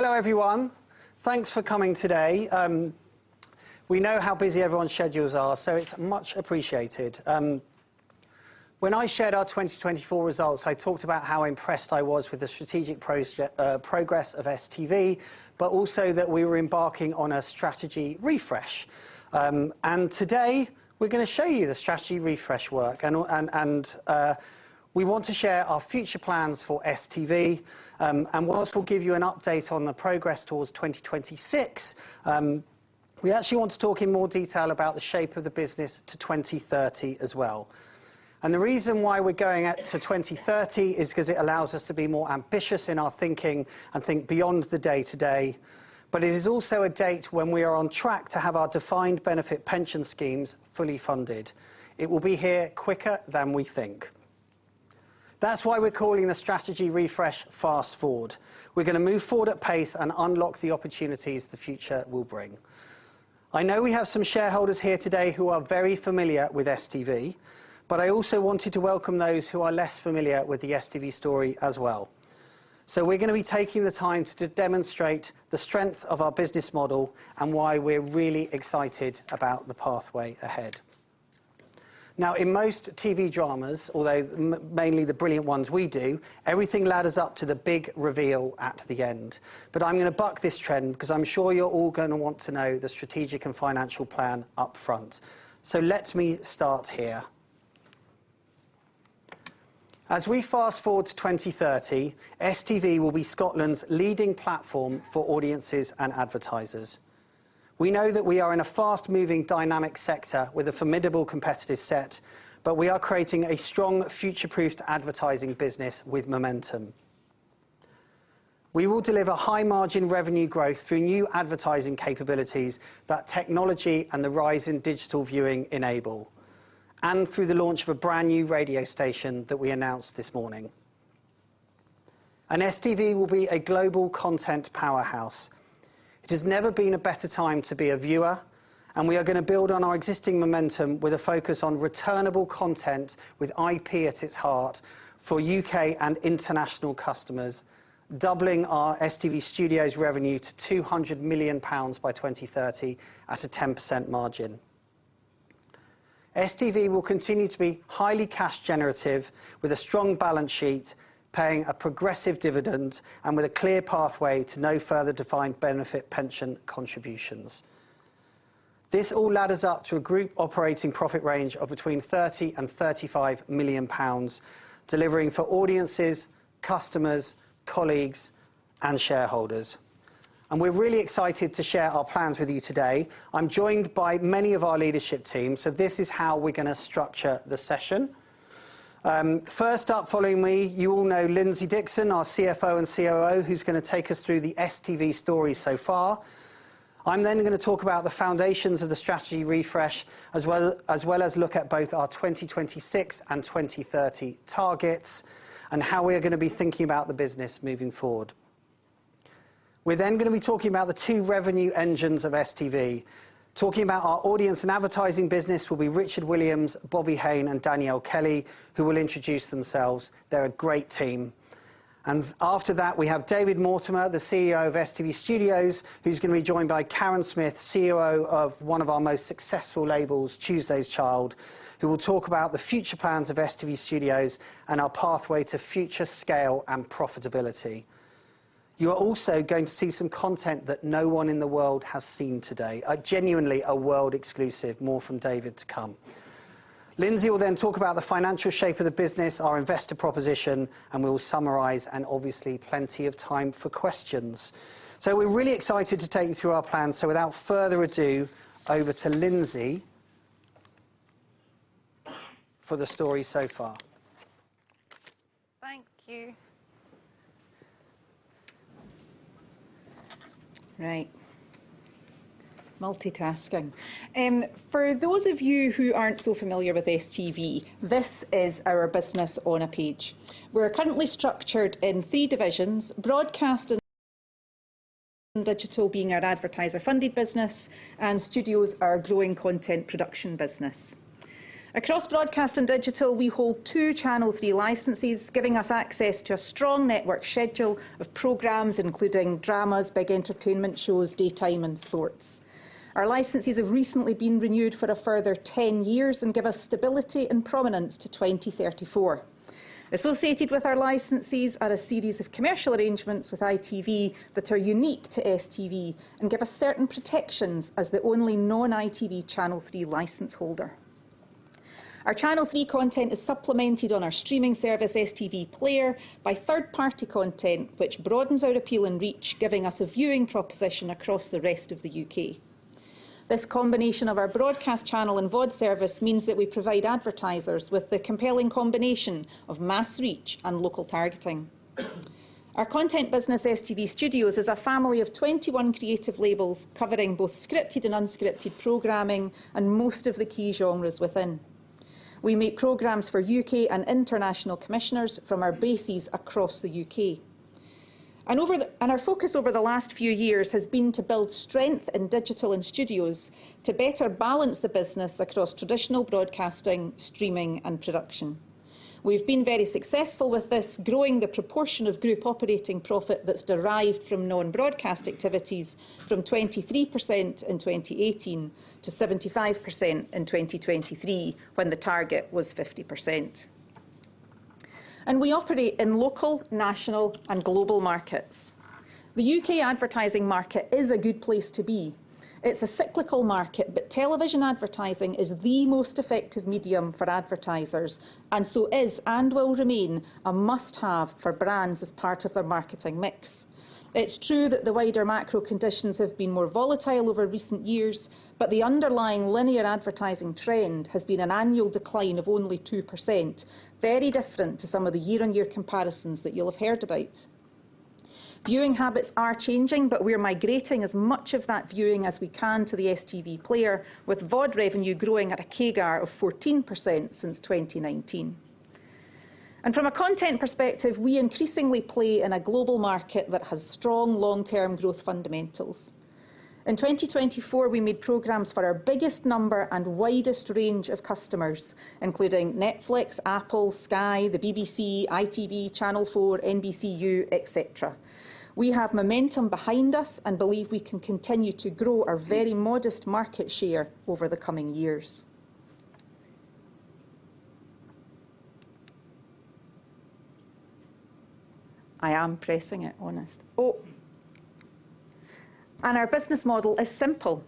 Hello, everyone. Thanks for coming today. We know how busy everyone's schedules are, so it's much appreciated. When I shared our 2024 results, I talked about how impressed I was with the strategic progress of STV, but also that we were embarking on a strategy refresh. Today we're gonna show you the strategy refresh work, and we want to share our future plans for STV. Whilst we'll give you an update on the progress towards 2026, we actually want to talk in more detail about the shape of the business to 2030 as well. The reason why we're going out to 2030 is 'cause it allows us to be more ambitious in our thinking and think beyond the day-to-day. It is also a date when we are on track to have our defined benefit pension schemes fully funded. It will be here quicker than we think. That's why we're calling the strategy refresh Fast Forward. We're gonna move forward at pace and unlock the opportunities the future will bring. I know we have some shareholders here today who are very familiar with STV, but I also wanted to welcome those who are less familiar with the STV story as well. We're gonna be taking the time to demonstrate the strength of our business model and why we're really excited about the pathway ahead. Now, in most TV dramas, although mainly the brilliant ones we do, everything ladders up to the big reveal at the end. I'm gonna buck this trend 'cause I'm sure you're all gonna want to know the strategic and financial plan upfront. Let me start here. As we fast forward to 2030, STV will be Scotland's leading platform for audiences and advertisers. We know that we are in a fast-moving, dynamic sector with a formidable competitive set, but we are creating a strong, future-proofed advertising business with momentum. We will deliver high-margin revenue growth through new advertising capabilities that technology and the rise in digital viewing enable, and through the launch of a brand-new radio station that we announced this morning. STV will be a global content powerhouse. It has never been a better time to be a viewer, and we are gonna build on our existing momentum with a focus on returnable content with IP at its heart for U.K. and international customers, doubling our STV Studios revenue to 200 million pounds by 2030 at a 10% margin. STV will continue to be highly cash-generative with a strong balance sheet, paying a progressive dividend, and with a clear pathway to no further defined benefit pension contributions. This all ladders up to a group operating profit range of between 30 million and 35 million pounds, delivering for audiences, customers, colleagues, and shareholders. We are really excited to share our plans with you today. I am joined by many of our leadership team, so this is how we are gonna structure the session. First up, following me, you all know Lindsay Dixon, our CFO and COO, who is gonna take us through the STV story so far. I am then gonna talk about the foundations of the strategy refresh as well as, as well as look at both our 2026 and 2030 targets and how we are gonna be thinking about the business moving forward. We're then gonna be talking about the two revenue engines of STV. Talking about our audience and advertising business will be Richard Williams, Bobby Hain, and Danielle Kelly, who will introduce themselves. They're a great team. After that, we have David Mortimer, the CEO of STV Studios, who's gonna be joined by Karen Smith, COO of one of our most successful labels, Tuesday's Child, who will talk about the future plans of STV Studios and our pathway to future scale and profitability. You are also going to see some content that no one in the world has seen today, genuinely a world exclusive. More from David to come. Lindsay will then talk about the financial shape of the business, our investor proposition, and we will summarize, and obviously, plenty of time for questions. We're really excited to take you through our plans. Without further ado, over to Lindsay for the story so far. Thank you. Right. Multitasking. For those of you who aren't so familiar with STV, this is our business on a page. We're currently structured in three divisions: Broadcast and Digital, being our advertiser-funded business, and Studios, our growing content production business. Across Broadcast and Digital, we hold two Channel 3 licenses, giving us access to a strong network schedule of programs, including dramas, big entertainment shows, daytime, and sports. Our licenses have recently been renewed for a further 10 years and give us stability and prominence to 2034. Associated with our licenses are a series of commercial arrangements with ITV that are unique to STV and give us certain protections as the only non-ITV Channel 3 license holder. Our Channel 3 content is supplemented on our streaming service, STV Player, by third-party content, which broadens our appeal and reach, giving us a viewing proposition across the rest of the U.K. This combination of our broadcast channel and VOD service means that we provide advertisers with the compelling combination of mass reach and local targeting. Our content business, STV Studios, is a family of 21 creative labels covering both scripted and unscripted programming and most of the key genres within. We make programs for U.K. and international commissioners from our bases across the U.K. Our focus over the last few years has been to build strength in Digital and Studios to better balance the business across traditional broadcasting, streaming, and production. We've been very successful with this, growing the proportion of group operating profit that's derived from non-broadcast activities from 23% in 2018 to 75% in 2023, when the target was 50%. We operate in local, national, and global markets. The U.K. advertising market is a good place to be. It's a cyclical market, but television advertising is the most effective medium for advertisers, and so is and will remain a must-have for brands as part of their marketing mix. It's true that the wider macro conditions have been more volatile over recent years, but the underlying linear advertising trend has been an annual decline of only 2%, very different to some of the year-on-year comparisons that you'll have heard about. Viewing habits are changing, but we're migrating as much of that viewing as we can to the STV Player, with VOD revenue growing at a CAGR of 14% since 2019. From a content perspective, we increasingly play in a global market that has strong long-term growth fundamentals. In 2024, we made programs for our biggest number and widest range of customers, including Netflix, Apple TV+, Sky, the BBC, ITV, Channel 4, NBCUniversal, etc. We have momentum behind us and believe we can continue to grow our very modest market share over the coming years. I am pressing it, honest. Oh. Our business model is simple.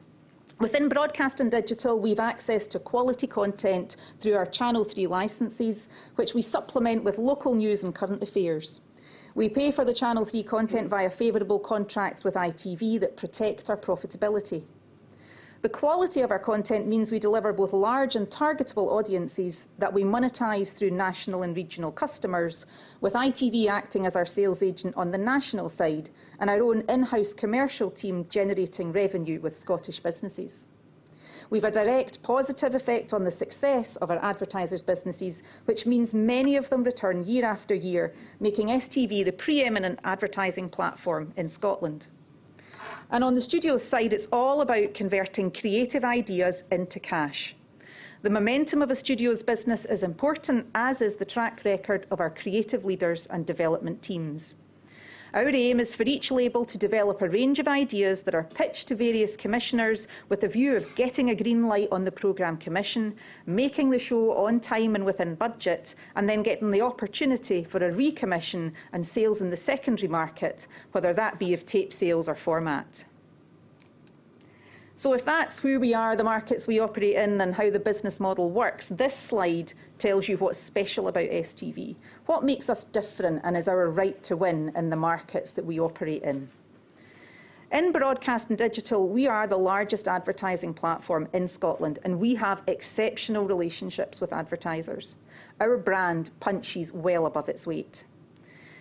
Within Broadcast and Digital, we have access to quality content through our Channel 3 licenses, which we supplement with local news and current affairs. We pay for the Channel 3 content via favorable contracts with ITV that protect our profitability. The quality of our content means we deliver both large and targetable audiences that we monetize through national and regional customers, with ITV acting as our sales agent on the national side and our own in-house commercial team generating revenue with Scottish businesses. We have a direct positive effect on the success of our advertisers' businesses, which means many of them return year after year, making STV the preeminent advertising platform in Scotland. On the Studios side, it's all about converting creative ideas into cash. The momentum of a Studios business is important, as is the track record of our creative leaders and development teams. Our aim is for each label to develop a range of ideas that are pitched to various commissioners with a view of getting a green light on the program commission, making the show on time and within budget, and then getting the opportunity for a recommission and sales in the secondary market, whether that be of tape sales or format. If that's where we are, the markets we operate in, and how the business model works, this slide tells you what's special about STV, what makes us different, and is our right to win in the markets that we operate in. In Broadcast and Digital, we are the largest advertising platform in Scotland, and we have exceptional relationships with advertisers. Our brand punches well above its weight.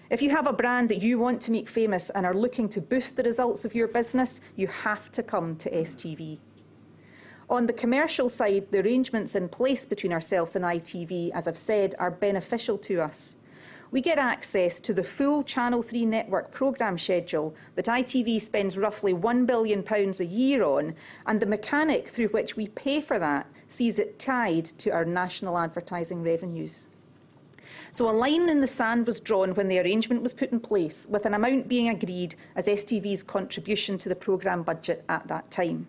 If you have a brand that you want to make famous and are looking to boost the results of your business, you have to come to STV. On the commercial side, the arrangements in place between ourselves and ITV, as I've said, are beneficial to us. We get access to the full Channel 3 network program schedule that ITV spends roughly 1 billion pounds a year on, and the mechanic through which we pay for that sees it tied to our national advertising revenues. A line in the sand was drawn when the arrangement was put in place, with an amount being agreed as STV's contribution to the program budget at that time.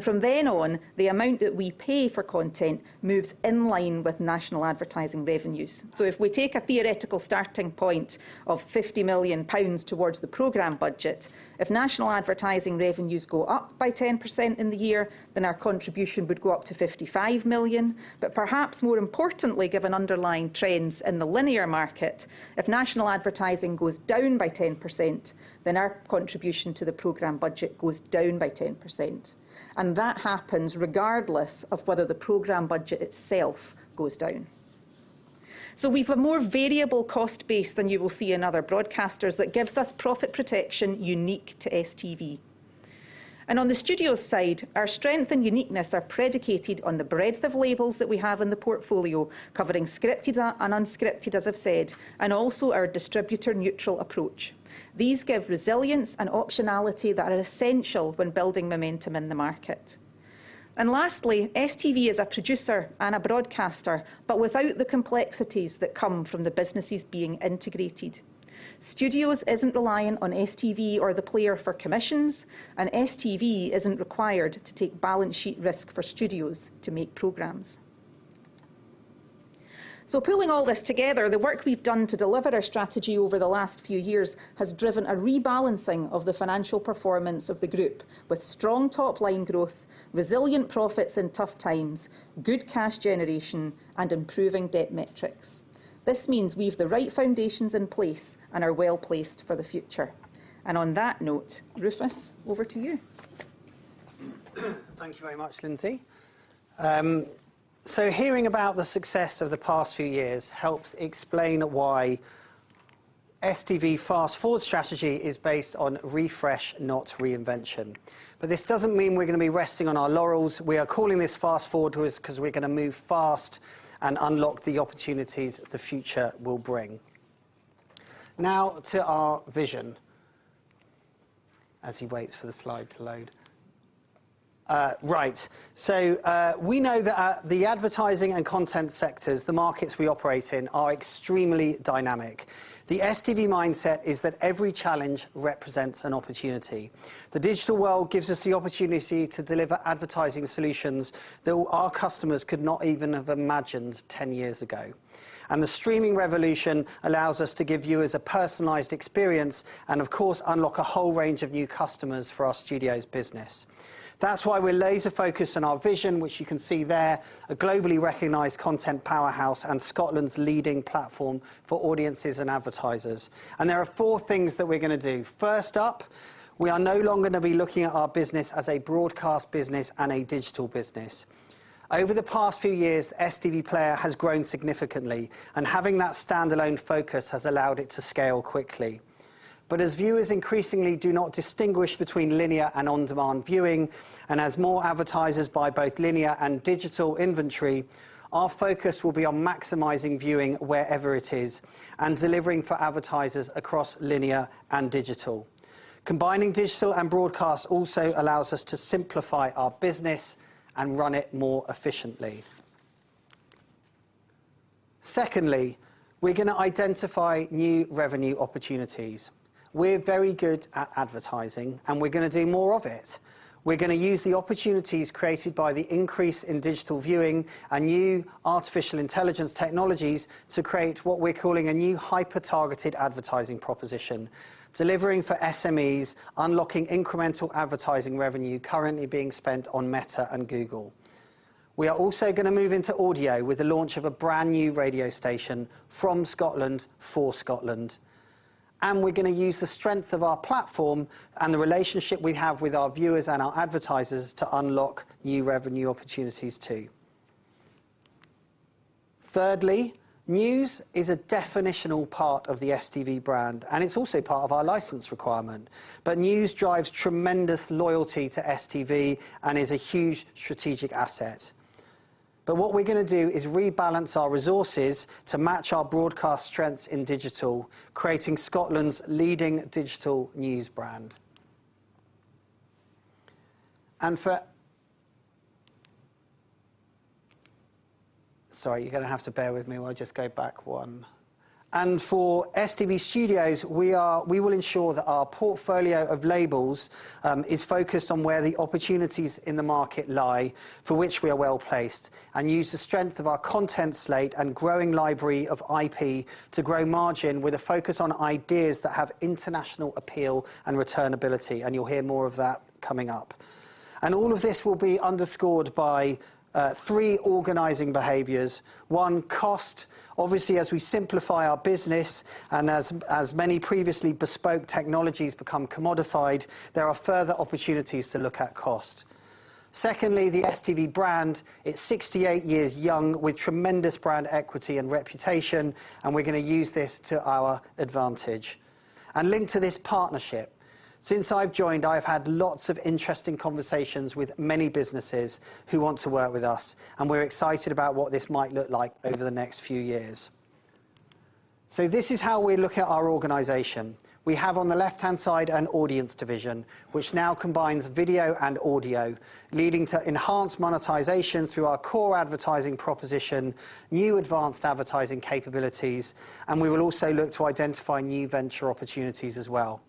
From then on, the amount that we pay for content moves in line with national advertising revenues. If we take a theoretical starting point of 50 million pounds towards the program budget, if national advertising revenues go up by 10% in the year, then our contribution would go up to 55 million. Perhaps more importantly, given underlying trends in the linear market, if national advertising goes down by 10%, then our contribution to the program budget goes down by 10%. That happens regardless of whether the program budget itself goes down. We have a more variable cost base than you will see in other broadcasters that gives us profit protection unique to STV. On the Studios side, our strength and uniqueness are predicated on the breadth of labels that we have in the portfolio, covering scripted and unscripted, as I have said, and also our distributor-neutral approach. These give resilience and optionality that are essential when building momentum in the market. Lastly, STV is a producer and a broadcaster, but without the complexities that come from the businesses being integrated. Studios isn't reliant on STV or the Player for commissions, and STV isn't required to take balance sheet risk for Studios to make programs. Pulling all this together, the work we've done to deliver our strategy over the last few years has driven a rebalancing of the financial performance of the group with strong top-line growth, resilient profits in tough times, good cash generation, and improving debt metrics. This means we've the right foundations in place and are well placed for the future. On that note, Rufus, over to you. Thank you very much, Lindsay. So hearing about the success of the past few years helps explain why STV's fast-forward strategy is based on refresh, not reinvention. This does not mean we are gonna be resting on our laurels. We are calling this fast-forward 'cause we are gonna move fast and unlock the opportunities the future will bring. Now to our vision as he waits for the slide to load. Right. We know that the advertising and content sectors, the markets we operate in, are extremely dynamic. The STV mindset is that every challenge represents an opportunity. The digital world gives us the opportunity to deliver advertising solutions that our customers could not even have imagined 10 years ago. The streaming revolution allows us to give viewers a personalized experience and, of course, unlock a whole range of new customers for our Studios business. That's why we're laser-focused on our vision, which you can see there, a globally recognized content powerhouse and Scotland's leading platform for audiences and advertisers. There are four things that we're gonna do. First up, we are no longer gonna be looking at our business as a broadcast business and a digital business. Over the past few years, STV Player has grown significantly, and having that standalone focus has allowed it to scale quickly. As viewers increasingly do not distinguish between linear and on-demand viewing, and as more advertisers buy both linear and digital inventory, our focus will be on maximizing viewing wherever it is and delivering for advertisers across linear and digital. Combining digital and broadcast also allows us to simplify our business and run it more efficiently. Secondly, we're gonna identify new revenue opportunities. We're very good at advertising, and we're gonna do more of it. We're gonna use the opportunities created by the increase in digital viewing and new artificial intelligence technologies to create what we're calling a new hyper-targeted advertising proposition, delivering for SMEs, unlocking incremental advertising revenue currently being spent on Meta and Google. We are also gonna move into audio with the launch of a brand new radio station from Scotland for Scotland. We're gonna use the strength of our platform and the relationship we have with our viewers and our advertisers to unlock new revenue opportunities too. Thirdly, news is a definitional part of the STV brand, and it's also part of our license requirement. News drives tremendous loyalty to STV and is a huge strategic asset. What we're gonna do is rebalance our resources to match our broadcast strengths in digital, creating Scotland's leading digital news brand. For STV Studios, we will ensure that our portfolio of labels is focused on where the opportunities in the market lie for which we are well placed and use the strength of our content slate and growing library of IP to grow margin with a focus on ideas that have international appeal and returnability. You will hear more of that coming up. All of this will be underscored by three organizing behaviors. One, cost. Obviously, as we simplify our business and as many previously bespoke technologies become commodified, there are further opportunities to look at cost. Secondly, the STV brand, it is 68 years young with tremendous brand equity and reputation, and we are going to use this to our advantage. Linked to this partnership, since I've joined, I've had lots of interesting conversations with many businesses who want to work with us, and we're excited about what this might look like over the next few years. This is how we look at our organization. We have on the left-hand side an audience division, which now combines video and audio, leading to enhanced monetization through our core advertising proposition, new advanced advertising capabilities, and we will also look to identify new venture opportunities as well.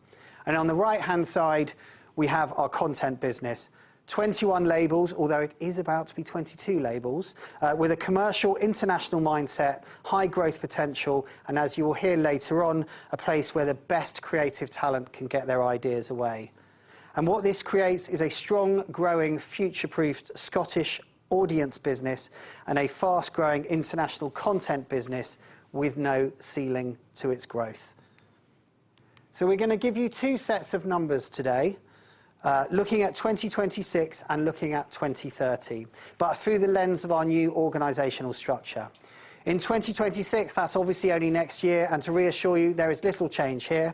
On the right-hand side, we have our content business, 21 labels, although it is about to be 22 labels, with a commercial international mindset, high growth potential, and as you will hear later on, a place where the best creative talent can get their ideas away. What this creates is a strong, growing, future-proofed Scottish audience business and a fast-growing international content business with no ceiling to its growth. We are gonna give you two sets of numbers today, looking at 2026 and looking at 2030, but through the lens of our new organizational structure. In 2026, that is obviously only next year, and to reassure you, there is little change here.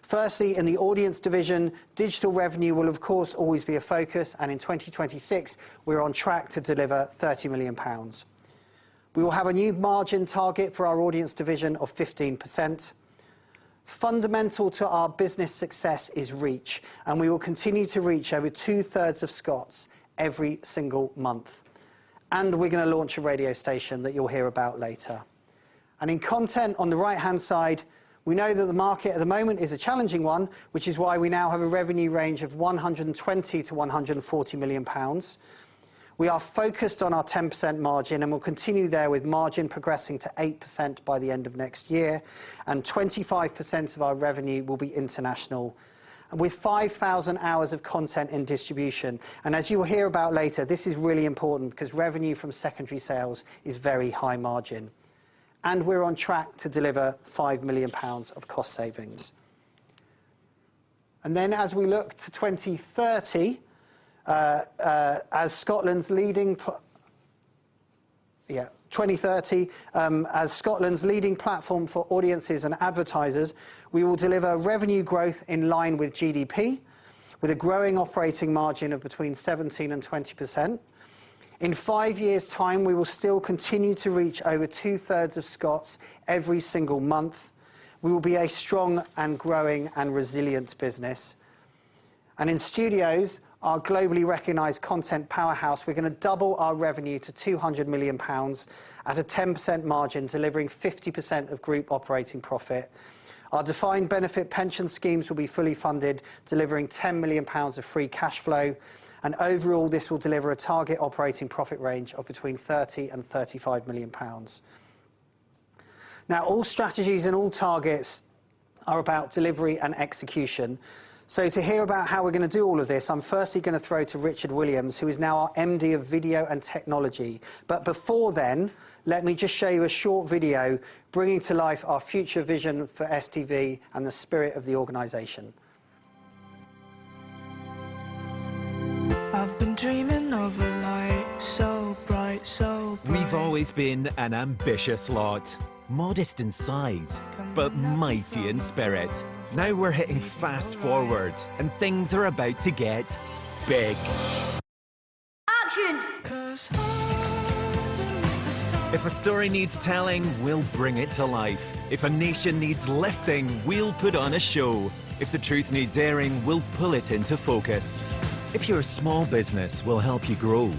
Firstly, in the audience division, digital revenue will, of course, always be a focus, and in 2026, we are on track to deliver 30 million pounds. We will have a new margin target for our audience division of 15%. Fundamental to our business success is reach, and we will continue to reach over two-thirds of Scots every single month. We are gonna launch a radio station that you will hear about later. In content on the right-hand side, we know that the market at the moment is a challenging one, which is why we now have a revenue range of 120 million-140 million pounds. We are focused on our 10% margin, and we will continue there with margin progressing to 8% by the end of next year, and 25% of our revenue will be international, and with 5,000 hours of content in distribution. As you will hear about later, this is really important because revenue from secondary sales is very high margin. We are on track to deliver 5 million pounds of cost savings. As we look to 2030, as Scotland's leading, yeah, 2030, as Scotland's leading platform for audiences and advertisers, we will deliver revenue growth in line with GDP, with a growing operating margin of between 17%-20%. In five years' time, we will still continue to reach over two-thirds of Scots every single month. We will be a strong and growing and resilient business. In Studios, our globally recognized content powerhouse, we're gonna double our revenue to 200 million pounds at a 10% margin, delivering 50% of group operating profit. Our defined benefit pension schemes will be fully funded, delivering 10 million pounds of free cash flow. Overall, this will deliver a target operating profit range of between 30 million and 35 million pounds. Now, all strategies and all targets are about delivery and execution. To hear about how we're gonna do all of this, I'm firstly gonna throw to Richard Williams, who is now our MD of Video and Technology. Before then, let me just show you a short video bringing to life our future vision for STV and the spirit of the organization. I've been dreaming of a light so bright, so bright. We've always been an ambitious lot, modest in size but mighty in spirit. Now we're hitting fast forward, and things are about to get big. Action. 'Cause I'm the. If a story needs telling, we'll bring it to life. If a nation needs lifting, we'll put on a show. If the truth needs airing, we'll pull it into focus. If you're a small business, we'll help you grow.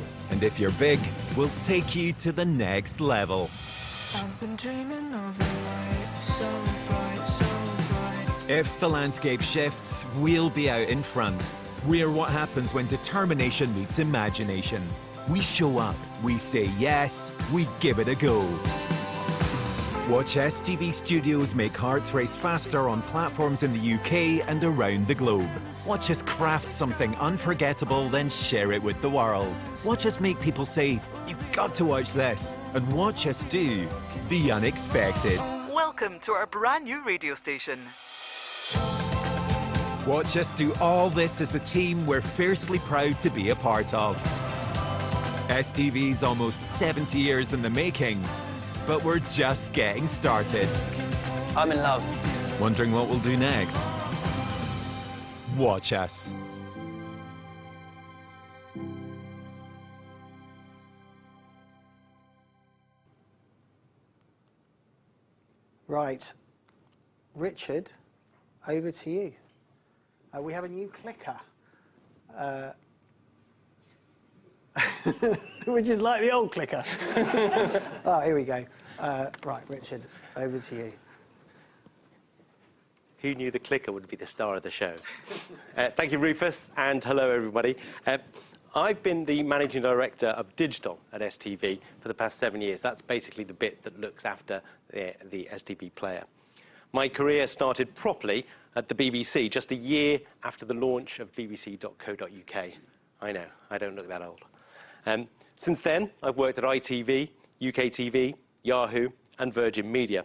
If you're big, we'll take you to the next level. I've been dreaming of a light so bright, so bright. If the landscape shifts, we'll be out in front. We're what happens when determination meets imagination. We show up, we say yes, we give it a go. Watch STV Studios make hearts race faster on platforms in the U.K. and around the globe. Watch us craft something unforgettable, then share it with the world. Watch us make people say, "You've got to watch this," and watch us do the unexpected. Welcome to our brand new radio station. Watch us do all this as a team we're fiercely proud to be a part of. STV's almost 70 years in the making, but we're just getting started. I'm in love. Wondering what we'll do next? Watch us. Right. Richard, over to you. We have a new clicker, which is like the old clicker. Oh, here we go. Right, Richard, over to you. Who knew the clicker would be the star of the show? Thank you, Rufus, and hello, everybody. I've been the Managing Director of Digital at STV for the past seven years. That's basically the bit that looks after the STV Player. My career started properly at the BBC just a year after the launch of bbc.co.uk. I know, I don't look that old. Since then, I've worked at ITV, UKTV, Yahoo, and Virgin Media.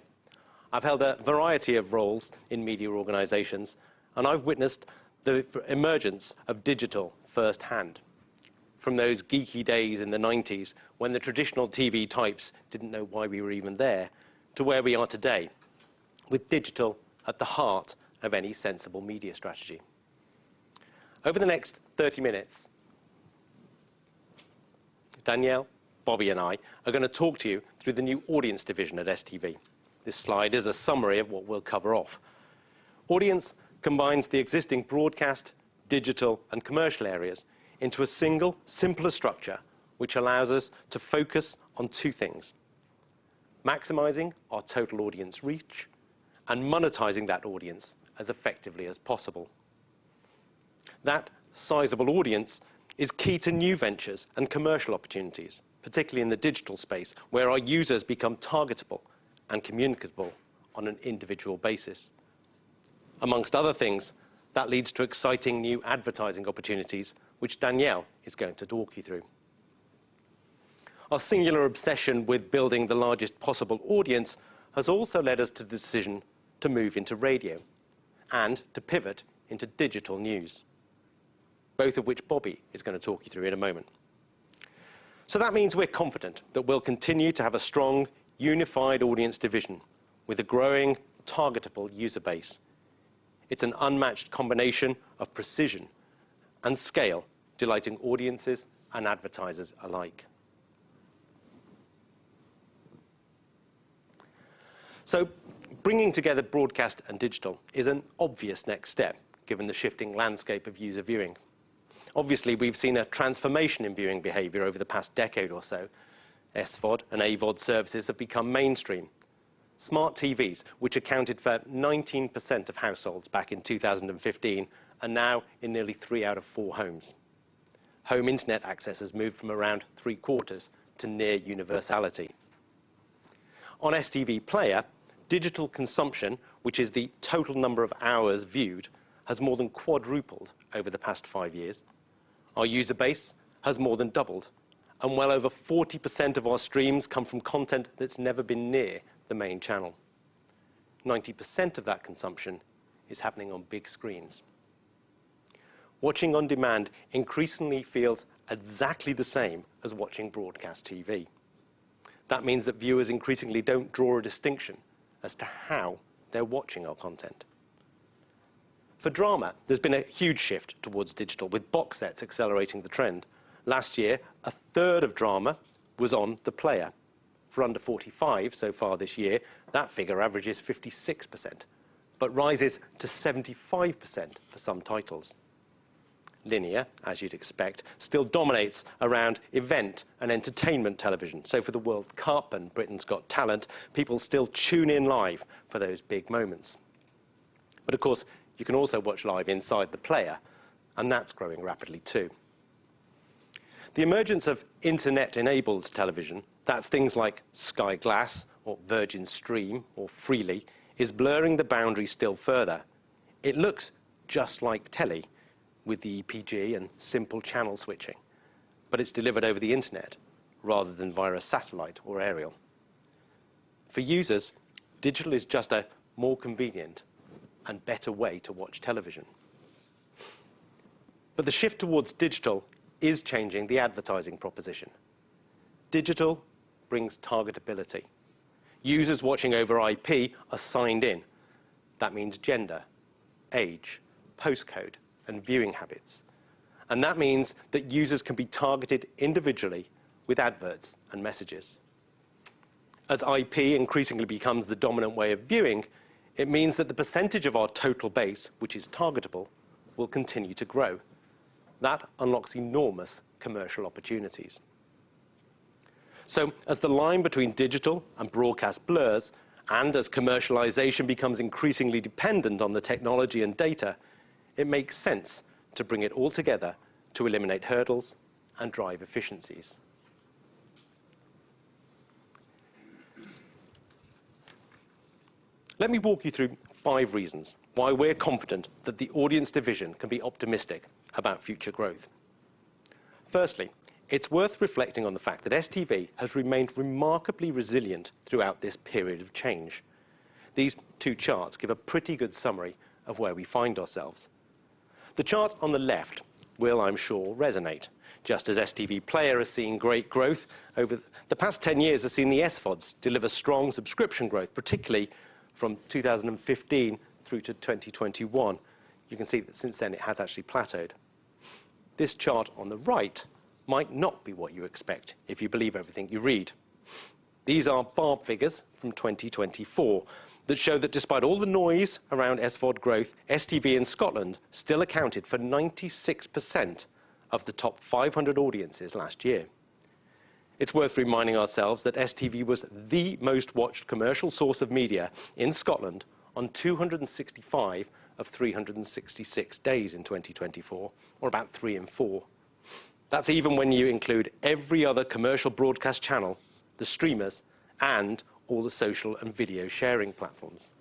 I've held a variety of roles in media organizations, and I've witnessed the emergence of digital firsthand, from those geeky days in the 1990s when the traditional TV types didn't know why we were even there to where we are today, with digital at the heart of any sensible media strategy. Over the next 30 minutes, Danielle, Bobby, and I are gonna talk to you through the new audience division at STV. This slide is a summary of what we'll cover off. Audience combines the existing broadcast, digital, and commercial areas into a single, simpler structure which allows us to focus on two things: maximizing our total audience reach and monetizing that audience as effectively as possible. That sizable audience is key to new ventures and commercial opportunities, particularly in the digital space where our users become targetable and communicable on an individual basis. Amongst other things, that leads to exciting new advertising opportunities which Danielle is going to talk you through. Our singular obsession with building the largest possible audience has also led us to the decision to move into radio and to pivot into digital news, both of which Bobby is gonna talk you through in a moment. That means we're confident that we'll continue to have a strong, unified audience division with a growing, targetable user base. It's an unmatched combination of precision and scale, delighting audiences and advertisers alike. Bringing together broadcast and digital is an obvious next step given the shifting landscape of user viewing. Obviously, we've seen a transformation in viewing behavior over the past decade or so. SVOD and AVOD services have become mainstream. Smart TVs, which accounted for 19% of households back in 2015, are now in nearly three out of four homes. Home internet access has moved from around three-quarters to near universality. On STV Player, digital consumption, which is the total number of hours viewed, has more than quadrupled over the past five years. Our user base has more than doubled, and well over 40% of our streams come from content that's never been near the main channel. 90% of that consumption is happening on big screens. Watching on demand increasingly feels exactly the same as watching broadcast TV. That means that viewers increasingly do not draw a distinction as to how they are watching our content. For drama, there has been a huge shift towards digital, with box sets accelerating the trend. Last year, a third of drama was on the Player. For under 45 so far this year, that figure averages 56% but rises to 75% for some titles. Linear, as you would expect, still dominates around event and entertainment television. For the World Cup and Britain's Got Talent, people still tune in live for those big moments. Of course, you can also watch live inside the Player, and that is growing rapidly too. The emergence of internet-enabled television, that is things like Sky Glass or Virgin Stream or Freely, is blurring the boundary still further. It looks just like telly with the EPG and simple channel switching, but it is delivered over the internet rather than via a satellite or aerial. For users, digital is just a more convenient and better way to watch television. The shift towards digital is changing the advertising proposition. Digital brings targetability. Users watching over IP are signed in. That means gender, age, postcode, and viewing habits. That means that users can be targeted individually with adverts and messages. As IP increasingly becomes the dominant way of viewing, it means that the percentage of our total base, which is targetable, will continue to grow. That unlocks enormous commercial opportunities. As the line between digital and broadcast blurs and as commercialization becomes increasingly dependent on the technology and data, it makes sense to bring it all together to eliminate hurdles and drive efficiencies. Let me walk you through five reasons why we are confident that the audience division can be optimistic about future growth. Firstly, it's worth reflecting on the fact that STV has remained remarkably resilient throughout this period of change. These two charts give a pretty good summary of where we find ourselves. The chart on the left will, I'm sure, resonate. Just as STV Player has seen great growth over the past 10 years, has seen the SVODs deliver strong subscription growth, particularly from 2015 through to 2021. You can see that since then, it has actually plateaued. This chart on the right might not be what you expect if you believe everything you read. These are BARB figures from 2024 that show that despite all the noise around SVOD growth, STV in Scotland still accounted for 96% of the top 500 audiences last year. It's worth reminding ourselves that STV was the most watched commercial source of media in Scotland on 265 of 366 days in 2024, or about three in four. That's even when you include every other commercial broadcast channel, the streamers, and all the social and video sharing platforms.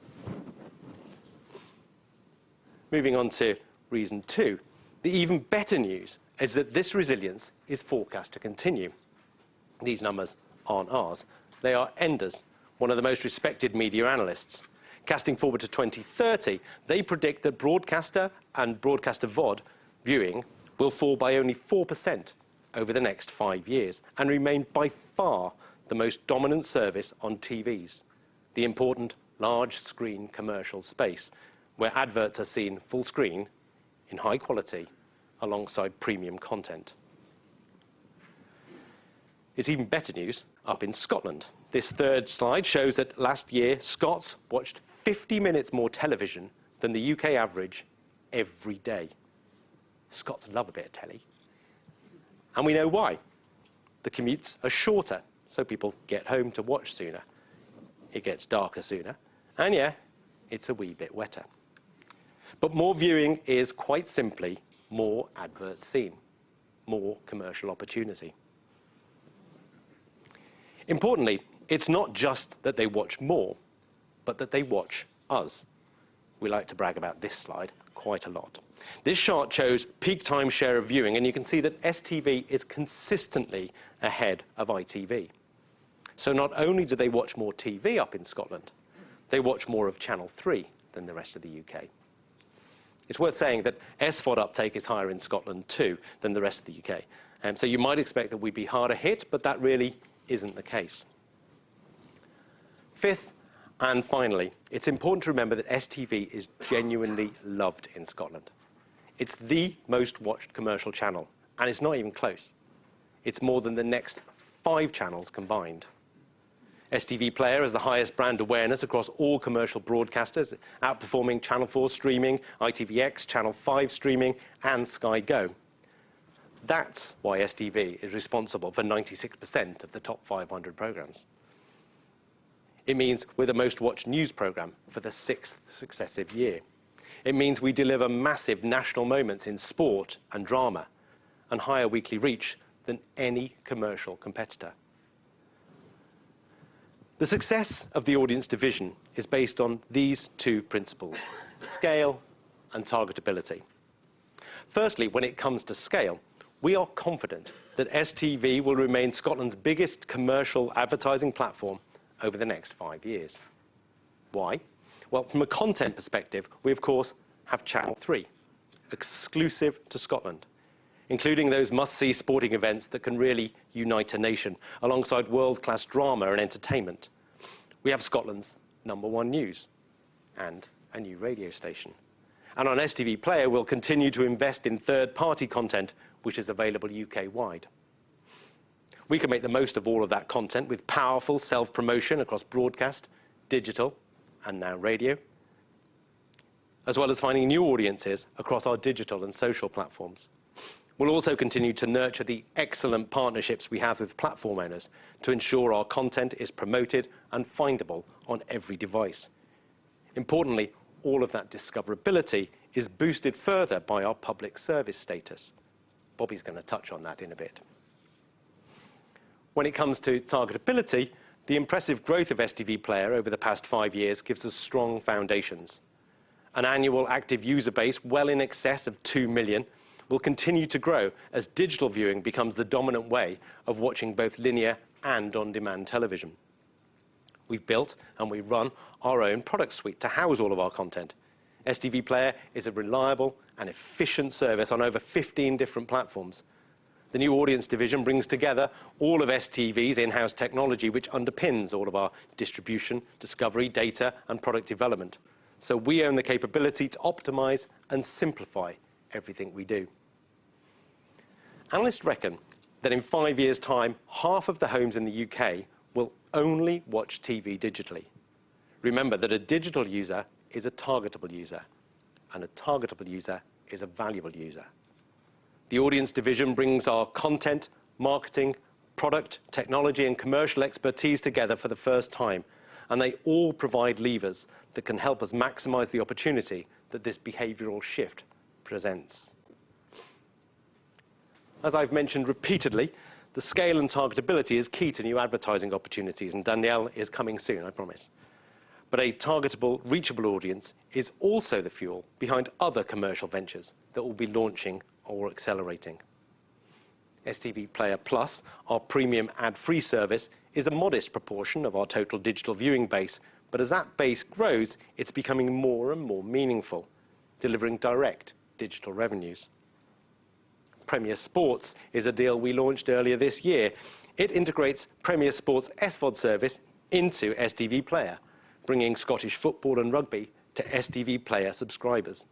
Moving on to reason two, the even better news is that this resilience is forecast to continue. These numbers aren't ours. They are Enders, one of the most respected media analysts. Casting forward to 2030, they predict that broadcaster and broadcaster VOD viewing will fall by only 4% over the next five years and remain by far the most dominant service on TVs, the important large-screen commercial space where adverts are seen full screen in high quality alongside premium content. It's even better news up in Scotland. This third slide shows that last year, Scots watched 50 minutes more television than the U.K. average every day. Scots love a bit of telly. And we know why. The commutes are shorter, so people get home to watch sooner. It gets darker sooner, and yeah, it's a wee bit wetter. More viewing is quite simply more adverts seen, more commercial opportunity. Importantly, it's not just that they watch more, but that they watch us. We like to brag about this slide quite a lot. This chart shows peak time share of viewing, and you can see that STV is consistently ahead of ITV. Not only do they watch more TV up in Scotland, they watch more of Channel 3 than the rest of the U.K. It's worth saying that SVOD uptake is higher in Scotland too than the rest of the U.K. You might expect that we'd be harder hit, but that really isn't the case. Fifth and finally, it's important to remember that STV is genuinely loved in Scotland. It's the most watched commercial channel, and it's not even close. It's more than the next five channels combined. STV Player has the highest brand awareness across all commercial broadcasters, outperforming Channel 4 streaming, ITVX, Channel 5 streaming, and Sky Go. That's why STV is responsible for 96% of the top 500 programs. It means we're the most watched news program for the sixth successive year. It means we deliver massive national moments in sport and drama and higher weekly reach than any commercial competitor. The success of the audience division is based on these two principles: scale and targetability. Firstly, when it comes to scale, we are confident that STV will remain Scotland's biggest commercial advertising platform over the next five years. Why? From a content perspective, we, of course, have Channel 3 exclusive to Scotland, including those must-see sporting events that can really unite a nation alongside world-class drama and entertainment. We have Scotland's number one news and a new radio station. On STV Player, we will continue to invest in third-party content, which is available U.K.-wide. We can make the most of all of that content with powerful self-promotion across broadcast, digital, and now radio, as well as finding new audiences across our digital and social platforms. We will also continue to nurture the excellent partnerships we have with platform owners to ensure our content is promoted and findable on every device. Importantly, all of that discoverability is boosted further by our public service status. Bobby's gonna touch on that in a bit. When it comes to targetability, the impressive growth of STV Player over the past five years gives us strong foundations. An annual active user base well in excess of 2 million will continue to grow as digital viewing becomes the dominant way of watching both linear and on-demand television. We've built and we run our own product suite to house all of our content. STV Player is a reliable and efficient service on over 15 different platforms. The new audience division brings together all of STV's in-house technology, which underpins all of our distribution, discovery, data, and product development. We own the capability to optimize and simplify everything we do. Analysts reckon that in five years' time, half of the homes in the U.K. will only watch TV digitally. Remember that a digital user is a targetable user, and a targetable user is a valuable user. The audience division brings our content, marketing, product, technology, and commercial expertise together for the first time, and they all provide levers that can help us maximize the opportunity that this behavioral shift presents. As I've mentioned repeatedly, the scale and targetability is key to new advertising opportunities, and Danielle is coming soon, I promise. A targetable, reachable audience is also the fuel behind other commercial ventures that we'll be launching or accelerating. STV Player Plus, our premium ad-free service, is a modest proportion of our total digital viewing base, but as that base grows, it's becoming more and more meaningful, delivering direct digital revenues. Premier Sports is a deal we launched earlier this year. It integrates Premier Sports SVOD service into STV Player, bringing Scottish football and rugby to STV Player subscribers.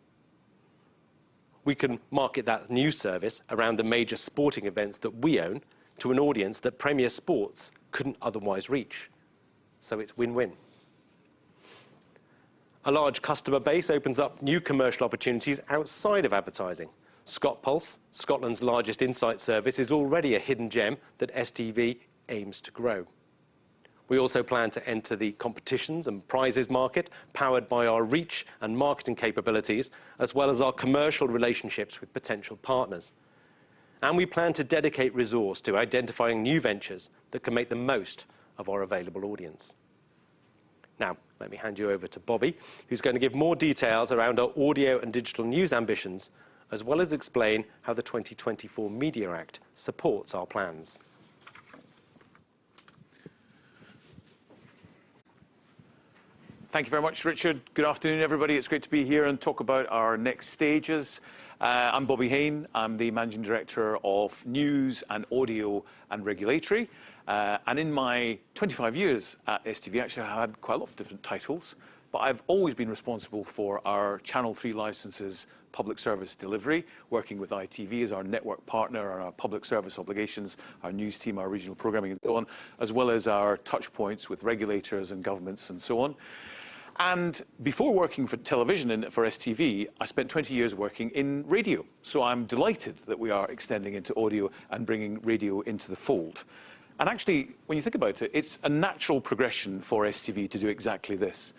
We can market that new service around the major sporting events that we own to an audience that Premier Sports couldn't otherwise reach. It's win-win. A large customer base opens up new commercial opportunities outside of advertising. ScottPulse, Scotland's largest insight service, is already a hidden gem that STV aims to grow. We also plan to enter the competitions and prizes market powered by our reach and marketing capabilities, as well as our commercial relationships with potential partners. We plan to dedicate resources to identifying new ventures that can make the most of our available audience. Now, let me hand you over to Bobby, who's gonna give more details around our audio and digital news ambitions, as well as explain how the 2024 Media Act supports our plans. Thank you very much, Richard. Good afternoon, everybody. It's great to be here and talk about our next stages. I'm Bobby Hain. I'm the Managing Director of News, Audio, and Regulatory. In my 25 years at STV, I actually had quite a lot of different titles, but I've always been responsible for our Channel 3 licenses public service delivery, working with ITV as our network partner, our public service obligations, our news team, our regional programming, and so on, as well as our touchpoints with regulators and governments and so on. Before working for television and for STV, I spent 20 years working in radio. I am delighted that we are extending into audio and bringing radio into the fold. Actually, when you think about it, it's a natural progression for STV to do exactly this.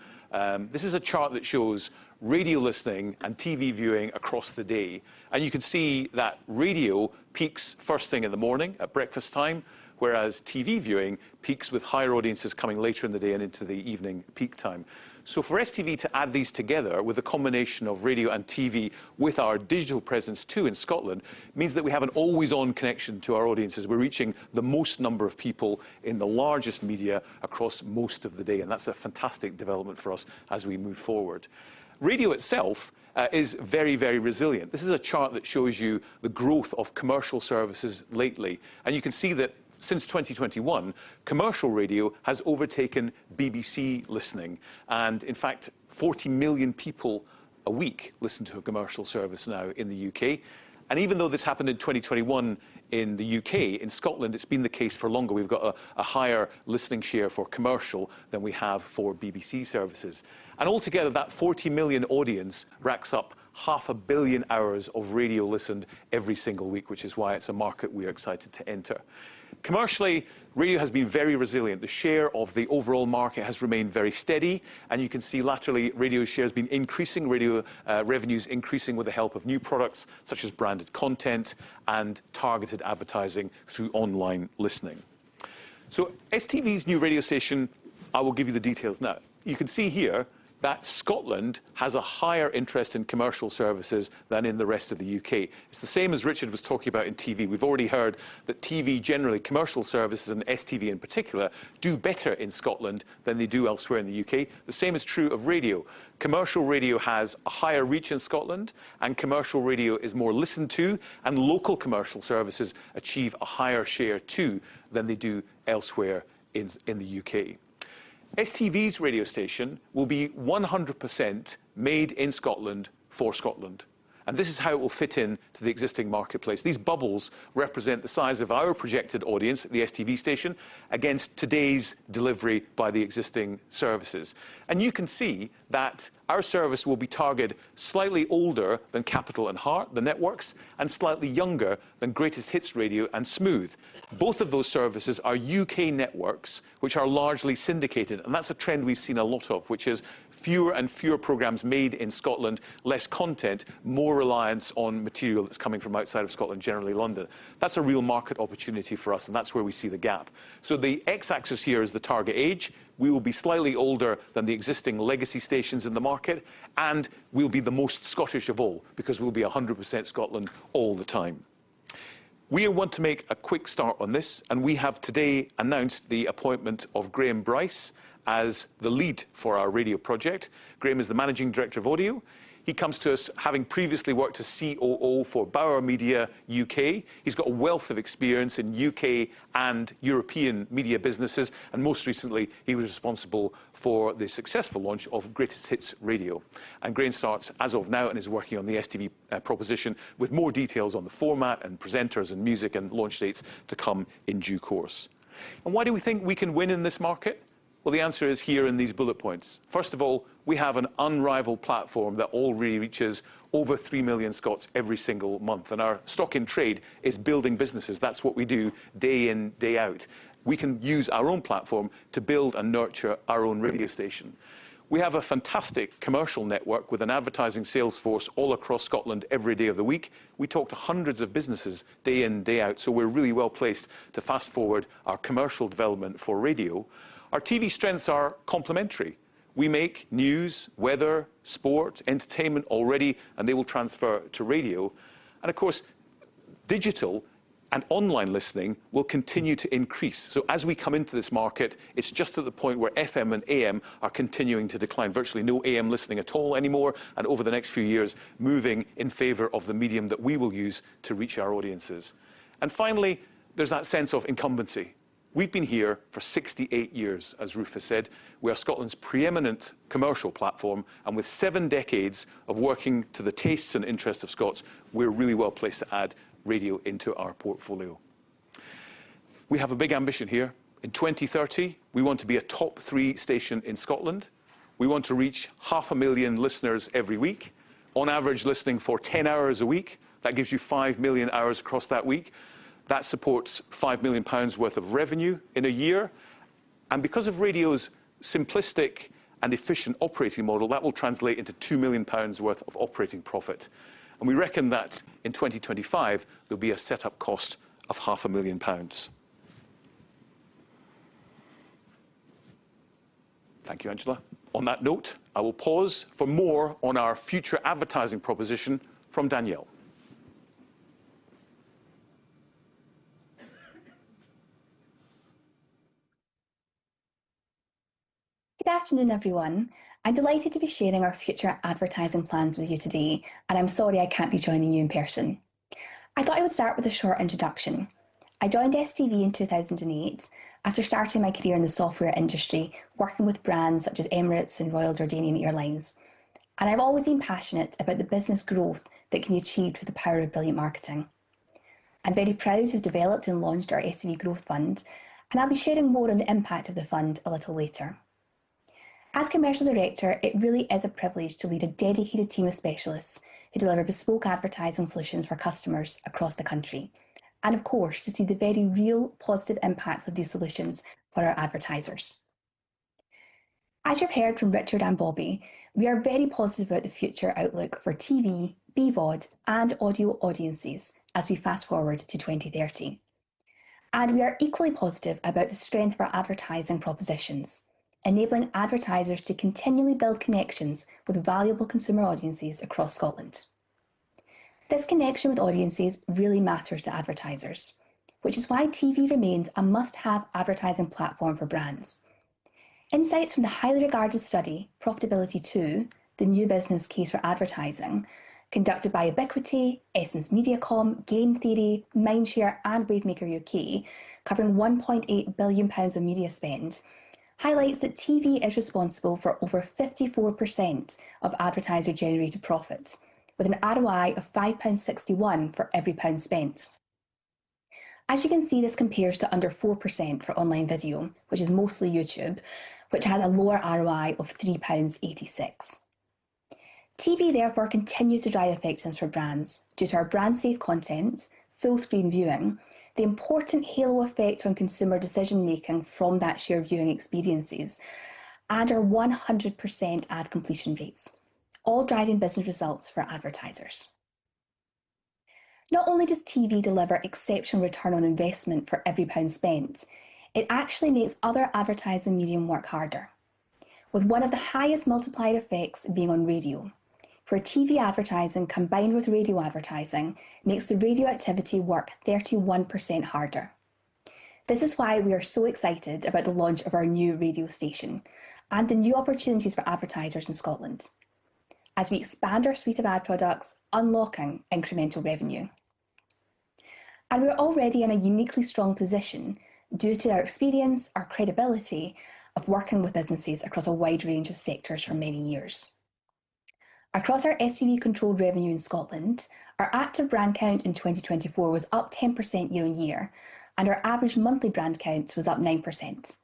This is a chart that shows radio listening and TV viewing across the day. You can see that radio peaks first thing in the morning at breakfast time, whereas TV viewing peaks with higher audiences coming later in the day and into the evening peak time. For STV to add these together with a combination of radio and TV with our digital presence too in Scotland means that we have an always-on connection to our audiences. We are reaching the most number of people in the largest media across most of the day. That is a fantastic development for us as we move forward. Radio itself is very, very resilient. This is a chart that shows you the growth of commercial services lately. You can see that since 2021, commercial radio has overtaken BBC listening. In fact, 40 million people a week listen to a commercial service now in the U.K. Even though this happened in 2021 in the U.K., in Scotland, it has been the case for longer. We have a higher listening share for commercial than we have for BBC services. Altogether, that 40 million audience racks up half a billion hours of radio listened every single week, which is why it is a market we are excited to enter. Commercially, radio has been very resilient. The share of the overall market has remained very steady. You can see laterally, radio share has been increasing, radio revenues increasing with the help of new products such as branded content and targeted advertising through online listening. STV's new radio station, I will give you the details now. You can see here that Scotland has a higher interest in commercial services than in the rest of the U.K. It's the same as Richard was talking about in TV. We've already heard that TV generally, commercial services and STV in particular, do better in Scotland than they do elsewhere in the U.K. The same is true of radio. Commercial radio has a higher reach in Scotland, and commercial radio is more listened to, and local commercial services achieve a higher share too than they do elsewhere in the U.K. STV's radio station will be 100% made in Scotland for Scotland. This is how it will fit into the existing marketplace. These bubbles represent the size of our projected audience, the STV station, against today's delivery by the existing services. You can see that our service will be targeted slightly older than Capital and Heart, the networks, and slightly younger than Greatest Hits Radio and Smooth. Both of those services are U.K. networks, which are largely syndicated. That is a trend we have seen a lot of, which is fewer and fewer programs made in Scotland, less content, more reliance on material that is coming from outside of Scotland, generally London. That is a real market opportunity for us, and that is where we see the gap. The X-axis here is the target age. We will be slightly older than the existing legacy stations in the market, and we will be the most Scottish of all because we will be 100% Scotland all the time. We want to make a quick start on this, and we have today announced the appointment of Graham Bryce as the lead for our radio project. Graham is the Managing Director of Audio. He comes to us having previously worked as COO for Bauer Media U.K. He has a wealth of experience in U.K. and European media businesses. Most recently, he was responsible for the successful launch of Greatest Hits Radio. Graham starts as of now and is working on the STV proposition with more details on the format, presenters, music, and launch dates to come in due course. Why do we think we can win in this market? The answer is here in these bullet points. First of all, we have an unrivaled platform that reaches over 3 million Scots every single month. Our stock in trade is building businesses. That is what we do day in, day out. We can use our own platform to build and nurture our own radio station. We have a fantastic commercial network with an advertising sales force all across Scotland every day of the week. We talk to hundreds of businesses day in, day out. We are really well placed to fast forward our commercial development for radio. Our TV strengths are complementary. We make news, weather, sport, entertainment already, and they will transfer to radio. Of course, digital and online listening will continue to increase. As we come into this market, it is just at the point where FM and AM are continuing to decline. Virtually no AM listening at all anymore. Over the next few years, moving in favor of the medium that we will use to reach our audiences. Finally, there is that sense of incumbency. We have been here for 68 years, as Rufus said. We are Scotland's preeminent commercial platform. With seven decades of working to the tastes and interests of Scots, we're really well placed to add radio into our portfolio. We have a big ambition here. In 2030, we want to be a top three station in Scotland. We want to reach 500,000 listeners every week, on average listening for 10 hours a week. That gives you 5 million hours across that week. That supports 5 million pounds worth of revenue in a year. Because of radio's simplistic and efficient operating model, that will translate into 2 million pounds worth of operating profit. We reckon that in 2025, there will be a setup cost of 5 million pounds. Thank you, Angela. On that note, I will pause for more on our future advertising proposition from Danielle. Good afternoon, everyone. I'm delighted to be sharing our future advertising plans with you today, and I'm sorry I can't be joining you in person. I thought I would start with a short introduction. I joined STV in 2008 after starting my career in the software industry, working with brands such as Emirates and Royal Jordanian Airlines. I've always been passionate about the business growth that can be achieved with the power of brilliant marketing. I'm very proud to have developed and launched our STV Growth Fund, and I'll be sharing more on the impact of the fund a little later. As Commercial Director, it really is a privilege to lead a dedicated team of specialists who deliver bespoke advertising solutions for customers across the country, and of course, to see the very real positive impacts of these solutions for our advertisers. As you have heard from Richard and Bobby, we are very positive about the future outlook for TV, BVOD, and audio audiences as we fast forward to 2030. We are equally positive about the strength of our advertising propositions, enabling advertisers to continually build connections with valuable consumer audiences across Scotland. This connection with audiences really matters to advertisers, which is why TV remains a must-have advertising platform for brands. Insights from the highly regarded study, Profitability 2: The New Business Case for Advertising, conducted by Ubiquiti, Essence Mediacom, Game Theory, Mindshare, and Wavemaker UK, covering 1.8 billion pounds of media spend, highlight that TV is responsible for over 54% of advertiser-generated profit, with an ROI of 5.61 pounds for every pound spent. As you can see, this compares to under 4% for online video, which is mostly YouTube, which has a lower ROI of 3.86 pounds. TV, therefore, continues to drive effectiveness for brands due to our brand-safe content, full-screen viewing, the important halo effect on consumer decision-making from that shared viewing experiences, and our 100% ad completion rates, all driving business results for advertisers. Not only does TV deliver exceptional return on investment for every pound spent, it actually makes other advertising medium work harder, with one of the highest multiplied effects being on radio. For TV advertising, combined with radio advertising, makes the radio activity work 31% harder. This is why we are so excited about the launch of our new radio station and the new opportunities for advertisers in Scotland, as we expand our suite of ad products, unlocking incremental revenue. We are already in a uniquely strong position due to our experience, our credibility of working with businesses across a wide range of sectors for many years. Across our STV-controlled revenue in Scotland, our active brand count in 2024 was up 10% year on year, and our average monthly brand count was up 9%.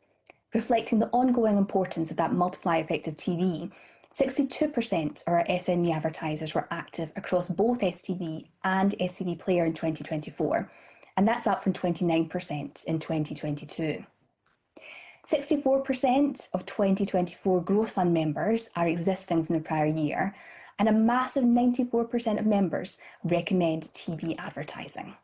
Reflecting the ongoing importance of that multiply effect of TV, 62% of our SME advertisers were active across both STV and STV Player in 2024, and that's up from 29% in 2022. 64% of 2024 Growth Fund members are existing from the prior year, and a massive 94% of members recommend TV advertising.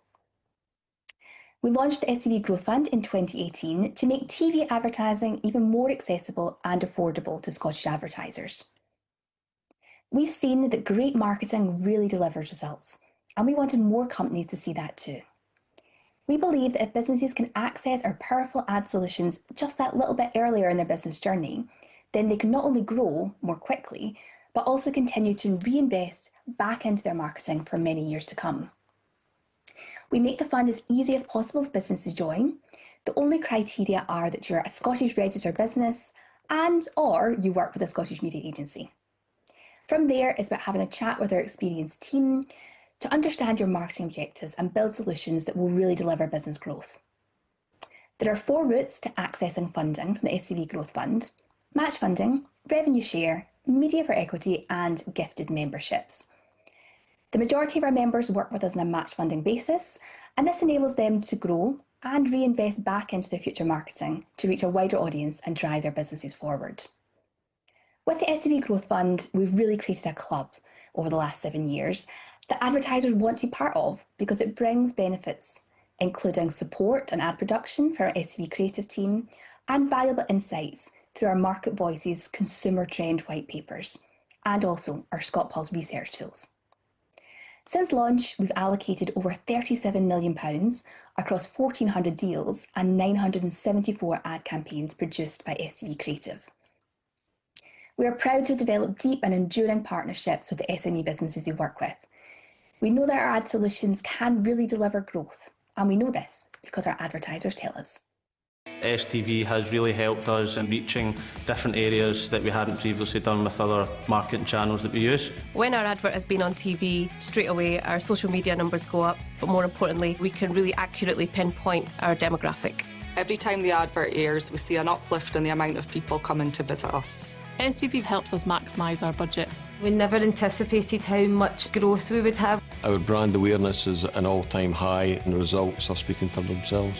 We launched the STV Growth Fund in 2018 to make TV advertising even more accessible and affordable to Scottish advertisers. We've seen that great marketing really delivers results, and we wanted more companies to see that too. We believe that if businesses can access our powerful ad solutions just that little bit earlier in their business journey, then they can not only grow more quickly, but also continue to reinvest back into their marketing for many years to come. We make the fund as easy as possible for businesses to join. The only criteria are that you're a Scottish registered business and/or you work with a Scottish media agency. From there, it's about having a chat with our experienced team to understand your marketing objectives and build solutions that will really deliver business growth. There are four routes to accessing funding from the STV Growth Fund: match funding, revenue share, media for equity, and gifted memberships. The majority of our members work with us on a match funding basis, and this enables them to grow and reinvest back into their future marketing to reach a wider audience and drive their businesses forward. With the STV Growth Fund, we have really created a club over the last seven years that advertisers want to be part of because it brings benefits, including support and ad production for our STV Creative team and valuable insights through our Market Voices consumer trend white papers and also our Scott Pulse research tools. Since launch, we have allocated over 37 million pounds across 1,400 deals and 974 ad campaigns produced by STV Creative. We are proud to have developed deep and enduring partnerships with the SME businesses we work with. We know that our ad solutions can really deliver growth, and we know this because our advertisers tell us. STV has really helped us in reaching different areas that we had not previously done with other marketing channels that we use. When our advert has been on TV, straight away, our social media numbers go up, but more importantly, we can really accurately pinpoint our demographic. Every time the advert airs, we see an uplift in the amount of people coming to visit us. STV helps us maximize our budget. We never anticipated how much growth we would have. Our brand awareness is at an all-time high, and the results are speaking for themselves.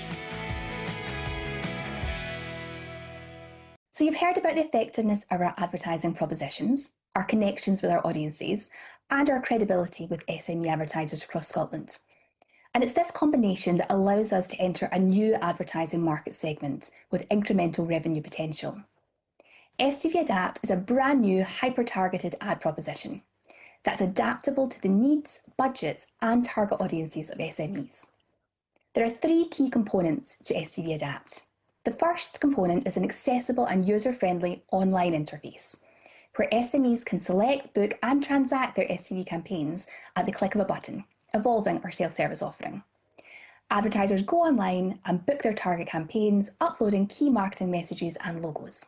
You have heard about the effectiveness of our advertising propositions, our connections with our audiences, and our credibility with SME advertisers across Scotland. It is this combination that allows us to enter a new advertising market segment with incremental revenue potential. STV Adapt is a brand new hyper-targeted ad proposition that's adaptable to the needs, budgets, and target audiences of SMEs. There are three key components to STV Adapt. The first component is an accessible and user-friendly online interface where SMEs can select, book, and transact their STV campaigns at the click of a button, evolving our self-service offering. Advertisers go online and book their target campaigns, uploading key marketing messages and logos.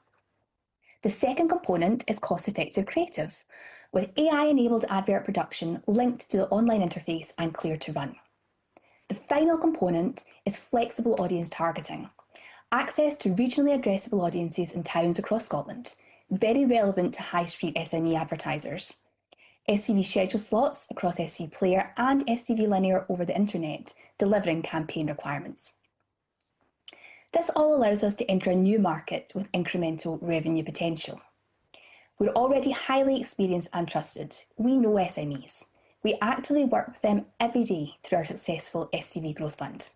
The second component is cost-effective creative, with AI-enabled advert production linked to the online interface and clear to run. The final component is flexible audience targeting, access to regionally addressable audiences in towns across Scotland, very relevant to high-street SME advertisers. STV schedules slots across STV Player and STV Linear over the internet, delivering campaign requirements. This all allows us to enter a new market with incremental revenue potential. We're already highly experienced and trusted. We know SMEs. We actively work with them every day through our successful STV Growth Fund.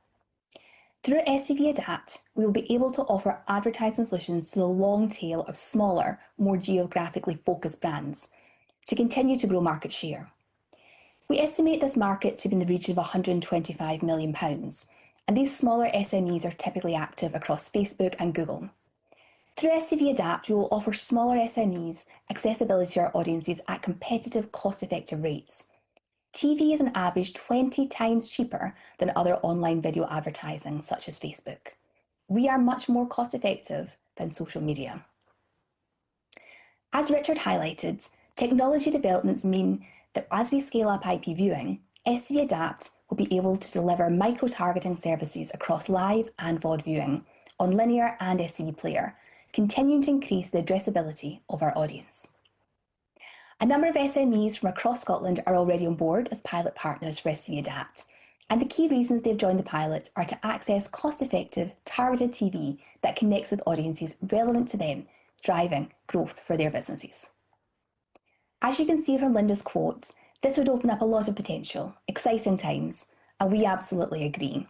Through STV Adapt, we will be able to offer advertising solutions to the long tail of smaller, more geographically focused brands to continue to grow market share. We estimate this market to be in the region of 125 million pounds, and these smaller SMEs are typically active across Facebook and Google. Through STV Adapt, we will offer smaller SMEs accessibility to our audiences at competitive, cost-effective rates. TV is an average 20 times cheaper than other online video advertising, such as Facebook. We are much more cost-effective than social media. As Richard highlighted, technology developments mean that as we scale up IP viewing, STV Adapt will be able to deliver micro-targeting services across live and VOD viewing on Linear and STV Player, continuing to increase the addressability of our audience. A number of SMEs from across Scotland are already on board as pilot partners for STV Adapt, and the key reasons they've joined the pilot are to access cost-effective, targeted TV that connects with audiences relevant to them, driving growth for their businesses. As you can see from Linda's quote, this would open up a lot of potential, exciting times, and we absolutely agree.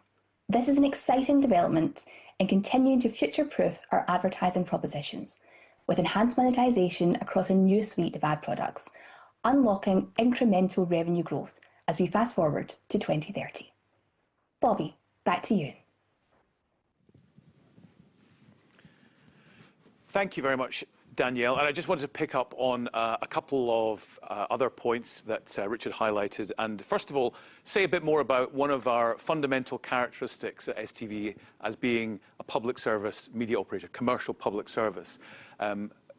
This is an exciting development in continuing to future-proof our advertising propositions with enhanced monetization across a new suite of ad products, unlocking incremental revenue growth as we fast forward to 2030. Bobby, back to you. Thank you very much, Danielle. I just wanted to pick up on a couple of other points that Richard highlighted. First of all, say a bit more about one of our fundamental characteristics at STV as being a public service media operator, commercial public service.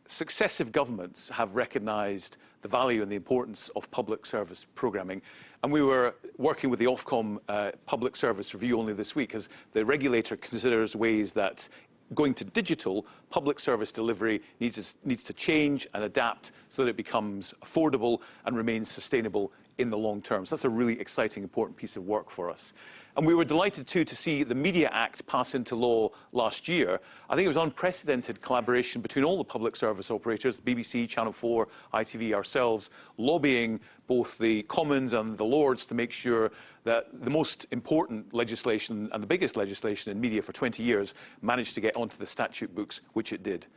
Successive governments have recognized the value and the importance of public service programming. We were working with the Ofcom Public Service Review only this week as the regulator considers ways that going to digital public service delivery needs to change and adapt so that it becomes affordable and remains sustainable in the long term. That is a really exciting, important piece of work for us. We were delighted too to see the Media Act pass into law last year. I think it was unprecedented collaboration between all the public service operators, BBC, Channel 4, ITV, ourselves, lobbying both the Commons and the Lords to make sure that the most important legislation and the biggest legislation in media for 20 years managed to get onto the statute books, which it did.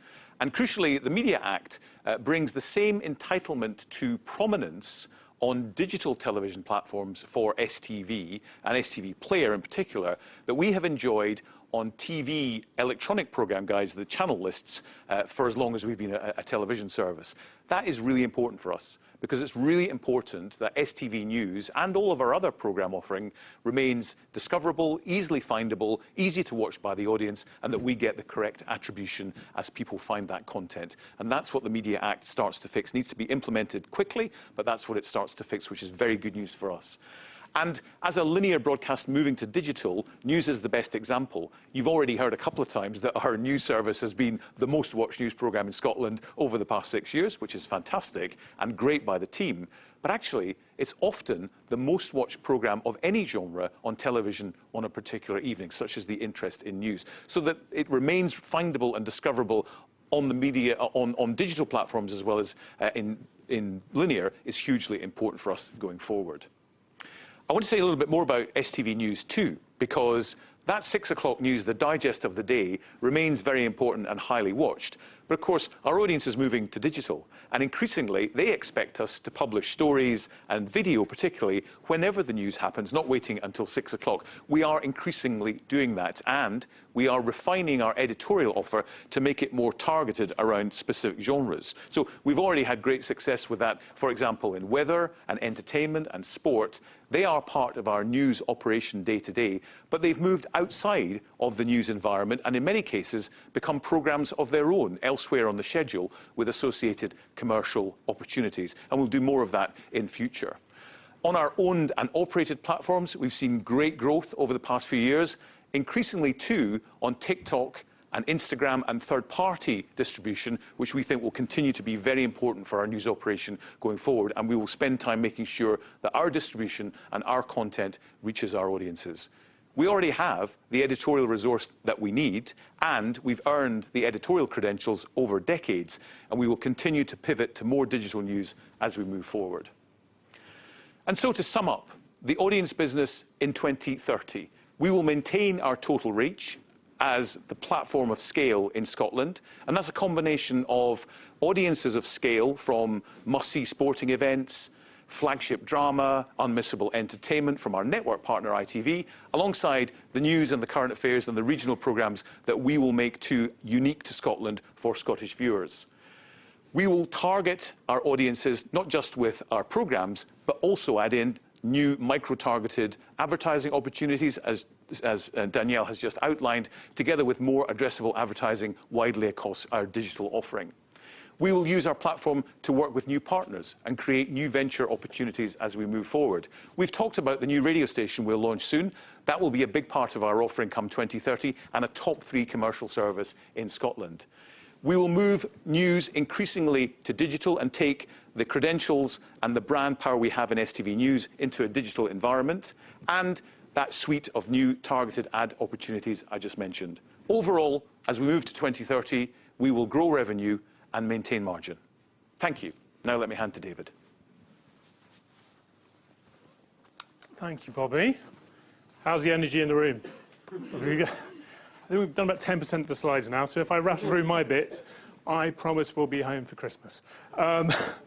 Crucially, the Media Act brings the same entitlement to prominence on digital television platforms for STV and STV Player in particular that we have enjoyed on TV electronic program guides, the channel lists, for as long as we've been a television service. That is really important for us because it's really important that STV news and all of our other program offering remains discoverable, easily findable, easy to watch by the audience, and that we get the correct attribution as people find that content. That is what the Media Act starts to fix. It needs to be implemented quickly, but that's what it starts to fix, which is very good news for us. As a linear broadcast moving to digital, news is the best example. You've already heard a couple of times that our news service has been the most watched news program in Scotland over the past six years, which is fantastic and great by the team. Actually, it's often the most watched program of any genre on television on a particular evening, such is the interest in news. Ensuring that it remains findable and discoverable on the media on digital platforms as well as in linear is hugely important for us going forward. I want to say a little bit more about STV news too, because that six o'clock news, the digest of the day, remains very important and highly watched. Of course, our audience is moving to digital, and increasingly, they expect us to publish stories and video, particularly whenever the news happens, not waiting until six o'clock. We are increasingly doing that, and we are refining our editorial offer to make it more targeted around specific genres. We have already had great success with that, for example, in weather and entertainment and sport. They are part of our news operation day to day, but they have moved outside of the news environment and in many cases become programs of their own elsewhere on the schedule with associated commercial opportunities. We will do more of that in future. On our owned and operated platforms, we have seen great growth over the past few years, increasingly too on TikTok and Instagram and third-party distribution, which we think will continue to be very important for our news operation going forward. We will spend time making sure that our distribution and our content reaches our audiences. We already have the editorial resource that we need, and we've earned the editorial credentials over decades, and we will continue to pivot to more digital news as we move forward. To sum up, the audience business in 2030, we will maintain our total reach as the platform of scale in Scotland. That is a combination of audiences of scale from must-see sporting events, flagship drama, unmissable entertainment from our network partner ITV, alongside the news and the current affairs and the regional programs that we will make too unique to Scotland for Scottish viewers. We will target our audiences not just with our programs, but also add in new micro-targeted advertising opportunities, as Danielle has just outlined, together with more addressable advertising widely across our digital offering. We will use our platform to work with new partners and create new venture opportunities as we move forward. We've talked about the new radio station we'll launch soon. That will be a big part of our offering come 2030 and a top three commercial service in Scotland. We will move news increasingly to digital and take the credentials and the brand power we have in STV news into a digital environment and that suite of new targeted ad opportunities I just mentioned. Overall, as we move to 2030, we will grow revenue and maintain margin. Thank you. Now let me hand to David. Thank you, Bobby. How's the energy in the room? I think we've done about 10% of the slides now, so if I rattle through my bit, I promise we'll be home for Christmas.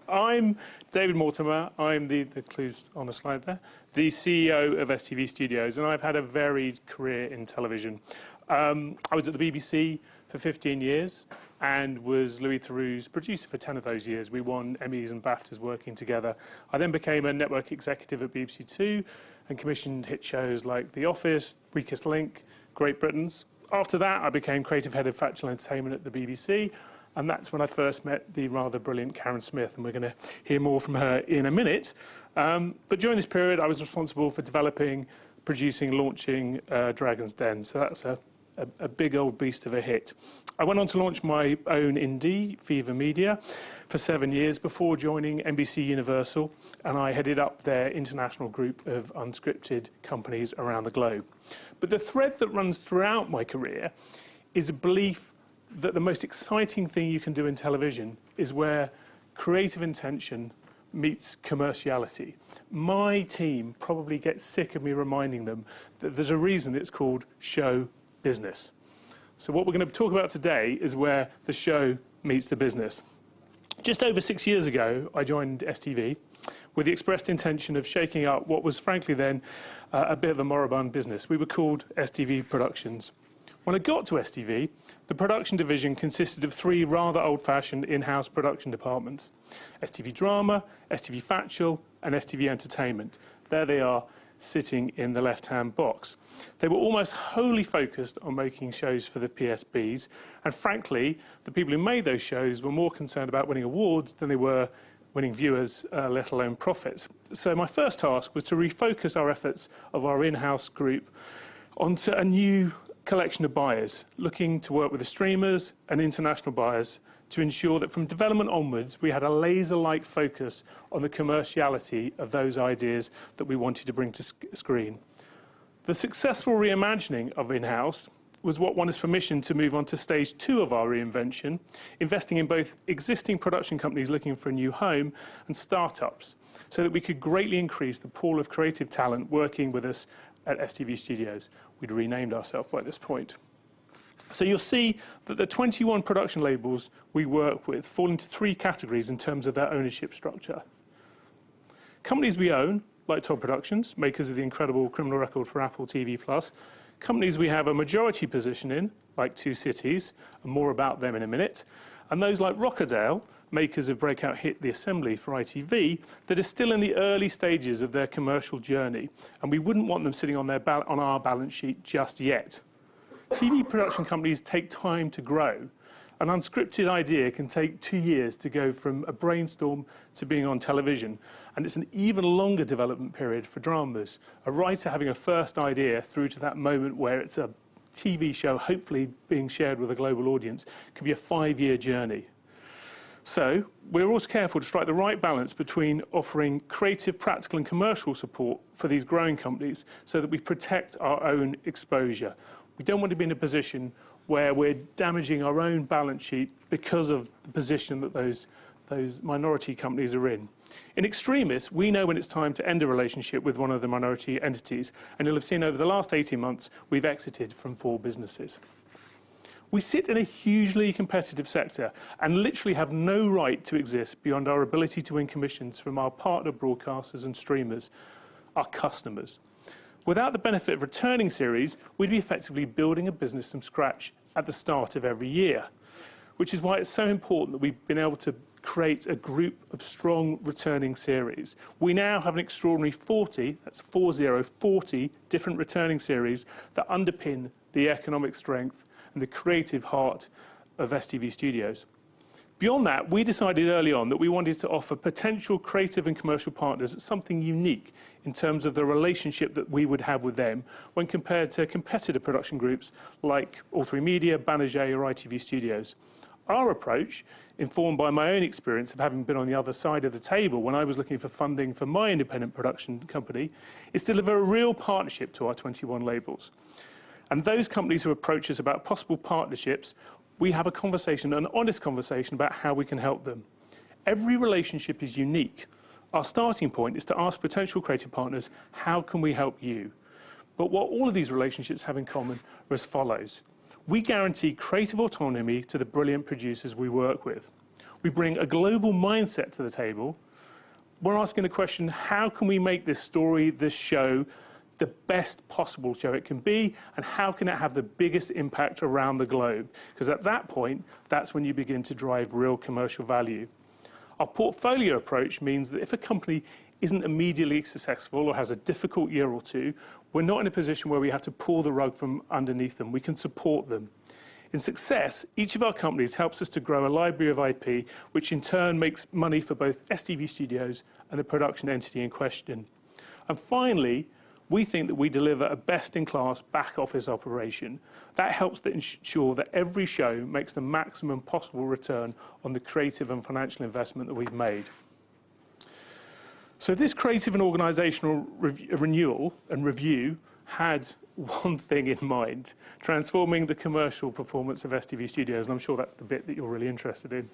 I'm David Mortimer. I'm the clues on the slide there, the CEO of STV Studios, and I've had a varied career in television. I was at the BBC for 15 years and was Louis Theroux's producer for 10 of those years. We won Emmys and BAFTAs working together. I then became a network executive at BBC2 and commissioned hit shows like The Office, Recast Link, Great Britains. After that, I became Creative Head of Factual Entertainment at the BBC, and that's when I first met the rather brilliant Karen Smith, and we're going to hear more from her in a minute. During this period, I was responsible for developing, producing, launching Dragon's Den, so that's a big old beast of a hit. I went on to launch my own indie, Fever Media, for seven years before joining NBCUniversal, and I headed up their international group of unscripted companies around the globe. The thread that runs throughout my career is a belief that the most exciting thing you can do in television is where creative intention meets commerciality. My team probably gets sick of me reminding them that there is a reason it is called show business. What we are going to talk about today is where the show meets the business. Just over six years ago, I joined STV with the expressed intention of shaking up what was frankly then a bit of a moribund business. We were called STV Productions. When I got to STV, the production division consisted of three rather old-fashioned in-house production departments: STV Drama, STV Factual, and STV Entertainment. There they are sitting in the left-hand box. They were almost wholly focused on making shows for the PSBs, and frankly, the people who made those shows were more concerned about winning awards than they were winning viewers, let alone profits. My first task was to refocus our efforts of our in-house group onto a new collection of buyers looking to work with the streamers and international buyers to ensure that from development onwards, we had a laser-like focus on the commerciality of those ideas that we wanted to bring to screen. The successful reimagining of in-house was what won us permission to move on to stage two of our reinvention, investing in both existing production companies looking for a new home and startups so that we could greatly increase the pool of creative talent working with us at STV Studios. We had renamed ourself by this point. You'll see that the 21 production labels we work with fall into three categories in terms of their ownership structure. Companies we own, like Todd Productions, makers of the incredible Criminal Record for Apple TV+, companies we have a majority position in, like Two Cities, and more about them in a minute, and those like Rockerdale, makers of breakout hit The Assembly for ITV that are still in the early stages of their commercial journey, and we wouldn't want them sitting on our balance sheet just yet. TV production companies take time to grow. An unscripted idea can take two years to go from a brainstorm to being on television, and it's an even longer development period for dramas. A writer having a first idea through to that moment where it's a TV show hopefully being shared with a global audience can be a five-year journey. We're also careful to strike the right balance between offering creative, practical, and commercial support for these growing companies so that we protect our own exposure. We don't want to be in a position where we're damaging our own balance sheet because of the position that those minority companies are in. In extremis, we know when it's time to end a relationship with one of the minority entities, and you'll have seen over the last 18 months, we've exited from four businesses. We sit in a hugely competitive sector and literally have no right to exist beyond our ability to win commissions from our partner broadcasters and streamers, our customers. Without the benefit of returning series, we'd be effectively building a business from scratch at the start of every year, which is why it's so important that we've been able to create a group of strong returning series. We now have an extraordinary 40, that's four zero, 40 different returning series that underpin the economic strength and the creative heart of STV Studios. Beyond that, we decided early on that we wanted to offer potential creative and commercial partners something unique in terms of the relationship that we would have with them when compared to competitor production groups like All3Media, Banijay, or ITV Studios. Our approach, informed by my own experience of having been on the other side of the table when I was looking for funding for my independent production company, is to deliver a real partnership to our 21 labels. And those companies who approach us about possible partnerships, we have a conversation, an honest conversation about how we can help them. Every relationship is unique. Our starting point is to ask potential creative partners, "How can we help you?" What all of these relationships have in common are as follows. We guarantee creative autonomy to the brilliant producers we work with. We bring a global mindset to the table. We are asking the question, "How can we make this story, this show, the best possible show it can be, and how can it have the biggest impact around the globe?" Because at that point, that is when you begin to drive real commercial value. Our portfolio approach means that if a company is not immediately successful or has a difficult year or two, we are not in a position where we have to pull the rug from underneath them. We can support them. In success, each of our companies helps us to grow a library of IP, which in turn makes money for both STV Studios and the production entity in question. Finally, we think that we deliver a best-in-class back office operation that helps to ensure that every show makes the maximum possible return on the creative and financial investment that we've made. This creative and organizational renewal and review had one thing in mind: transforming the commercial performance of STV Studios. I'm sure that's the bit that you're really interested in.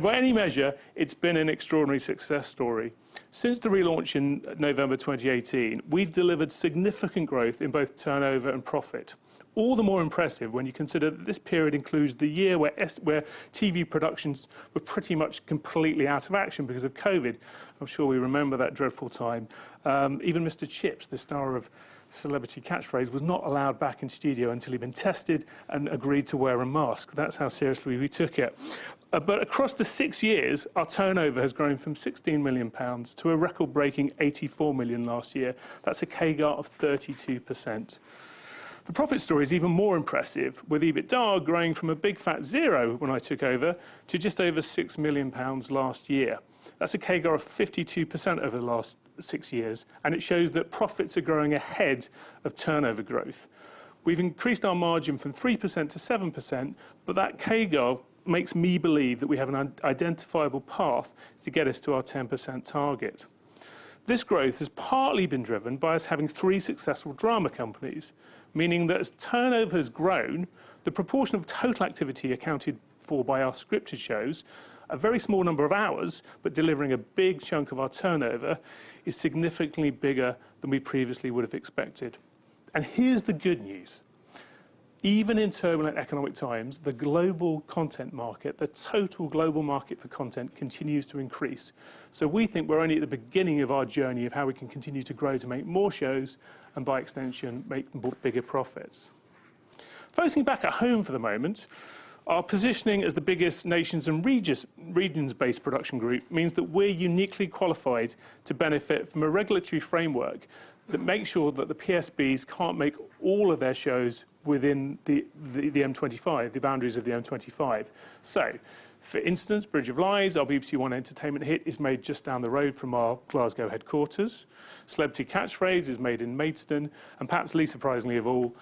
By any measure, it's been an extraordinary success story. Since the relaunch in November 2018, we've delivered significant growth in both turnover and profit, all the more impressive when you consider that this period includes the year where TV productions were pretty much completely out of action because of COVID. I'm sure we remember that dreadful time. Even Mr. Chips, the star of Celebrity Catchphrase, was not allowed back in studio until he'd been tested and agreed to wear a mask. That's how seriously we took it. Across the six years, our turnover has grown from 16 million pounds to a record-breaking 84 million last year. That's a CAGR of 32%. The profit story is even more impressive, with EBITDA growing from a big fat zero when I took over to just over 6 million pounds last year. That's a CAGR of 52% over the last six years, and it shows that profits are growing ahead of turnover growth. We've increased our margin from 3% to 7%, and that CAGR makes me believe that we have an identifiable path to get us to our 10% target. This growth has partly been driven by us having three successful drama companies, meaning that as turnover has grown, the proportion of total activity accounted for by our scripted shows, a very small number of hours, but delivering a big chunk of our turnover, is significantly bigger than we previously would have expected. Here is the good news. Even in turbulent economic times, the global content market, the total global market for content, continues to increase. We think we are only at the beginning of our journey of how we can continue to grow to make more shows and, by extension, make bigger profits. Focusing back at home for the moment, our positioning as the biggest nations and regions-based production group means that we're uniquely qualified to benefit from a regulatory framework that makes sure that the PSBs can't make all of their shows within the M25, the boundaries of the M25. For instance, Bridge of Lies, our BBC One Entertainment hit, is made just down the road from our Glasgow headquarters. Celebrity Catchphrase is made in Maidstone, and perhaps least surprisingly of all,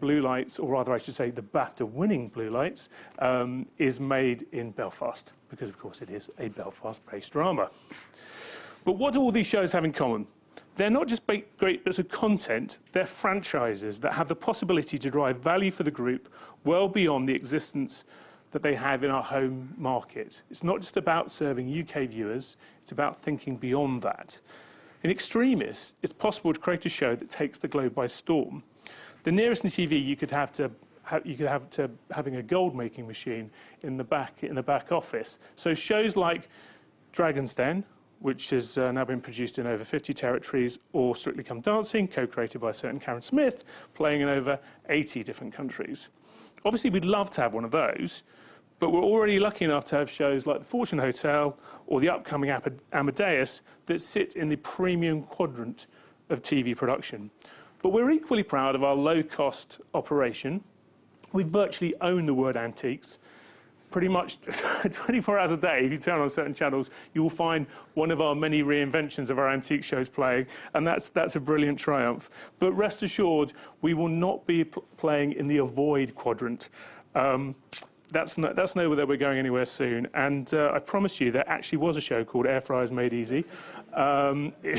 Blue Lights, or rather I should say the BAFTA-winning Blue Lights, is made in Belfast because, of course, it is a Belfast-based drama. What do all these shows have in common? They're not just great bits of content. They're franchises that have the possibility to drive value for the group well beyond the existence that they have in our home market. It's not just about serving U.K. viewers. It's about thinking beyond that. In extremis, it's possible to create a show that takes the globe by storm. The nearest an ETV you could have to having a gold-making machine in the back office. Shows like Dragon's Den, which has now been produced in over 50 territories, or Strictly Come Dancing, co-created by a certain Karen Smith, playing in over 80 different countries. Obviously, we'd love to have one of those, but we're already lucky enough to have shows like The Fortune Hotel or the upcoming Amadeus that sit in the premium quadrant of TV production. We're equally proud of our low-cost operation. We virtually own the word antiques. Pretty much 24 hours a day, if you turn on certain channels, you will find one of our many reinventions of our antique shows playing, and that's a brilliant triumph. Rest assured, we will not be playing in the avoid quadrant. That is nowhere that we are going anywhere soon. I promised you there actually was a show called Air Fryers Made Easy. To be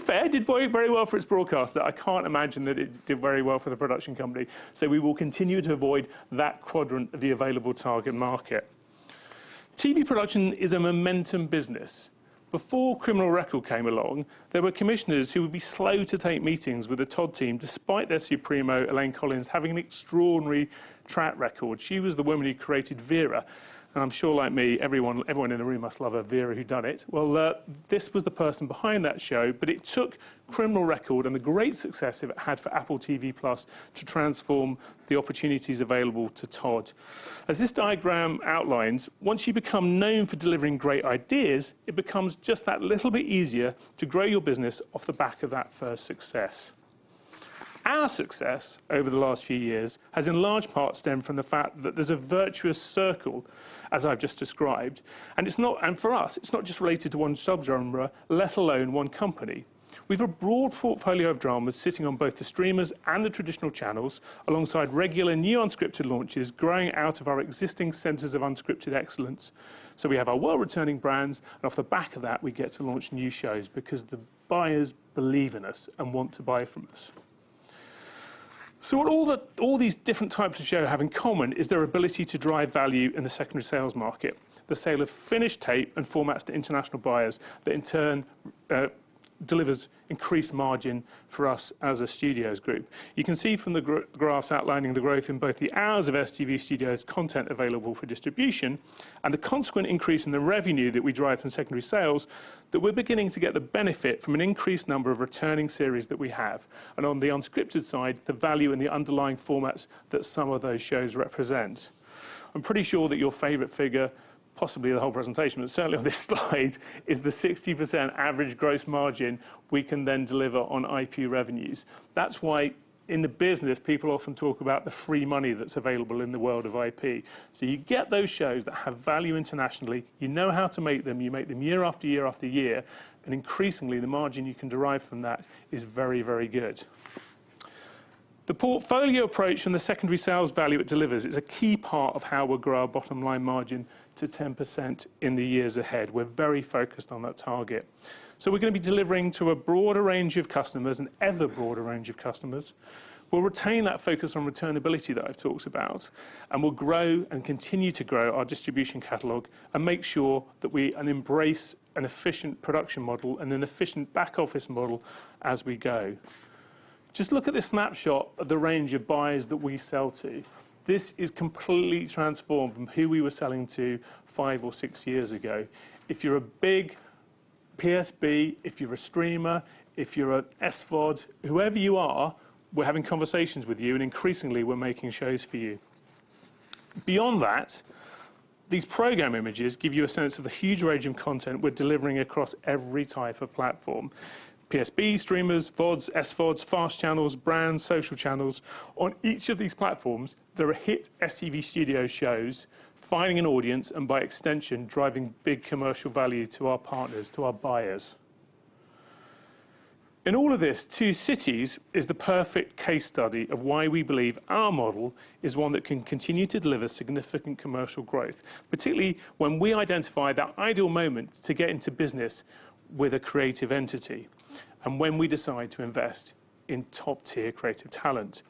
fair, it did very well for its broadcaster. I cannot imagine that it did very well for the production company. We will continue to avoid that quadrant of the available target market. TV production is a momentum business. Before Criminal Record came along, there were commissioners who would be slow to take meetings with the Todd team despite their supremo, Elaine Collins, having an extraordinary track record. She was the woman who created Vera. I am sure, like me, everyone in the room must love a Vera who'd done it. This was the person behind that show, but it took Criminal Record and the great success it had for Apple TV+ to transform the opportunities available to Todd. As this diagram outlines, once you become known for delivering great ideas, it becomes just that little bit easier to grow your business off the back of that first success. Our success over the last few years has in large part stemmed from the fact that there is a virtuous circle, as I have just described. For us, it is not just related to one subgenre, let alone one company. We have a broad portfolio of dramas sitting on both the streamers and the traditional channels alongside regular new unscripted launches growing out of our existing centers of unscripted excellence. We have our well-returning brands, and off the back of that, we get to launch new shows because the buyers believe in us and want to buy from us. What all these different types of shows have in common is their ability to drive value in the secondary sales market, the sale of finished tape and formats to international buyers that in turn delivers increased margin for us as a studios group. You can see from the graphs outlining the growth in both the hours of STV Studios content available for distribution and the consequent increase in the revenue that we drive from secondary sales that we're beginning to get the benefit from an increased number of returning series that we have. On the unscripted side, the value in the underlying formats that some of those shows represent. I'm pretty sure that your favorite figure, possibly the whole presentation, but certainly on this slide, is the 60% average gross margin we can then deliver on IP revenues. That's why in the business, people often talk about the free money that's available in the world of IP. You get those shows that have value internationally. You know how to make them. You make them year after year after year. Increasingly, the margin you can derive from that is very, very good. The portfolio approach and the secondary sales value it delivers is a key part of how we'll grow our bottom line margin to 10% in the years ahead. We're very focused on that target. We're going to be delivering to a broader range of customers, an ever broader range of customers. We'll retain that focus on returnability that I've talked about, and we'll grow and continue to grow our distribution catalog and make sure that we embrace an efficient production model and an efficient back office model as we go. Just look at this snapshot of the range of buyers that we sell to. This is completely transformed from who we were selling to five or six years ago. If you're a big PSB, if you're a streamer, if you're an SVOD, whoever you are, we're having conversations with you, and increasingly, we're making shows for you. Beyond that, these program images give you a sense of the huge range of content we're delivering across every type of platform: PSB, streamers, VODs, SVODs, fast channels, brands, social channels. On each of these platforms, there are hit STV Studios shows finding an audience and, by extension, driving big commercial value to our partners, to our buyers. In all of this, Two Cities is the perfect case study of why we believe our model is one that can continue to deliver significant commercial growth, particularly when we identify the ideal moment to get into business with a creative entity and when we decide to invest in top-tier creative talent.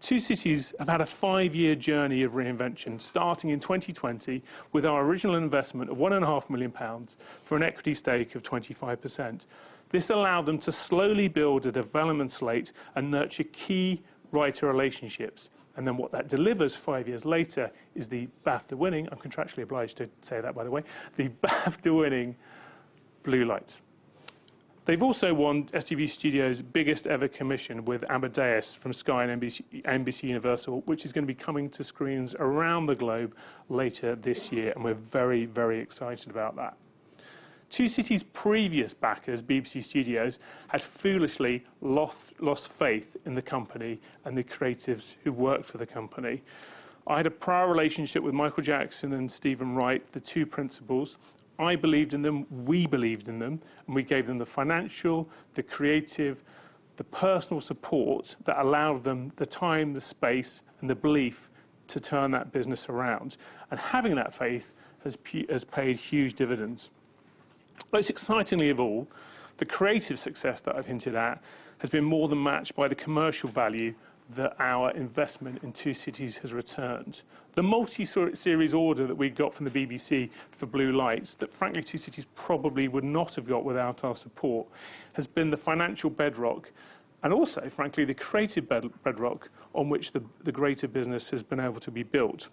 Two Cities have had a five-year journey of reinvention starting in 2020 with our original investment of 1.5 million pounds for an equity stake of 25%. This allowed them to slowly build a development slate and nurture key writer relationships. What that delivers five years later is the BAFTA-winning—I am contractually obliged to say that, by the way—the BAFTA-winning Blue Lights. They've also won STV Studios' biggest ever commission with Amadeus from Sky and NBCUniversal, which is going to be coming to screens around the globe later this year, and we're very, very excited about that. Two Cities' previous backers, BBC Studios, had foolishly lost faith in the company and the creatives who worked for the company. I had a prior relationship with Michael Jackson and Stephen Wright, the two principals. I believed in them. We believed in them. We gave them the financial, the creative, the personal support that allowed them the time, the space, and the belief to turn that business around. Having that faith has paid huge dividends. Most excitingly of all, the creative success that I've hinted at has been more than matched by the commercial value that our investment in Two Cities has returned. The multi-series order that we got from the BBC for Blue Lights that, frankly, Two Cities probably would not have got without our support has been the financial bedrock and also, frankly, the creative bedrock on which the greater business has been able to be built.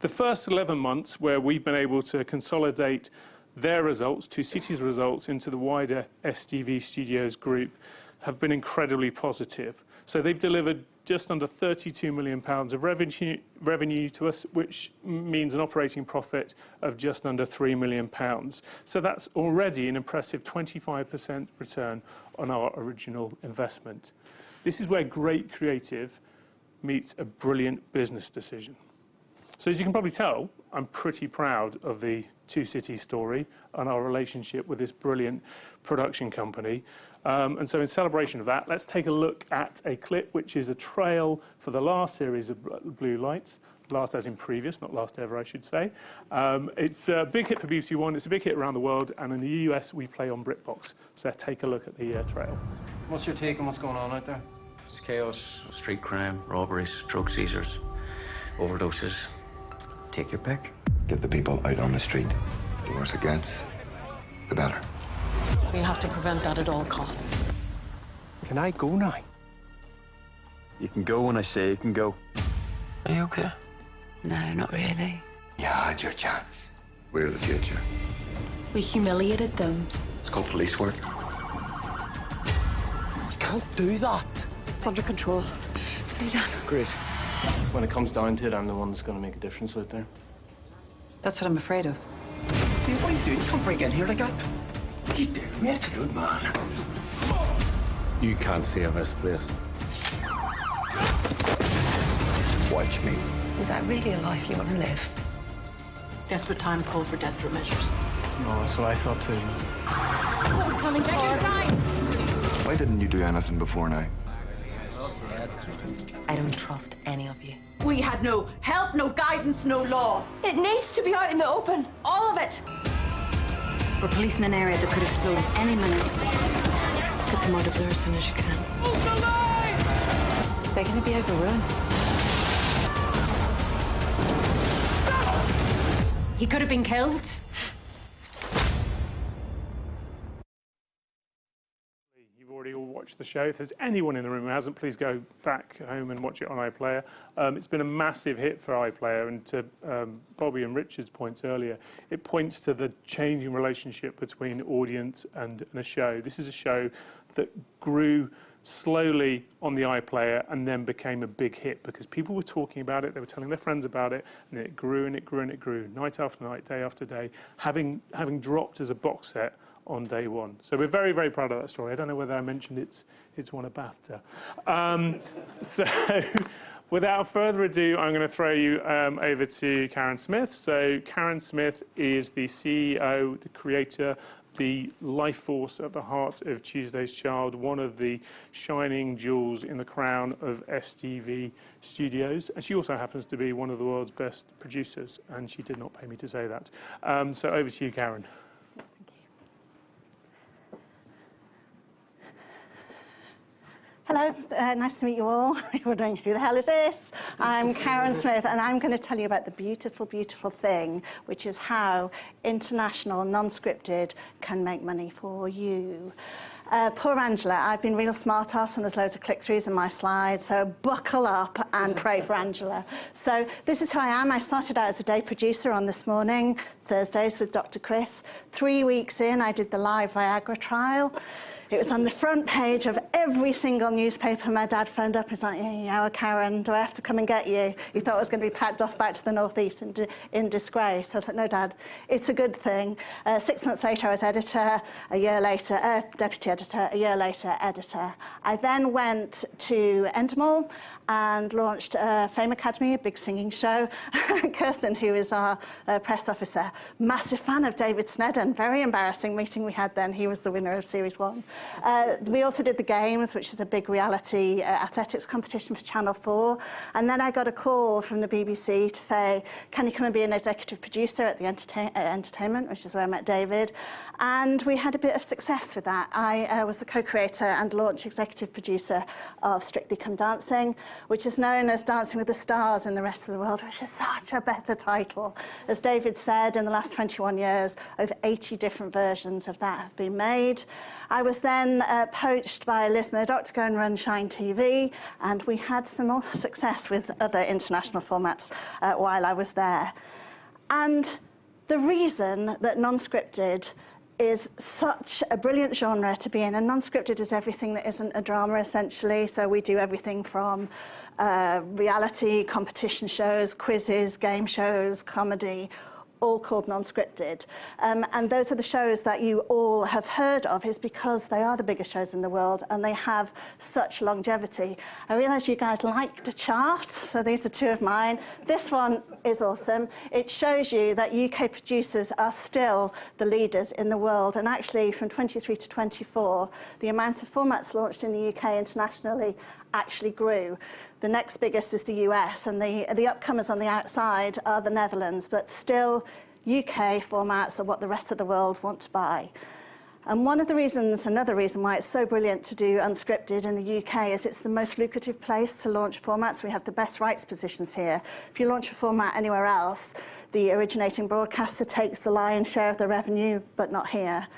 The first 11 months where we've been able to consolidate their results, Two Cities' results into the wider STV Studios group, have been incredibly positive. They have delivered just under 32 million pounds of revenue to us, which means an operating profit of just under 3 million pounds. That is already an impressive 25% return on our original investment. This is where great creative meets a brilliant business decision. As you can probably tell, I'm pretty proud of the Two Cities story and our relationship with this brilliant production company. In celebration of that, let's take a look at a clip which is a trail for the last series of Blue Lights. Last as in previous, not last ever, I should say. It's a big hit for BBC One. It's a big hit around the world. In the U.S., we play on Britbox. Take a look at the trail. What's your take on what's going on out there? Just chaos, street crime, robberies, drug seizures, overdoses. Take your pick. Get the people out on the street. The worse it gets, the better. We have to prevent that at all costs. Can I go now? You can go when I say you can go. Are you okay? No, not really. You had your chance. We're the future. We humiliated them. It's called police work. You can't do that. It's under control. It's needed. Great. When it comes down to it, I'm the one that's going to make a difference out there. That's what I'm afraid of. See what you're doing? You can't bring it here again. You dare me? That's a good man. You can't see a rest place. Watch me. Is that really a life you want to live? Desperate times call for desperate measures. That is what I thought too. What was coming back inside? Why didn't you do anything before now? I don't trust any of you. We had no help, no guidance, no law. It needs to be out in the open, all of it. We're policing an area that could explode at any minute. Get them out of there as soon as you can. They're going to be overrun. He could have been killed. You've already all watched the show. If there's anyone in the room who hasn't, please go back home and watch it on iPlayer. It's been a massive hit for iPlayer. To Bobby and Richard's points earlier, it points to the changing relationship between audience and a show. This is a show that grew slowly on the iPlayer and then became a big hit because people were talking about it. They were telling their friends about it. It grew, and it grew, and it grew, night after night, day after day, having dropped as a box set on day one. We're very, very proud of that story. I don't know whether I mentioned it's won a BAFTA. Without further ado, I'm going to throw you over to Karen Smith. Karen Smith is the CEO, the creator, the life force at the heart of Tuesday's Child, one of the shining jewels in the crown of STV Studios. She also happens to be one of the world's best producers. She did not pay me to say that. Over to you, Karen. Hello. Nice to meet you all. Who the hell is this? I'm Karen Smith. I'm going to tell you about the beautiful, beautiful thing, which is how international non-scripted can make money for you. Poor Angela. I've been real smartass, and there's loads of click-throughs in my slides. Buckle up and pray for Angela. This is who I am. I started out as a day producer on This Morning, Thursdays with Dr. Chris. Three weeks in, I did the live Viagra trial. It was on the front page of every single newspaper. My dad phoned up. He's like, "Yeah, yeah, Karen, do I have to come and get you?" He thought I was going to be packed off back to the Northeast in disgrace. I was like, "No, Dad. It's a good thing." Six months later, I was editor. A year later, deputy editor. A year later, editor. I then went to Endemol and launched Fame Academy, a big singing show. Kirsten, who is our press officer, massive fan of David Sneddon. Very embarrassing meeting we had then. He was the winner of Series One. We also did The Games, which is a big reality athletics competition for Channel 4. I got a call from the BBC to say, "Can you come and be an executive producer at The Entertainment," which is where I met David. We had a bit of success with that. I was the co-creator and launch executive producer of Strictly Come Dancing, which is known as Dancing with the Stars in the rest of the world, which is such a better title. As David said, in the last 21 years, over 80 different versions of that have been made. I was then poached by Liz Murdoch to go and run Shine TV. We had some success with other international formats while I was there. The reason that non-scripted is such a brilliant genre to be in, and non-scripted is everything that is not a drama, essentially. We do everything from reality, competition shows, quizzes, game shows, comedy, all called non-scripted. Those are the shows that you all have heard of because they are the biggest shows in the world, and they have such longevity. I realize you guys like to chart, so these are two of mine. This one is awesome. It shows you that U.K. producers are still the leaders in the world. Actually, from 2023 to 2024, the amount of formats launched in the U.K. internationally actually grew. The next biggest is the U.S. The upcomers on the outside are the Netherlands, but still, U.K. formats are what the rest of the world want to buy. One of the reasons, another reason why it is so brilliant to do unscripted in the U.K. is it is the most lucrative place to launch formats. We have the best rights positions here. If you launch a format anywhere else, the originating broadcaster takes the lion's share of the revenue, but not here.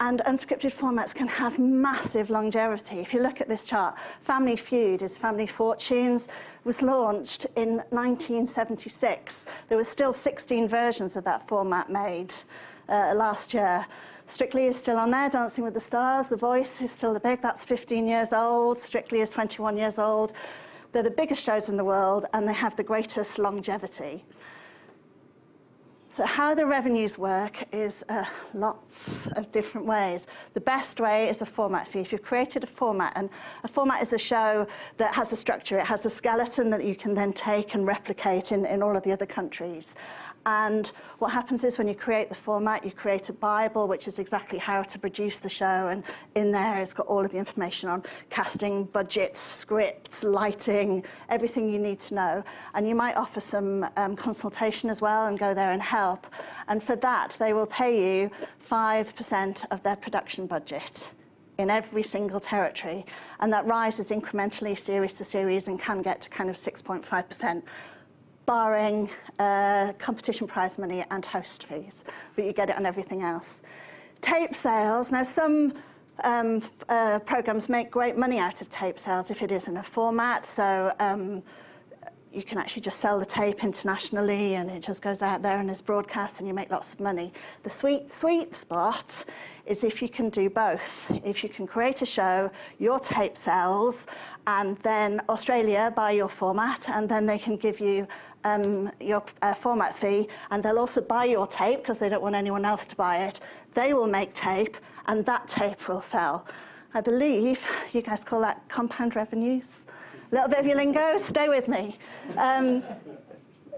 Unscripted formats can have massive longevity. If you look at this chart, Family Feud is Family Fortunes, was launched in 1976. There were still 16 versions of that format made last year. Strictly is still on there, Dancing with the Stars. The Voice is still the big. That's 15 years old. Strictly is 21 years old. They're the biggest shows in the world, and they have the greatest longevity. How the revenues work is lots of different ways. The best way is a format fee. If you've created a format, and a format is a show that has a structure. It has a skeleton that you can then take and replicate in all of the other countries. What happens is when you create the format, you create a Bible, which is exactly how to produce the show. In there, it has all of the information on casting, budgets, scripts, lighting, everything you need to know. You might offer some consultation as well and go there and help. For that, they will pay you 5% of their production budget in every single territory. That rises incrementally, series to series, and can get to kind of 6.5%, barring competition prize money and host fees. You get it on everything else. Tape sales. Some programs make great money out of tape sales if it is not a format. You can actually just sell the tape internationally, and it just goes out there and is broadcast, and you make lots of money. The sweet spot is if you can do both. If you can create a show, your tape sells, and then Australia buy your format, and then they can give you your format fee. They will also buy your tape because they do not want anyone else to buy it. They will make tape, and that tape will sell. I believe you guys call that compound revenues. A little bit of your lingo. Stay with me.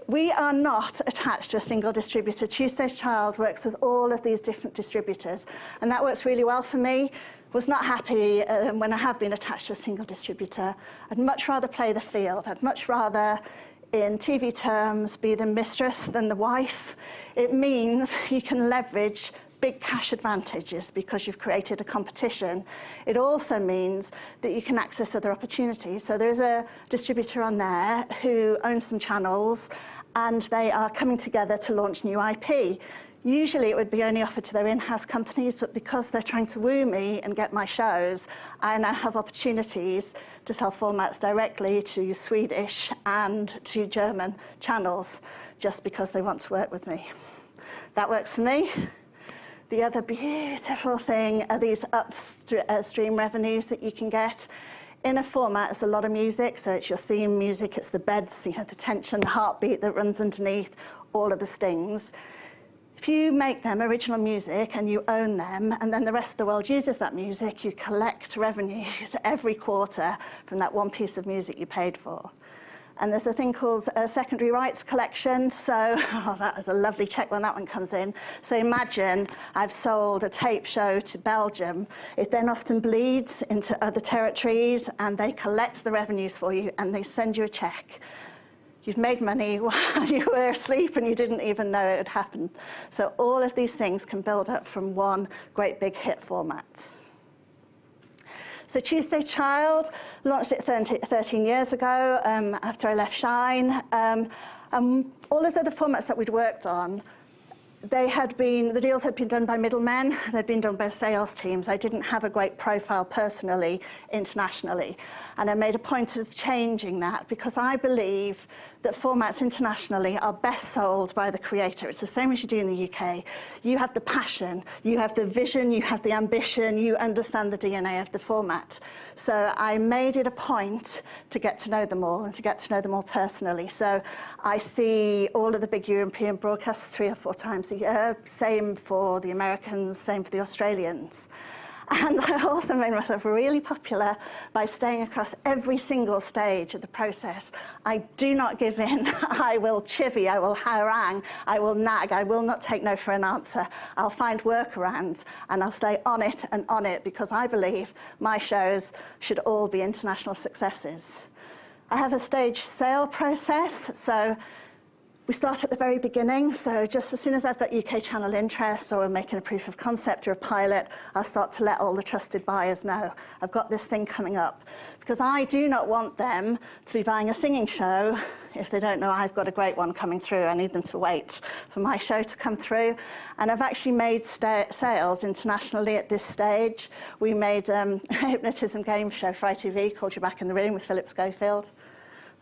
We are not attached to a single distributor. Tuesday's Child works with all of these different distributors. That works really well for me. I was not happy when I have been attached to a single distributor. I would much rather play the field. I would much rather, in TV terms, be the mistress than the wife. It means you can leverage big cash advantages because you have created a competition. It also means that you can access other opportunities. There is a distributor on there who owns some channels, and they are coming together to launch new IP. Usually, it would be only offered to their in-house companies, but because they're trying to woo me and get my shows, I now have opportunities to sell formats directly to Swedish and to German channels just because they want to work with me. That works for me. The other beautiful thing are these upstream revenues that you can get. In a format, there's a lot of music. It's your theme music. It's the beds, the tension, the heartbeat that runs underneath all of the stings. If you make them original music and you own them, and then the rest of the world uses that music, you collect revenues every quarter from that one piece of music you paid for. There is a thing called a secondary rights collection. Oh, that is a lovely check when that one comes in. Imagine I've sold a tape show to Belgium. It then often bleeds into other territories, and they collect the revenues for you, and they send you a check. You've made money while you were asleep, and you didn't even know it had happened. All of these things can build up from one great big hit format. Tuesday's Child launched it 13 years ago after I left Shine. All those other formats that we'd worked on, the deals had been done by middlemen. They'd been done by sales teams. I didn't have a great profile personally internationally. I made a point of changing that because I believe that formats internationally are best sold by the creator. It's the same as you do in the U.K. You have the passion. You have the vision. You have the ambition. You understand the DNA of the format. I made it a point to get to know them all and to get to know them all personally. I see all of the big European broadcasts three or four times a year. Same for the Americans, same for the Australians. I also made myself really popular by staying across every single stage of the process. I do not give in. I will chivvy. I will harangue. I will nag. I will not take no for an answer. I'll find workarounds, and I'll stay on it and on it because I believe my shows should all be international successes. I have a stage sale process. We start at the very beginning. Just as soon as I've got U.K. channel interest or I'm making a proof of concept or a pilot, I'll start to let all the trusted buyers know I've got this thing coming up because I do not want them to be buying a singing show. If they don't know I've got a great one coming through, I need them to wait for my show to come through. I've actually made sales internationally at this stage. We made a hypnotism game show for ITV called You're Back in the Room with Philip Schofield.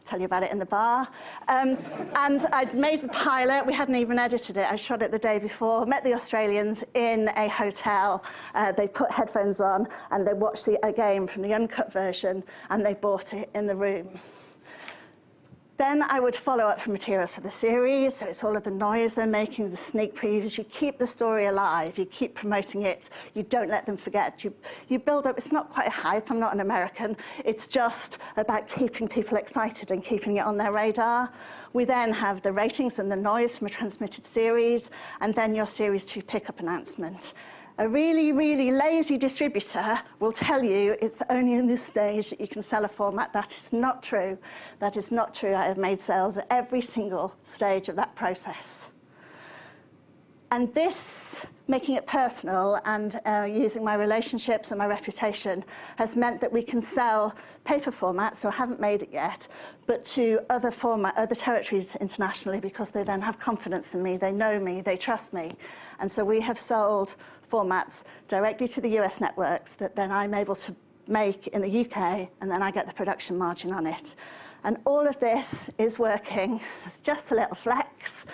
I'll tell you about it in the bar. I'd made the pilot. We hadn't even edited it. I shot it the day before. I met the Australians in a hotel. They put headphones on, and they watched a game from the uncut version, and they bought it in the room. I would follow up for materials for the series. It's all of the noise they're making, the sneak previews. You keep the story alive. You keep promoting it. You don't let them forget. You build up. It's not quite a hype. I'm not an American. It's just about keeping people excited and keeping it on their radar. We then have the ratings and the noise from a transmitted series, and then your series two pickup announcement. A really, really lazy distributor will tell you it's only in this stage that you can sell a format. That is not true. That is not true. I have made sales at every single stage of that process. This, making it personal and using my relationships and my reputation, has meant that we can sell paper formats. I haven't made it yet, but to other formats, other territories internationally, because they then have confidence in me. They know me. They trust me. We have sold formats directly to the US networks that then I'm able to make in the UK, and then I get the production margin on it. All of this is working. It's just a little flex.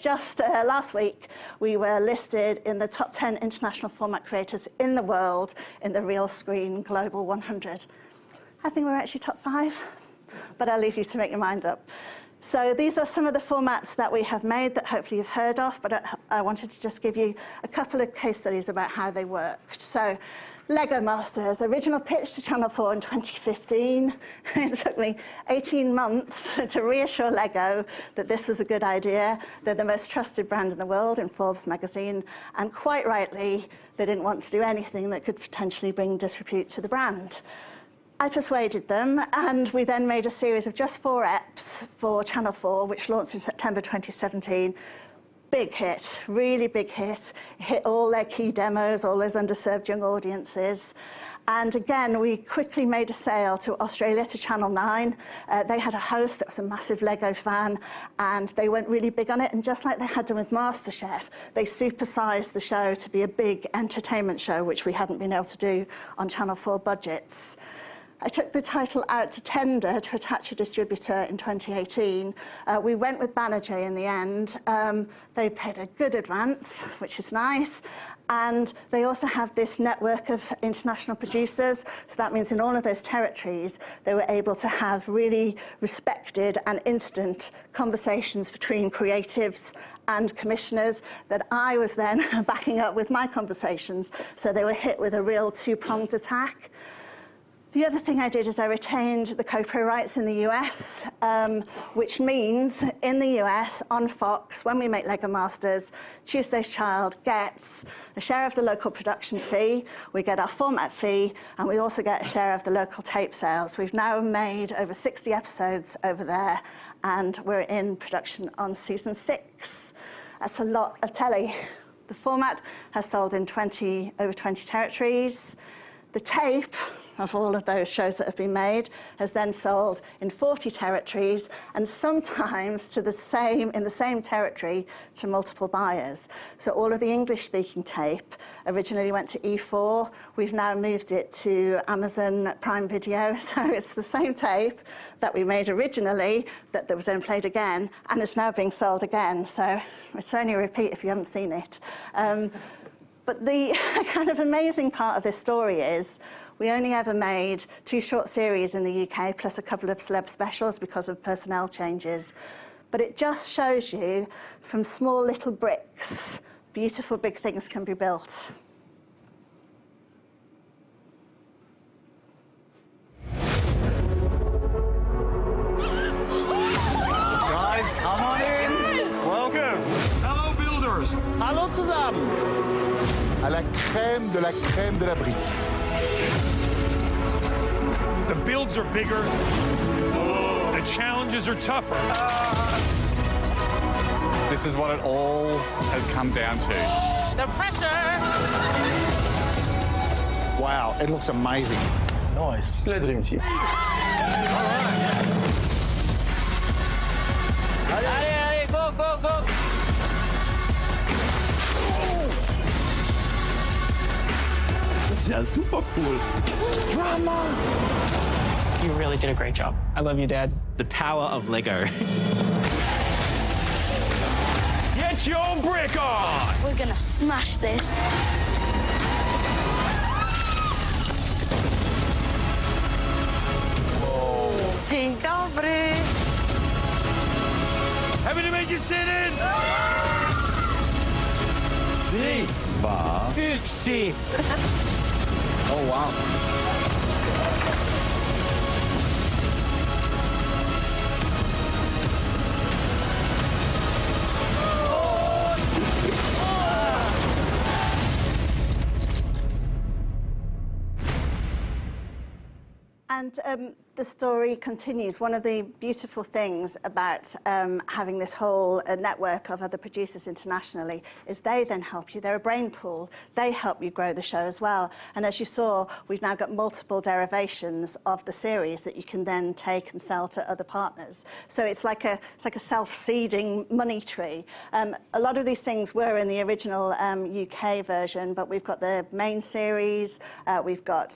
Just last week, we were listed in the top 10 international format creators in the world in the Real Screen Global 100. I think we're actually top five, but I'll leave you to make your mind up. These are some of the formats that we have made that hopefully you've heard of, but I wanted to just give you a couple of case studies about how they worked. Lego Masters, original pitch to Channel 4 in 2015. It took me 18 months to reassure Lego that this was a good idea, that the most trusted brand in the world, in Forbes magazine. Quite rightly, they did not want to do anything that could potentially bring a dispute to the brand. I persuaded them, and we then made a series of just four reps for Channel 4, which launched in September 2017. Big hit. Really big hit. It hit all their key demos, all those underserved young audiences. We quickly made a sale to Australia to Channel 9. They had a host that was a massive Lego fan, and they went really big on it. Just like they had done with MasterChef, they supersized the show to be a big entertainment show, which we had not been able to do on Channel 4 budgets. I took the title out to tender to attach a distributor in 2018. We went with Banijay in the end. They paid a good advance, which is nice. They also have this network of international producers. That means in all of those territories, they were able to have really respected and instant conversations between creatives and commissioners that I was then backing up with my conversations. They were hit with a real two-pronged attack. The other thing I did is I retained the copay rights in the U.S., which means in the U.S., on Fox, when we make Lego Masters, Tuesday's Child gets a share of the local production fee. We get our format fee, and we also get a share of the local tape sales. We've now made over 60 episodes over there, and we're in production on season six. That's a lot of telly. The format has sold in over 20 territories. The tape of all of those shows that have been made has then sold in 40 territories and sometimes in the same territory to multiple buyers. All of the English-speaking tape originally went to E4. We have now moved it to Amazon Prime Video. It is the same tape that we made originally that was then played again, and it is now being sold again. It is only a repeat if you have not seen it. The kind of amazing part of this story is we only ever made two short series in the U.K., plus a couple of celeb specials because of personnel changes. It just shows you from small little bricks, beautiful big things can be built. Guys, come on in. Welcome. Hello, builders. Halo zusammen. À la crème de la crème de la brique. The builds are bigger. The challenges are tougher. This is what it all has come down to. The pressure. Wow, it looks amazing. Nice. Le dream team. All right. Allez, allez, go, go, go. This is super cool. Mama. You really did a great job. I love you, Dad. The power of Lego. Get your brick on. We're going to smash this. Whoa. Tinkabri. Happy to make you sit in. Big. Big C. Oh, wow. The story continues. One of the beautiful things about having this whole network of other producers internationally is they then help you. They're a brain pool. They help you grow the show as well. As you saw, we've now got multiple derivations of the series that you can then take and sell to other partners. It's like a self-seeding money tree. A lot of these things were in the original UK version, but we've got the main series. We've got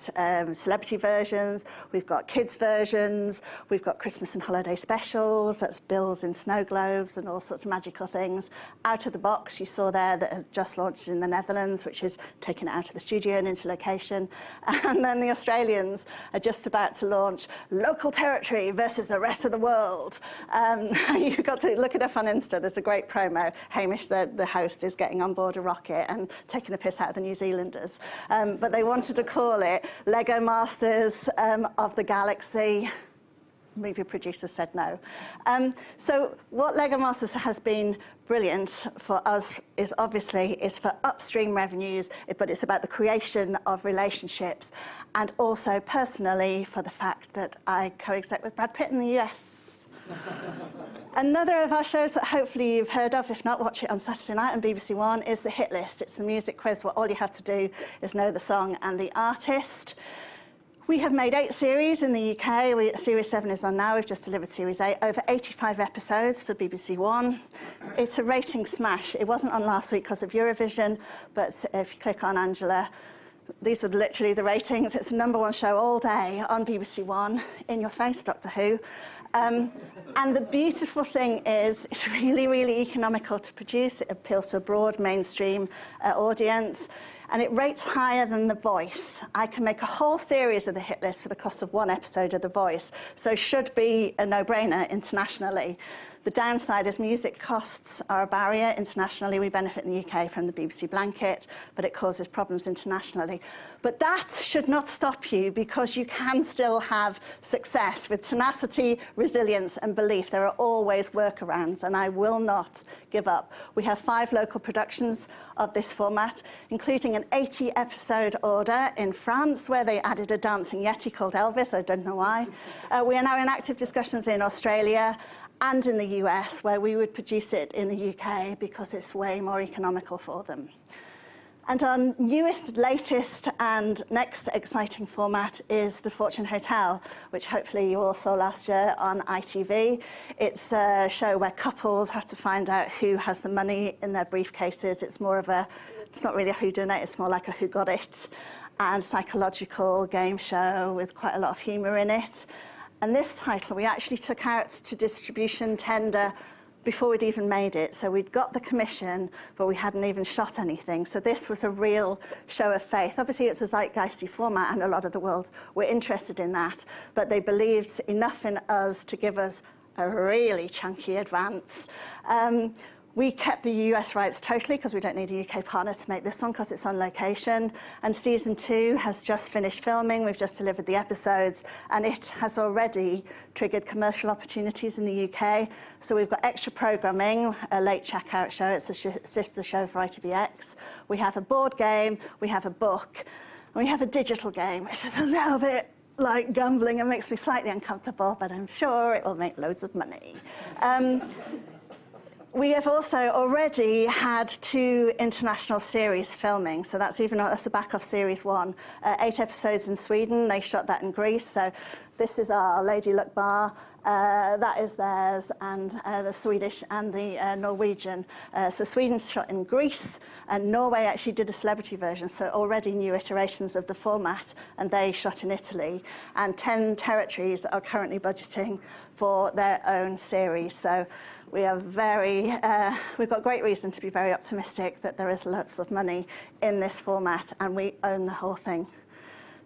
celebrity versions. We've got kids' versions. We've got Christmas and holiday specials. That's builds in snow globes and all sorts of magical things. Out of the box, you saw there that has just launched in the Netherlands, which is taking it out of the studio and into location. The Australians are just about to launch local territory versus the rest of the world. You've got to look it up on Insta. There's a great promo. Hamish, the host, is getting on board a rocket and taking the piss out of the New Zealanders. They wanted to call it Lego Masters of the Galaxy. Movie producers said no. What Lego Masters has been brilliant for us is obviously for upstream revenues, but it's about the creation of relationships and also personally for the fact that I co-exec with Brad Pitt in the U.S. Another of our shows that hopefully you've heard of, if not, watch it on Saturday night on BBC One, is The Hit List. It's the music quiz where all you have to do is know the song and the artist. We have made eight series in the U.K. Series seven is on now. We've just delivered series eight. Over 85 episodes for BBC One. It's a rating smash. It wasn't on last week because of Eurovision, but if you click on Angela, these are literally the ratings. It's the number one show all day on BBC One in your face, Doctor Who. The beautiful thing is it's really, really economical to produce. It appeals to a broad mainstream audience, and it rates higher than The Voice. I can make a whole series of The Hit List for the cost of one episode of The Voice. It should be a no-brainer internationally. The downside is music costs are a barrier internationally. We benefit in the U.K. from the BBC blanket, but it causes problems internationally. That should not stop you because you can still have success with tenacity, resilience, and belief. There are always workarounds, and I will not give up. We have five local productions of this format, including an 80-episode order in France where they added a dancing yeti called Elvis. I do not know why. We are now in active discussions in Australia and in the U.S. where we would produce it in the U.K. because it is way more economical for them. Our newest, latest, and next exciting format is The Fortune Hotel, which hopefully you all saw last year on ITV. It is a show where couples have to find out who has the money in their briefcases. It's more of a, it's not really a whodunit; it's more like a who-got-it and psychological game show with quite a lot of humor in it. This title, we actually took out to distribution tender before we'd even made it. We'd got the commission, but we hadn't even shot anything. This was a real show of faith. Obviously, it's a zeitgeisty format, and a lot of the world were interested in that, but they believed enough in us to give us a really chunky advance. We kept the U.S. rights totally because we don't need a U.K. partner to make this one because it's on location. Season two has just finished filming. We've just delivered the episodes, and it has already triggered commercial opportunities in the U.K. We've got extra programming, a late checkout show. It's a sister show of Right to Be X. We have a board game. We have a book. We have a digital game, which is a little bit like gambling. It makes me slightly uncomfortable, but I'm sure it will make loads of money. We have also already had two international series filming. That is even off the back of series one, eight episodes in Sweden. They shot that in Greece. This is our Lady Luck Bar. That is theirs in the Swedish and the Norwegian. Sweden's shot in Greece, and Norway actually did a celebrity version. Already new iterations of the format, and they shot in Italy. Ten territories are currently budgeting for their own series. We have very, we've got great reason to be very optimistic that there is lots of money in this format, and we own the whole thing.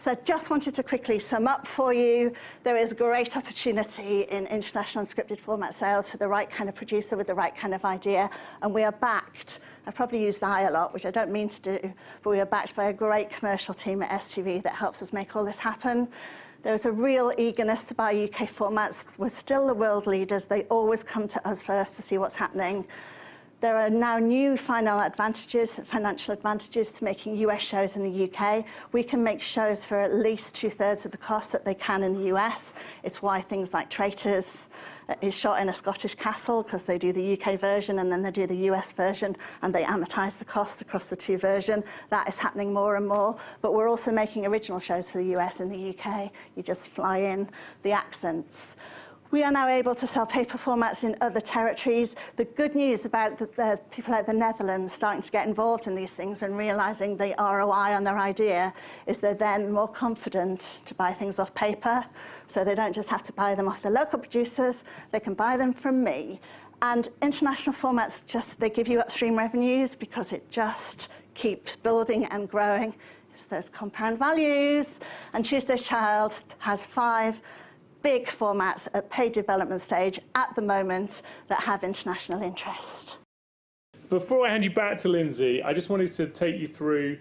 I just wanted to quickly sum up for you. There is great opportunity in international scripted format sales for the right kind of producer with the right kind of idea. We are backed. I probably use the I a lot, which I do not mean to do, but we are backed by a great commercial team at STV that helps us make all this happen. There is a real eagerness to buy U.K. formats. We are still the world leaders. They always come to us first to see what is happening. There are now new financial advantages to making U.S. shows in the U.K. We can make shows for at least two-thirds of the cost that they can in the U.S. It is why things like Traitors is shot in a Scottish castle because they do the U.K. version and then they do the U.S. version, and they amortize the cost across the two versions. That is happening more and more. We're also making original shows for the U.S. and the U.K. You just fly in the accents. We are now able to sell paper formats in other territories. The good news about the people in the Netherlands starting to get involved in these things and realizing the ROI on their idea is they're then more confident to buy things off paper. They don't just have to buy them off the local producers. They can buy them from me. International formats give you upstream revenues because it just keeps building and growing. It's those compound values. Tuesday's Child has five big formats at paid development stage at the moment that have international interest. Before I hand you back to Lindsay, I just wanted to take you through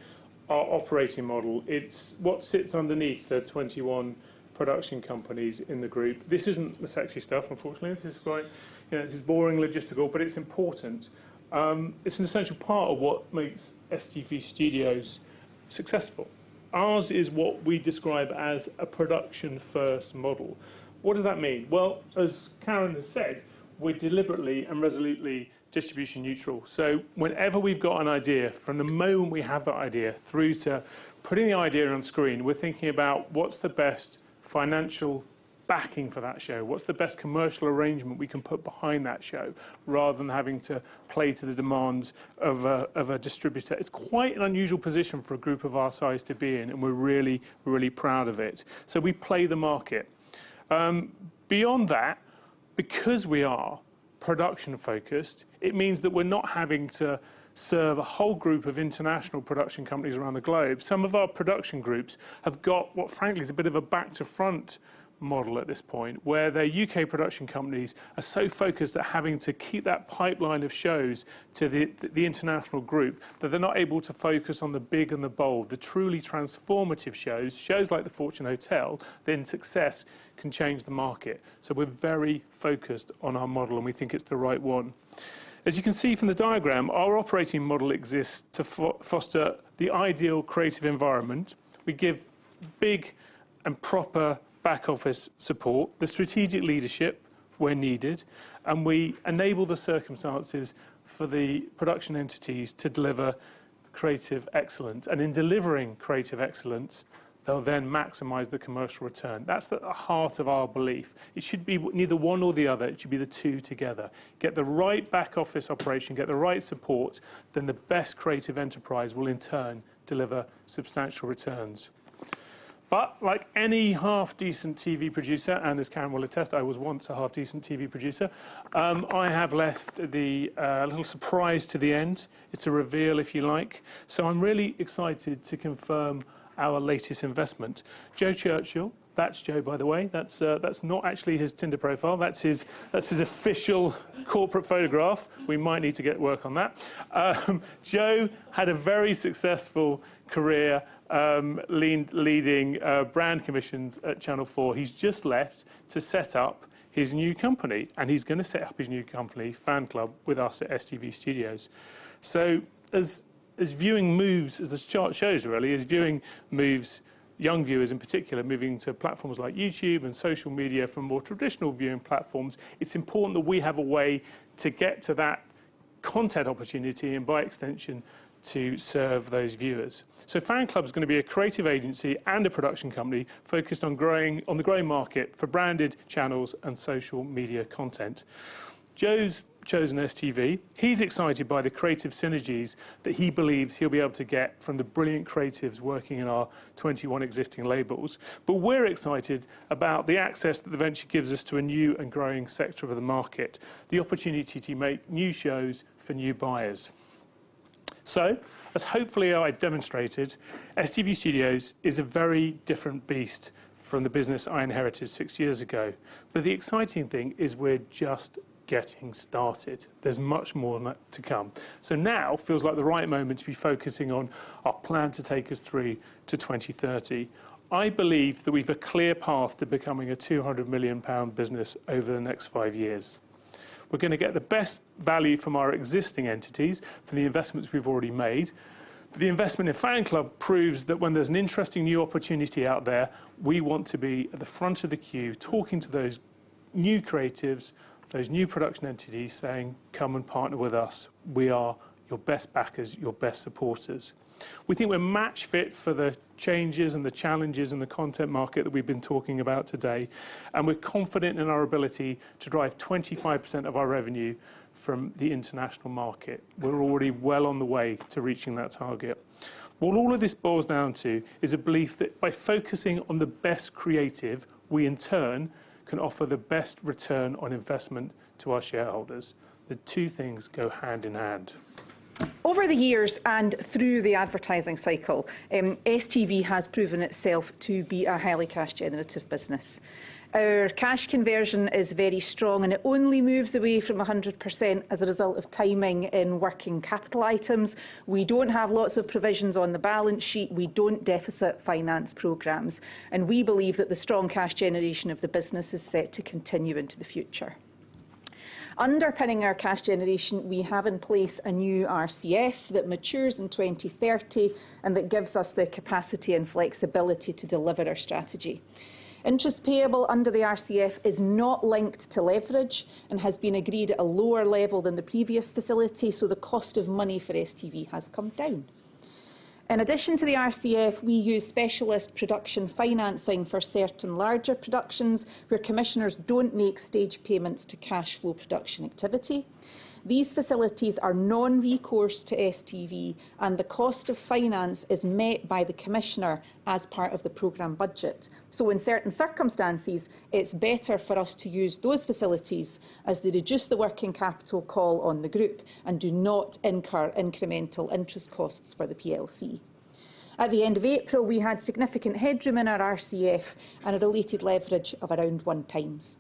our operating model. It's what sits underneath the 21 production companies in the group. This isn't the sexy stuff, unfortunately. This is quite, you know, this is boring logistical, but it's important. It's an essential part of what makes STV Studios successful. Ours is what we describe as a production-first model. What does that mean? As Karen has said, we're deliberately and resolutely distribution neutral. Whenever we've got an idea, from the moment we have the idea through to putting the idea on screen, we're thinking about what's the best financial backing for that show? What's the best commercial arrangement we can put behind that show rather than having to play to the demands of a distributor? It's quite an unusual position for a group of our size to be in, and we're really, really proud of it. We play the market. Beyond that, because we are production-focused, it means that we're not having to serve a whole group of international production companies around the globe. Some of our production groups have got what frankly is a bit of a back-to-front model at this point, where their U.K. production companies are so focused at having to keep that pipeline of shows to the international group that they're not able to focus on the big and the bold, the truly transformative shows, shows like The Fortune Hotel, then success can change the market. We are very focused on our model, and we think it's the right one. As you can see from the diagram, our operating model exists to foster the ideal creative environment. We give big and proper back-office support, the strategic leadership where needed, and we enable the circumstances for the production entities to deliver creative excellence. In delivering creative excellence, they'll then maximize the commercial return. That's the heart of our belief. It should be neither one nor the other. It should be the two together. Get the right back-office operation, get the right support, then the best creative enterprise will in turn deliver substantial returns. Like any half-decent TV producer, and as Karen will attest, I was once a half-decent TV producer, I have left a little surprise to the end. It's a reveal, if you like. I'm really excited to confirm our latest investment. Joe Churchill, that's Joe, by the way. That's not actually his Tinder profile. That's his official corporate photograph. We might need to get work on that. Joe had a very successful career leading brand commissions at Channel 4. He's just left to set up his new company, and he's going to set up his new company Fan Club with us at STV Studios. As viewing moves, as the chart shows really, as viewing moves, young viewers in particular, moving to platforms like YouTube and social media from more traditional viewing platforms, it's important that we have a way to get to that content opportunity and by extension to serve those viewers. Fan Club is going to be a creative agency and a production company focused on the growing market for branded channels and social media content. Joe's chosen STV. He's excited by the creative synergies that he believes he'll be able to get from the brilliant creatives working in our 21 existing labels. We're excited about the access that eventually gives us to a new and growing sector of the market, the opportunity to make new shows for new buyers. As hopefully I demonstrated, STV Studios is a very different beast from the business I inherited six years ago. The exciting thing is we're just getting started. There's much more to come. Now feels like the right moment to be focusing on our plan to take us through to 2030. I believe that we've a clear path to becoming a 200 million pound business over the next five years. We're going to get the best value from our existing entities for the investments we've already made. The investment in Fan Club proves that when there's an interesting new opportunity out there, we want to be at the front of the queue talking to those new creatives, those new production entities saying, "Come and partner with us. We are your best backers, your best supporters." We think we're match fit for the changes and the challenges in the content market that we've been talking about today. We are confident in our ability to drive 25% of our revenue from the international market. We're already well on the way to reaching that target. What all of this boils down to is a belief that by focusing on the best creative, we in turn can offer the best return on investment to our shareholders. The two things go hand in hand. Over the years and through the advertising cycle, STV has proven itself to be a highly cash-generative business. Our cash conversion is very strong, and it only moves away from 100% as a result of timing in working capital items. We do not have lots of provisions on the balance sheet. We do not deficit finance programs. We believe that the strong cash generation of the business is set to continue into the future. Underpinning our cash generation, we have in place a new RCF that matures in 2030 and that gives us the capacity and flexibility to deliver our strategy. Interest payable under the RCF is not linked to leverage and has been agreed at a lower level than the previous facility, so the cost of money for STV has come down. In addition to the RCF, we use specialist production financing for certain larger productions where commissioners do not make stage payments to cash flow production activity. These facilities are non-recourse to STV, and the cost of finance is met by the commissioner as part of the program budget. In certain circumstances, it's better for us to use those facilities as they reduce the working capital call on the group and do not incur incremental interest costs for the PLC. At the end of April, we had significant headroom in our RCF and a related leverage of around one times.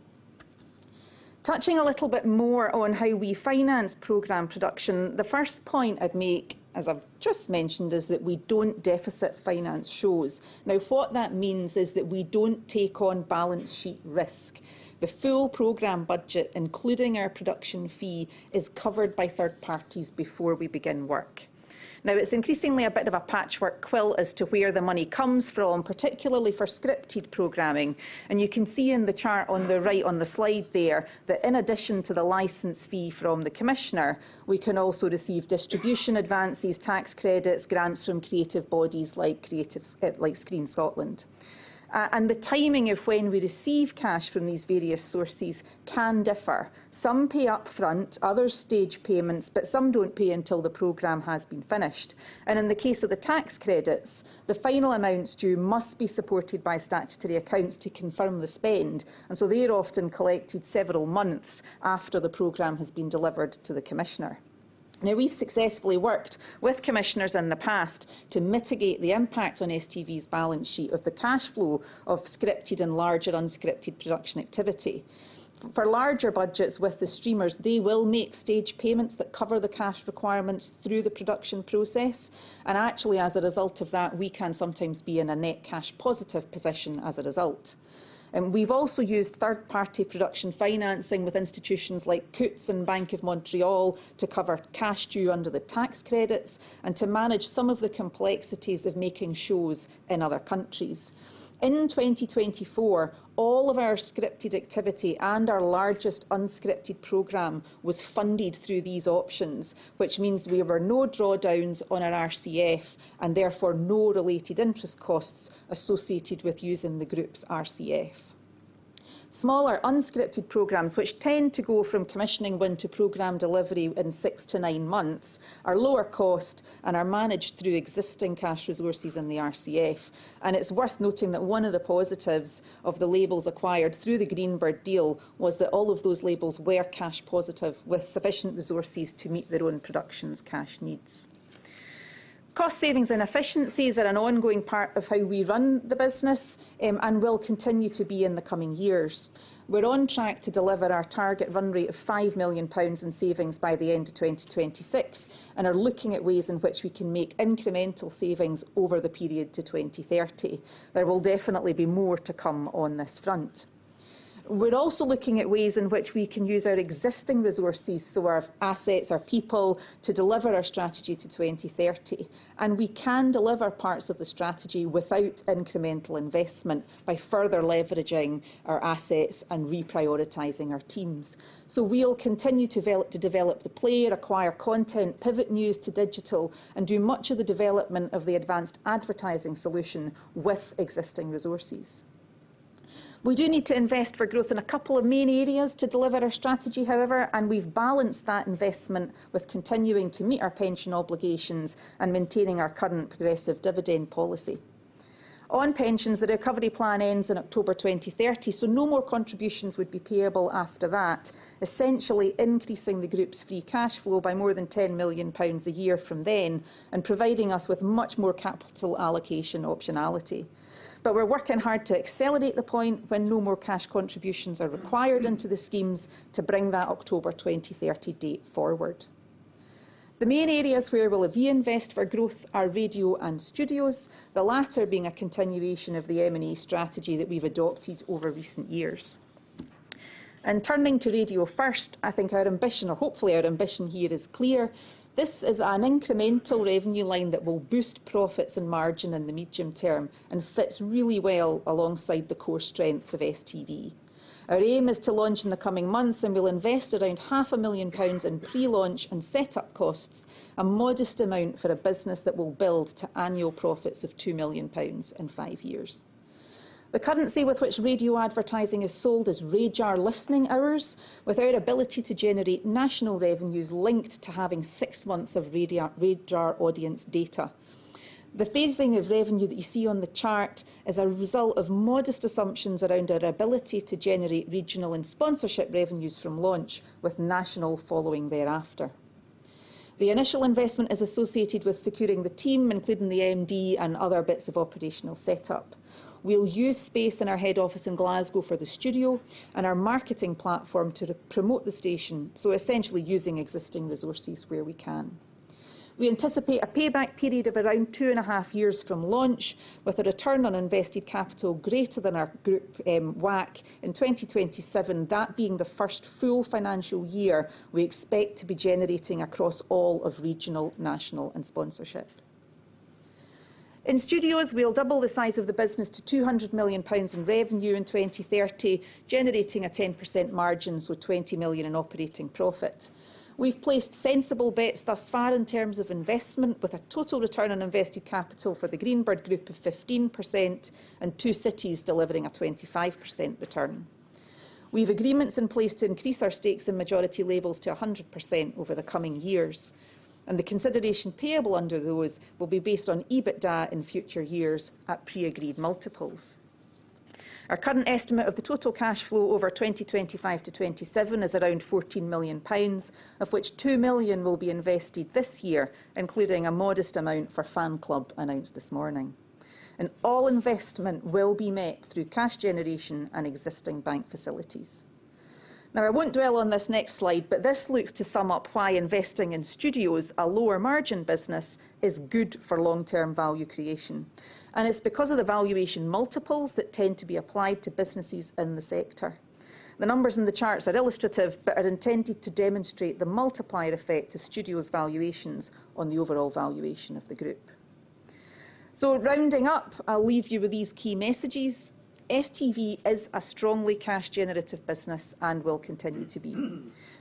Touching a little bit more on how we finance program production, the first point I'd make, as I've just mentioned, is that we don't deficit finance shows. What that means is that we don't take on balance sheet risk. The full program budget, including our production fee, is covered by third parties before we begin work. Now, it's increasingly a bit of a patchwork quilt as to where the money comes from, particularly for scripted programming. You can see in the chart on the right on the slide there that in addition to the license fee from the commissioner, we can also receive distribution advances, tax credits, grants from creative bodies like Screen Scotland. The timing of when we receive cash from these various sources can differ. Some pay upfront, others stage payments, but some do not pay until the program has been finished. In the case of the tax credits, the final amounts due must be supported by statutory accounts to confirm the spend. They are often collected several months after the program has been delivered to the commissioner. Now, we've successfully worked with commissioners in the past to mitigate the impact on STV's balance sheet of the cash flow of scripted and larger unscripted production activity. For larger budgets with the streamers, they will make stage payments that cover the cash requirements through the production process. Actually, as a result of that, we can sometimes be in a net cash positive position as a result. We've also used third-party production financing with institutions like Coutts and Bank of Montreal to cover cash due under the tax credits and to manage some of the complexities of making shows in other countries. In 2024, all of our scripted activity and our largest unscripted program was funded through these options, which means there were no drawdowns on our RCF and therefore no related interest costs associated with using the group's RCF. Smaller unscripted programs, which tend to go from commissioning one to program delivery in six to nine months, are lower cost and are managed through existing cash resources in the RCF. It is worth noting that one of the positives of the labels acquired through the Greenbird deal was that all of those labels were cash positive with sufficient resources to meet their own production's cash needs. Cost savings and efficiencies are an ongoing part of how we run the business and will continue to be in the coming years. We are on track to deliver our target run rate of 5 million pounds in savings by the end of 2026 and are looking at ways in which we can make incremental savings over the period to 2030. There will definitely be more to come on this front. We're also looking at ways in which we can use our existing resources, so our assets or people, to deliver our strategy to 2030. We can deliver parts of the strategy without incremental investment by further leveraging our assets and reprioritizing our teams. We'll continue to develop the player, acquire content, pivot news to digital, and do much of the development of the advanced advertising solution with existing resources. We do need to invest for growth in a couple of main areas to deliver our strategy, however, and we've balanced that investment with continuing to meet our pension obligations and maintaining our current progressive dividend policy. On pensions, the recovery plan ends in October 2030, so no more contributions would be payable after that, essentially increasing the group's free cash flow by more than 10 million pounds a year from then and providing us with much more capital allocation optionality. We are working hard to accelerate the point when no more cash contributions are required into the schemes to bring that October 2030 date forward. The main areas where we will reinvest for growth are radio and studios, the latter being a continuation of the M&E strategy that we have adopted over recent years. Turning to radio first, I think our ambition, or hopefully our ambition here is clear. This is an incremental revenue line that will boost profits and margin in the medium term and fits really well alongside the core strengths of STV. Our aim is to launch in the coming months and we'll invest around 500,000 pounds in pre-launch and setup costs, a modest amount for a business that will build to annual profits of 2 million pounds in five years. The currency with which radio advertising is sold is RADAR listening hours without ability to generate national revenues linked to having six months of RADAR audience data. The phasing of revenue that you see on the chart is a result of modest assumptions around our ability to generate regional and sponsorship revenues from launch, with national following thereafter. The initial investment is associated with securing the team, including the MD and other bits of operational setup. We'll use space in our head office in Glasgow for the studio and our marketing platform to promote the station, so essentially using existing resources where we can. We anticipate a payback period of around two and a half years from launch, with a return on invested capital greater than our group WACC in 2027, that being the first full financial year we expect to be generating across all of regional, national, and sponsorship. In studios, we'll double the size of the business to 200 million pounds in revenue in 2030, generating a 10% margin, so 20 million in operating profit. We've placed sensible bets thus far in terms of investment, with a total return on invested capital for the Greenbird group of 15% and Two Cities delivering a 25% return. We've agreements in place to increase our stakes in majority labels to 100% over the coming years. The consideration payable under those will be based on EBITDA in future years at pre-agreed multiples. Our current estimate of the total cash flow over 2025 to 2027 is around 14 million pounds, of which 2 million will be invested this year, including a modest amount for Fan Club announced this morning. All investment will be met through cash generation and existing bank facilities. Now, I won't dwell on this next slide, but this looks to sum up why investing in studios, a lower margin business, is good for long-term value creation. It is because of the valuation multiples that tend to be applied to businesses in the sector. The numbers in the charts are illustrative, but are intended to demonstrate the multiplier effect of studios' valuations on the overall valuation of the group. Rounding up, I'll leave you with these key messages. STV is a strongly cash-generative business and will continue to be.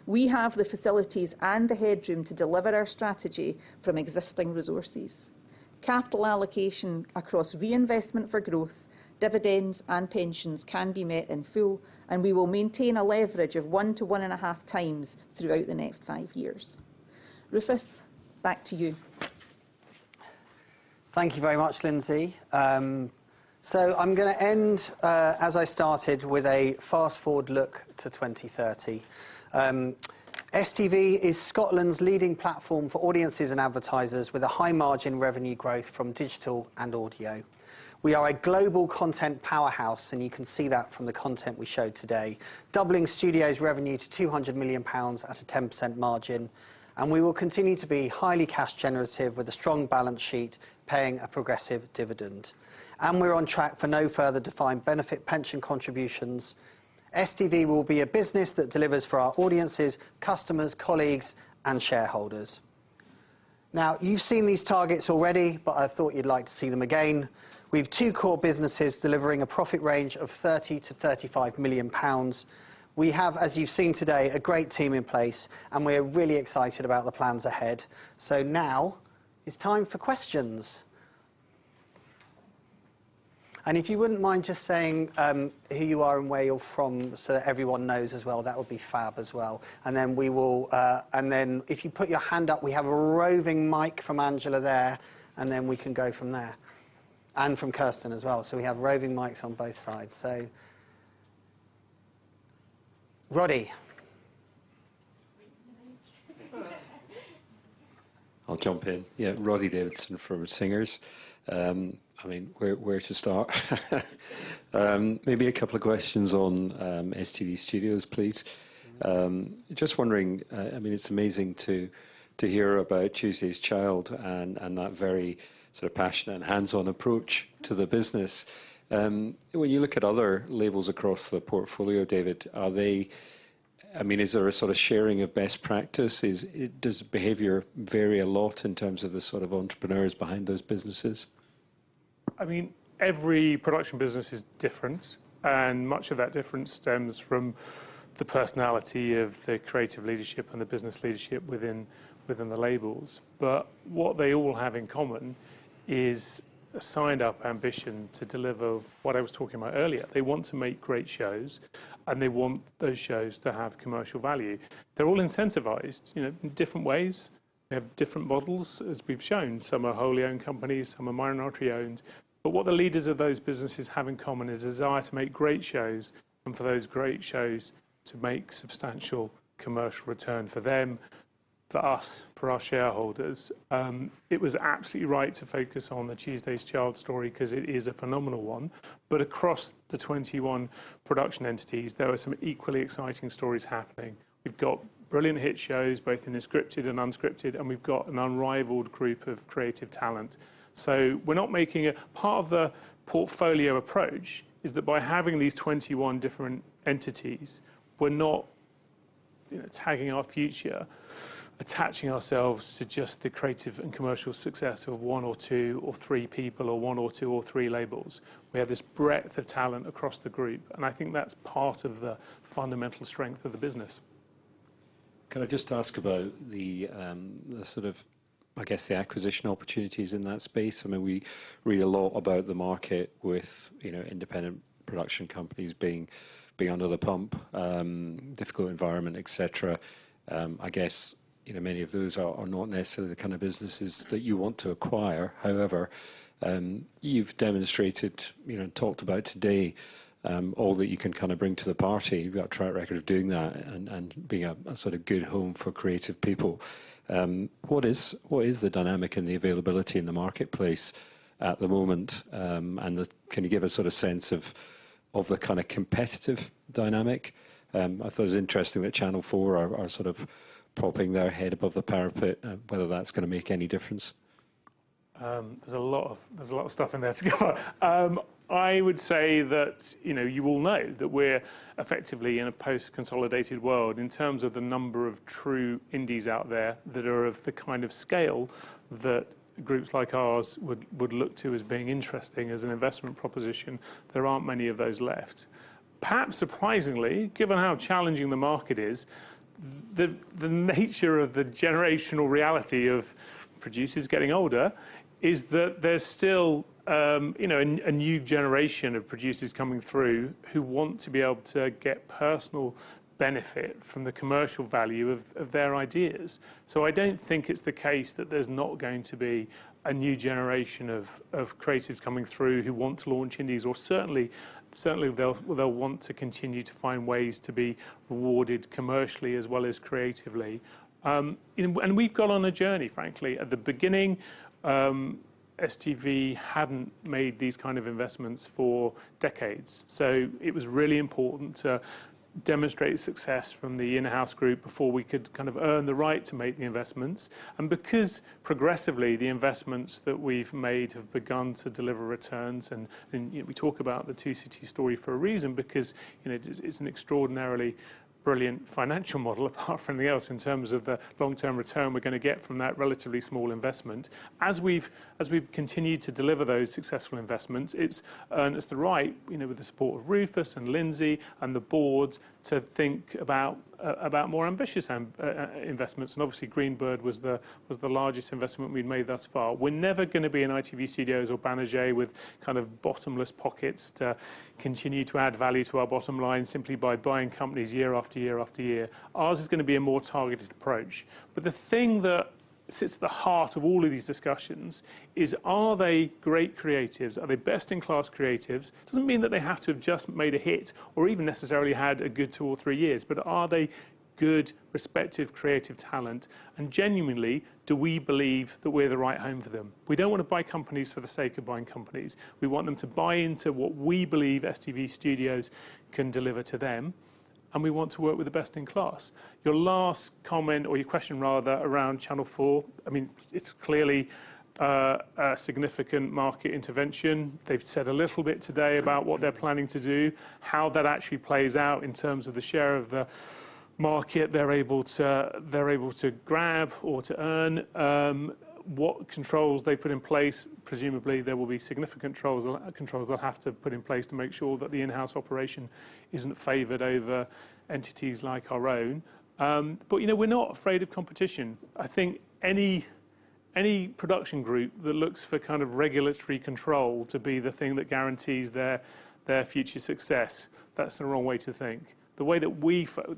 We have the facilities and the headroom to deliver our strategy from existing resources. Capital allocation across reinvestment for growth, dividends, and pensions can be met in full, and we will maintain a leverage of 1-1.5 times throughout the next five years. Rufus, back to you. Thank you very much, Lindsay. I am going to end, as I started, with a fast forward look to 2030. STV is Scotland's leading platform for audiences and advertisers with a high margin revenue growth from digital and audio. We are a global content powerhouse, and you can see that from the content we showed today, doubling studios' revenue to 200 million pounds at a 10% margin. We will continue to be highly cash-generative with a strong balance sheet, paying a progressive dividend. We are on track for no further defined benefit pension contributions. STV will be a business that delivers for our audiences, customers, colleagues, and shareholders. Now, you have seen these targets already, but I thought you would like to see them again. We have two core businesses delivering a profit range of 30 million-35 million pounds. We have, as you have seen today, a great team in place, and we are really excited about the plans ahead. Now, it is time for questions. If you would not mind just saying who you are and where you are from so that everyone knows as well, that would be fab as well. If you put your hand up, we have a roving mic from Angela there, and we can go from there. And from Kirsten as well. We have roving mics on both sides. Roddy. I will jump in. Yeah, Roddy Davidson from Singers. I mean, where to start? Maybe a couple of questions on STV Studios, please. Just wondering, I mean, it's amazing to hear about Tuesday's Child and that very sort of passionate and hands-on approach to the business. When you look at other labels across the portfolio, David, are they, I mean, is there a sort of sharing of best practices? Does behavior vary a lot in terms of the sort of entrepreneurs behind those businesses? I mean, every production business is different, and much of that difference stems from the personality of the creative leadership and the business leadership within the labels. What they all have in common is a signed-up ambition to deliver what I was talking about earlier. They want to make great shows, and they want those shows to have commercial value. They're all incentivized in different ways. They have different models, as we've shown. Some are wholly owned companies, some are minority owned. What the leaders of those businesses have in common is a desire to make great shows, and for those great shows to make substantial commercial return for them, for us, for our shareholders. It was absolutely right to focus on the Tuesday's Child story because it is a phenomenal one. Across the 21 production entities, there are some equally exciting stories happening. We've got brilliant hit shows, both in the scripted and unscripted, and we've got an unrivaled group of creative talent. We're not making a part of the portfolio approach is that by having these 21 different entities, we're not tagging our future, attaching ourselves to just the creative and commercial success of one or two or three people or one or two or three labels. We have this breadth of talent across the group, and I think that's part of the fundamental strength of the business. Can I just ask about the sort of, I guess, the acquisition opportunities in that space? I mean, we read a lot about the market with independent production companies being under the pump, difficult environment, etc. I guess many of those are not necessarily the kind of businesses that you want to acquire. However, you've demonstrated and talked about today all that you can kind of bring to the party. You've got a track record of doing that and being a sort of good home for creative people. What is the dynamic and the availability in the marketplace at the moment? Can you give a sort of sense of the kind of competitive dynamic? I thought it was interesting that Channel 4 are sort of popping their head above the parapet, whether that's going to make any difference. There's a lot of stuff in there to cover. I would say that you all know that we're effectively in a post-consolidated world. In terms of the number of true indies out there that are of the kind of scale that groups like ours would look to as being interesting as an investment proposition, there aren't many of those left. Perhaps surprisingly, given how challenging the market is, the nature of the generational reality of producers getting older is that there's still a new generation of producers coming through who want to be able to get personal benefit from the commercial value of their ideas. I don't think it's the case that there's not going to be a new generation of creatives coming through who want to launch indies, or certainly they'll want to continue to find ways to be rewarded commercially as well as creatively. We've gone on a journey, frankly. At the beginning, STV hadn't made these kind of investments for decades. It was really important to demonstrate success from the in-house group before we could kind of earn the right to make the investments. Because progressively the investments that we've made have begun to deliver returns, and we talk about the 2CT story for a reason, because it's an extraordinarily brilliant financial model apart from anything else in terms of the long-term return we're going to get from that relatively small investment. As we've continued to deliver those successful investments, it's earned us the right, with the support of Rufus and Lindsay and the board, to think about more ambitious investments. Obviously, Greenbird was the largest investment we've made thus far. We're never going to be an ITV Studios or Banijay with kind of bottomless pockets to continue to add value to our bottom line simply by buying companies year after year after year. Ours is going to be a more targeted approach. The thing that sits at the heart of all of these discussions is, are they great creatives? Are they best-in-class creatives? It doesn't mean that they have to have just made a hit or even necessarily had a good two or three years, but are they good, respective creative talent? Genuinely, do we believe that we're the right home for them? We don't want to buy companies for the sake of buying companies. We want them to buy into what we believe STV Studios can deliver to them, and we want to work with the best in class. Your last comment, or your question rather, around Channel 4, I mean, it's clearly a significant market intervention. They've said a little bit today about what they're planning to do, how that actually plays out in terms of the share of the market they're able to grab or to earn, what controls they put in place. Presumably, there will be significant controls they'll have to put in place to make sure that the in-house operation isn't favored over entities like our own. We're not afraid of competition. I think any production group that looks for kind of regulatory control to be the thing that guarantees their future success, that's the wrong way to think. The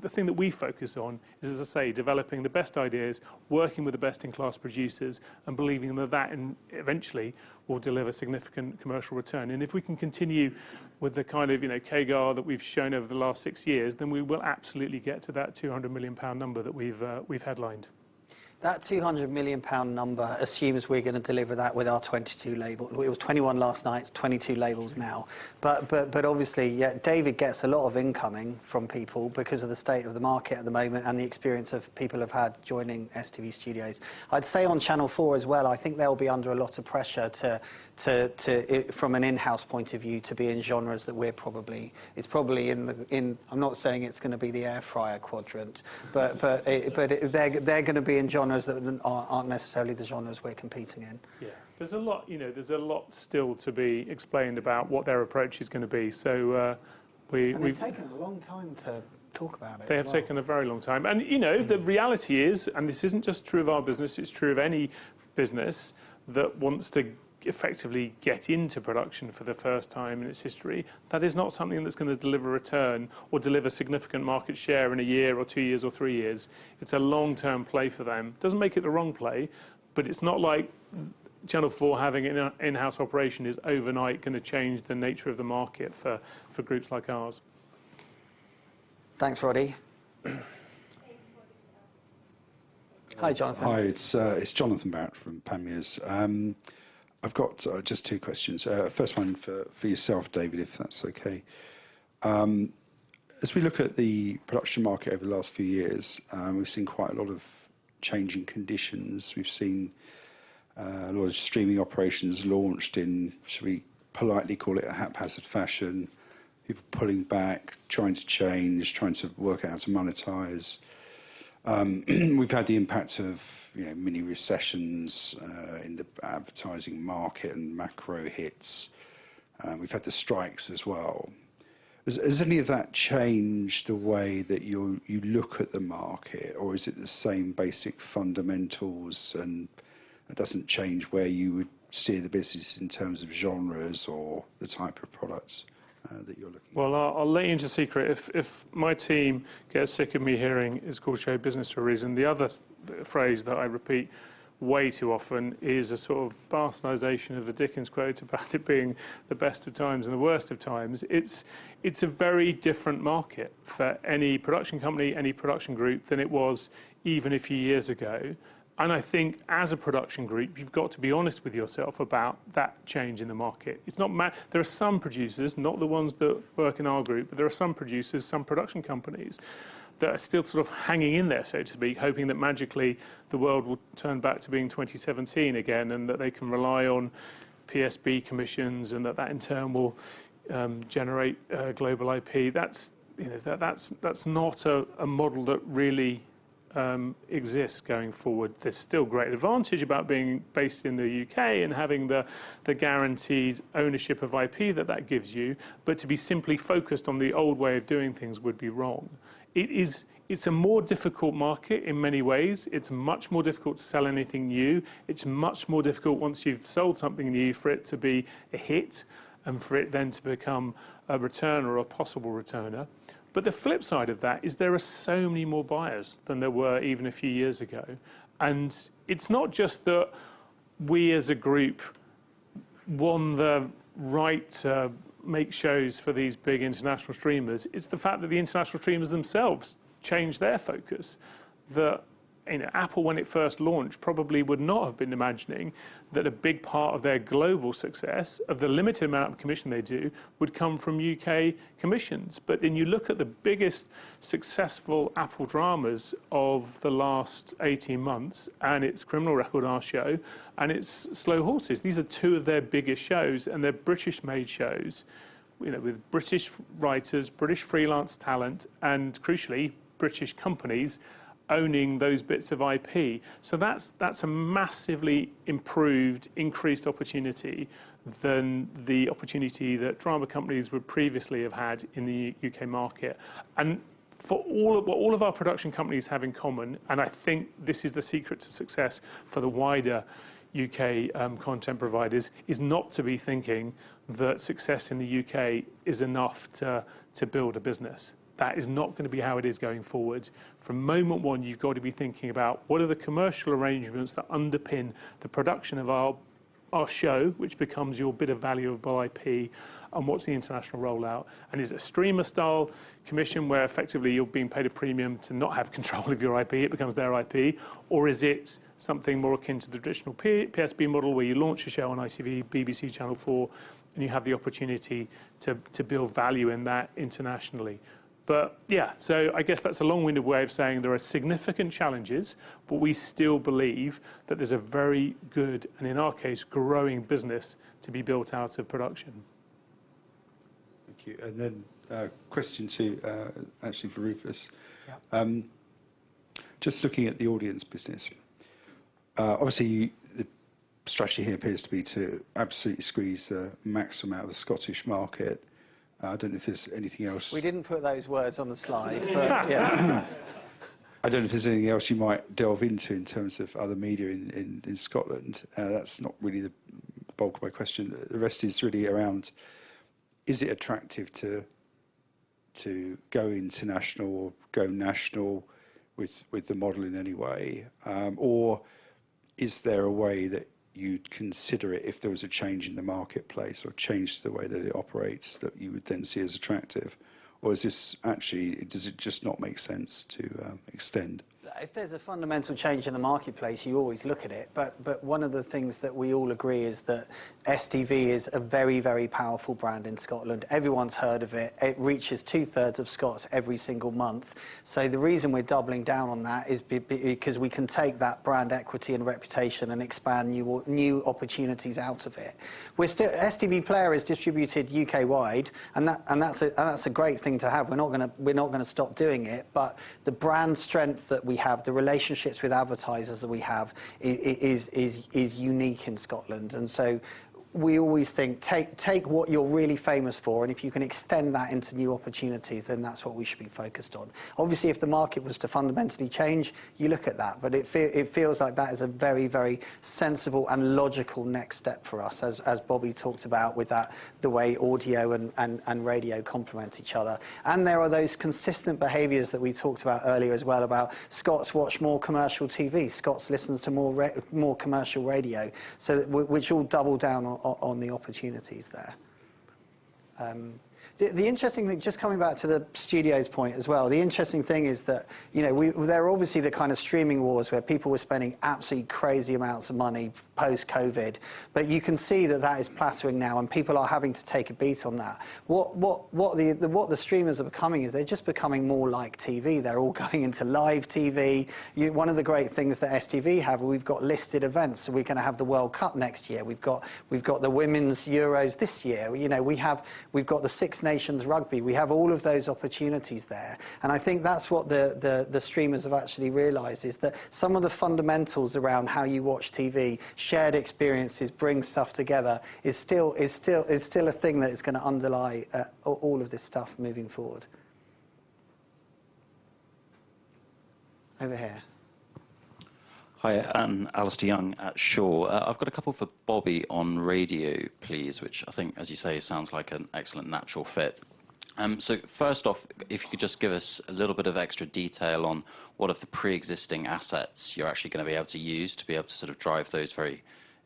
thing that we focus on is, as I say, developing the best ideas, working with the best-in-class producers, and believing that that eventually will deliver significant commercial return. If we can continue with the kind of CAGR that we've shown over the last six years, we will absolutely get to that 200 million pound number that we've headlined. That 200 million pound number assumes we're going to deliver that with our 22 labels. It was 21 last night, it's 22 labels now. Obviously, David gets a lot of incoming from people because of the state of the market at the moment and the experience of people who have had joining STV Studios. I'd say on Channel 4 as well, I think they'll be under a lot of pressure from an in-house point of view to be in genres that we're probably... It's probably in... I'm not saying it's going to be the air fryer quadrant, but they're going to be in genres that aren't necessarily the genres we're competing in. Yeah. There's a lot still to be explained about what their approach is going to be. We've taken a long time to talk about it. They have taken a very long time. The reality is, and this isn't just true of our business, it's true of any business that wants to effectively get into production for the first time in its history, that is not something that's going to deliver return or deliver significant market share in a year or two years or three years. It's a long-term play for them. It doesn't make it the wrong play, but it's not like Channel 4 having an in-house operation is overnight going to change the nature of the market for groups like ours. Thanks, Roddy. Hi, Jonathan. Hi, it's Jonathan Barrett from Panmure. I've got just two questions. First one for yourself, David, if that's okay. As we look at the production market over the last few years, we've seen quite a lot of changing conditions. We've seen a lot of streaming operations launched in, shall we politely call it, a haphazard fashion. People pulling back, trying to change, trying to work out how to monetize. We've had the impact of mini recessions in the advertising market and macro hits. We've had the strikes as well. Has any of that changed the way that you look at the market, or is it the same basic fundamentals? It does not change where you would see the business in terms of genres or the type of products that you are looking for. I will let you into a secret. If my team gets sick of me hearing, "It is called show business for a reason," the other phrase that I repeat way too often is a sort of bastardisation of a Dickens quote about it being the best of times and the worst of times. It is a very different market for any production company, any production group than it was even a few years ago. I think as a production group, you have to be honest with yourself about that change in the market. There are some producers, not the ones that work in our group, but there are some producers, some production companies that are still sort of hanging in there, so to speak, hoping that magically the world will turn back to being 2017 again and that they can rely on PSB commissions and that that in turn will generate global IP. That's not a model that really exists going forward. There's still great advantage about being based in the U.K. and having the guaranteed ownership of IP that that gives you, but to be simply focused on the old way of doing things would be wrong. It's a more difficult market in many ways. It's much more difficult to sell anything new. It's much more difficult once you've sold something new for it to be a hit and for it then to become a return or a possible returner. The flip side of that is there are so many more buyers than there were even a few years ago. It's not just that we as a group won the right to make shows for these big international streamers. It's the fact that the international streamers themselves changed their focus. Apple, when it first launched, probably would not have been imagining that a big part of their global success, of the limited amount of commission they do, would come from U.K. commissions. You look at the biggest successful Apple dramas of the last 18 months and it's Criminal Record, our show, and it's Slow Horses. These are two of their biggest shows, and they're British-made shows with British writers, British freelance talent, and crucially, British companies owning those bits of IP. That's a massively improved, increased opportunity than the opportunity that drama companies would previously have had in the U.K. market. What all of our production companies have in common, and I think this is the secret to success for the wider U.K. content providers, is not to be thinking that success in the U.K. is enough to build a business. That is not going to be how it is going forward. From moment one, you've got to be thinking about what are the commercial arrangements that underpin the production of our show, which becomes your bit of valuable IP, and what's the international rollout? Is it a streamer-style commission where effectively you're being paid a premium to not have control of your IP? It becomes their IP. Is it something more akin to the traditional PSB model where you launch a show on ITV, BBC, Channel 4, and you have the opportunity to build value in that internationally? Yeah, I guess that's a long-winded way of saying there are significant challenges, but we still believe that there's a very good, and in our case, growing business to be built out of production. Thank you. Question two, actually for Rufus. Just looking at the audience business, obviously the strategy here appears to be to absolutely squeeze the maximum out of the Scottish market. I don't know if there's anything else. We didn't put those words on the slide, but yeah. I don't know if there's anything else you might delve into in terms of other media in Scotland. That's not really the bulk of my question. The rest is really around, is it attractive to go international or go national with the model in any way? Or is there a way that you'd consider it if there was a change in the marketplace or change to the way that it operates that you would then see as attractive? Or is this actually, does it just not make sense to extend? If there's a fundamental change in the marketplace, you always look at it. One of the things that we all agree is that STV is a very, very powerful brand in Scotland. Everyone's heard of it. It reaches two-thirds of Scots every single month. The reason we're doubling down on that is because we can take that brand equity and reputation and expand new opportunities out of it. STV Player is distributed U.K.-wide, and that's a great thing to have. We're not going to stop doing it, but the brand strength that we have, the relationships with advertisers that we have is unique in Scotland. We always think, take what you're really famous for, and if you can extend that into new opportunities, then that's what we should be focused on. Obviously, if the market was to fundamentally change, you look at that, but it feels like that is a very, very sensible and logical next step for us, as Bobby talked about with the way audio and radio complement each other. There are those consistent behaviors that we talked about earlier as well about Scots watch more commercial TV. Scots listen to more commercial radio, which will double down on the opportunities there. The interesting thing, just coming back to the studios point as well, the interesting thing is that there are obviously the kind of streaming wars where people were spending absolutely crazy amounts of money post-COVID, but you can see that that is plateauing now and people are having to take a beat on that. What the streamers are becoming is they're just becoming more like TV. They're all going into live TV. One of the great things that STV have, we've got listed events, so we're going to have the World Cup next year. We've got the Women's Euros this year. We've got the Six Nations Rugby. We have all of those opportunities there. I think that's what the streamers have actually realized is that some of the fundamentals around how you watch TV, shared experiences, bring stuff together is still a thing that is going to underlie all of this stuff moving forward. Over here. Hi, I'm Alistair Young at Shaw. I've got a couple for Bobby on radio, please, which I think, as you say, sounds like an excellent natural fit. First off, if you could just give us a little bit of extra detail on what of the pre-existing assets you're actually going to be able to use to be able to sort of drive those very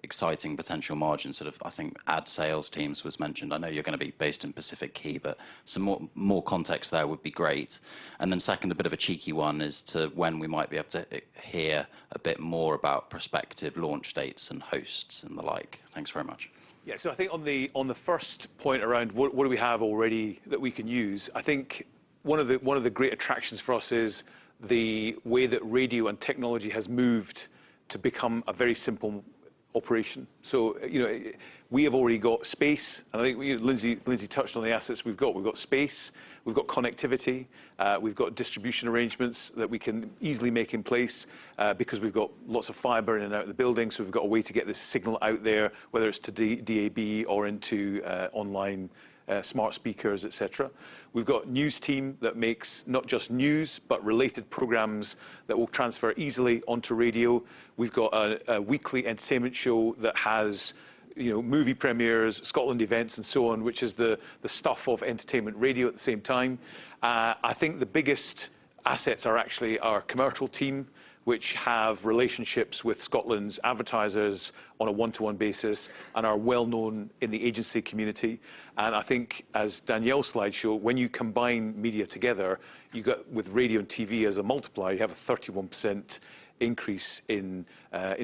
exciting potential margins. I think ad sales teams was mentioned. I know you're going to be based in Pacific Quay, but some more context there would be great. And then second, a bit of a cheeky one is to when we might be able to hear a bit more about prospective launch dates and hosts and the like. Thanks very much. Yeah, I think on the first point around what do we have already that we can use, I think one of the great attractions for us is the way that radio and technology has moved to become a very simple operation. We have already got space, and I think Lindsay touched on the assets we have got. We have got space, we have got connectivity, we have got distribution arrangements that we can easily make in place because we have got lots of fiber in and out of the building, so we have got a way to get this signal out there, whether it is to DAB or into online smart speakers, etc. We've got a news team that makes not just news, but related programs that will transfer easily onto radio. We've got a weekly entertainment show that has movie premieres, Scotland events, and so on, which is the stuff of entertainment radio at the same time. I think the biggest assets are actually our commercial team, which have relationships with Scotland's advertisers on a one-to-one basis and are well-known in the agency community. I think as Danielle's slides show, when you combine media together with radio and TV as a multiplier, you have a 31% increase in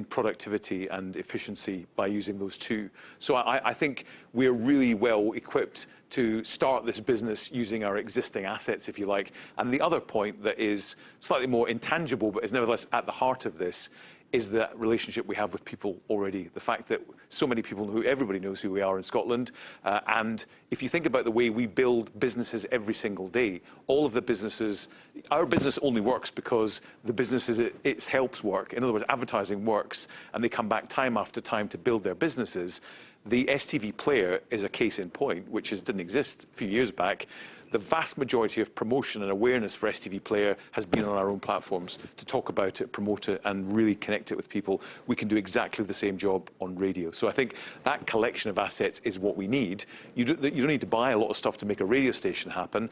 productivity and efficiency by using those two. I think we're really well equipped to start this business using our existing assets, if you like. The other point that is slightly more intangible, but is nevertheless at the heart of this, is the relationship we have with people already. The fact that so many people know who we are in Scotland. If you think about the way we build businesses every single day, all of the businesses, our business only works because the businesses it helps work. In other words, advertising works, and they come back time after time to build their businesses. The STV Player is a case in point, which did not exist a few years back. The vast majority of promotion and awareness for STV Player has been on our own platforms to talk about it, promote it, and really connect it with people. We can do exactly the same job on radio. I think that collection of assets is what we need. You do not need to buy a lot of stuff to make a radio station happen.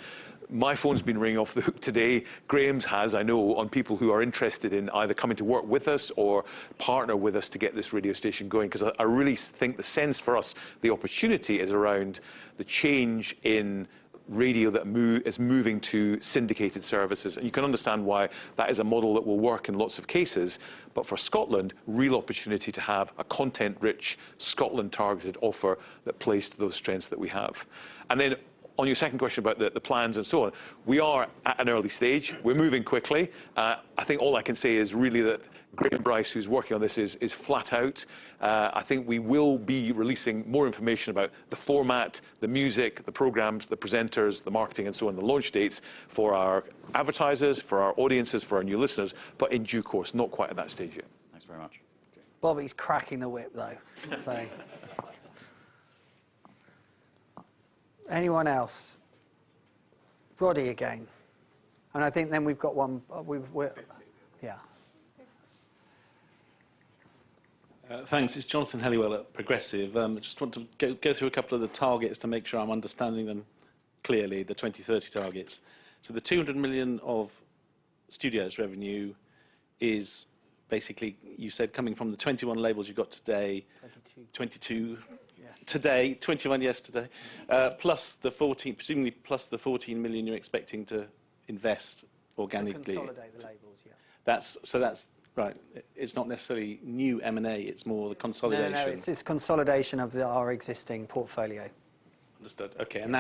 My phone's been ringing off the hook today. Graham has, I know, on people who are interested in either coming to work with us or partner with us to get this radio station going. I really think the sense for us, the opportunity is around the change in radio that is moving to syndicated services. You can understand why that is a model that will work in lots of cases. For Scotland, real opportunity to have a content-rich, Scotland-targeted offer that plays to those strengths that we have. On your second question about the plans and so on, we are at an early stage. We're moving quickly. I think all I can say is really that Graham Bryce, who's working on this, is flat out. I think we will be releasing more information about the format, the music, the programmes, the presenters, the marketing, and so on, the launch dates for our advertisers, for our audiences, for our new listeners, but in due course, not quite at that stage yet. Thanks very much. Bobby's cracking the whip, though. Anyone else? Roddy again. I think then we've got one. Yeah. Thanks. It's Jonathan Helliwell at Progressive. I just want to go through a couple of the targets to make sure I'm understanding them clearly, the 2030 targets. The 200 million of studios revenue is basically, you said, coming from the 21 labels you've got today. Twenty-two. Twenty-two today, 21 yesterday, plus the 14 million, presumably plus the 14 million you're expecting to invest organically. To consolidate the labels, yeah. That's right, it's not necessarily new M&A, it's more the consolidation. It's consolidation of our existing portfolio. Understood. Okay. And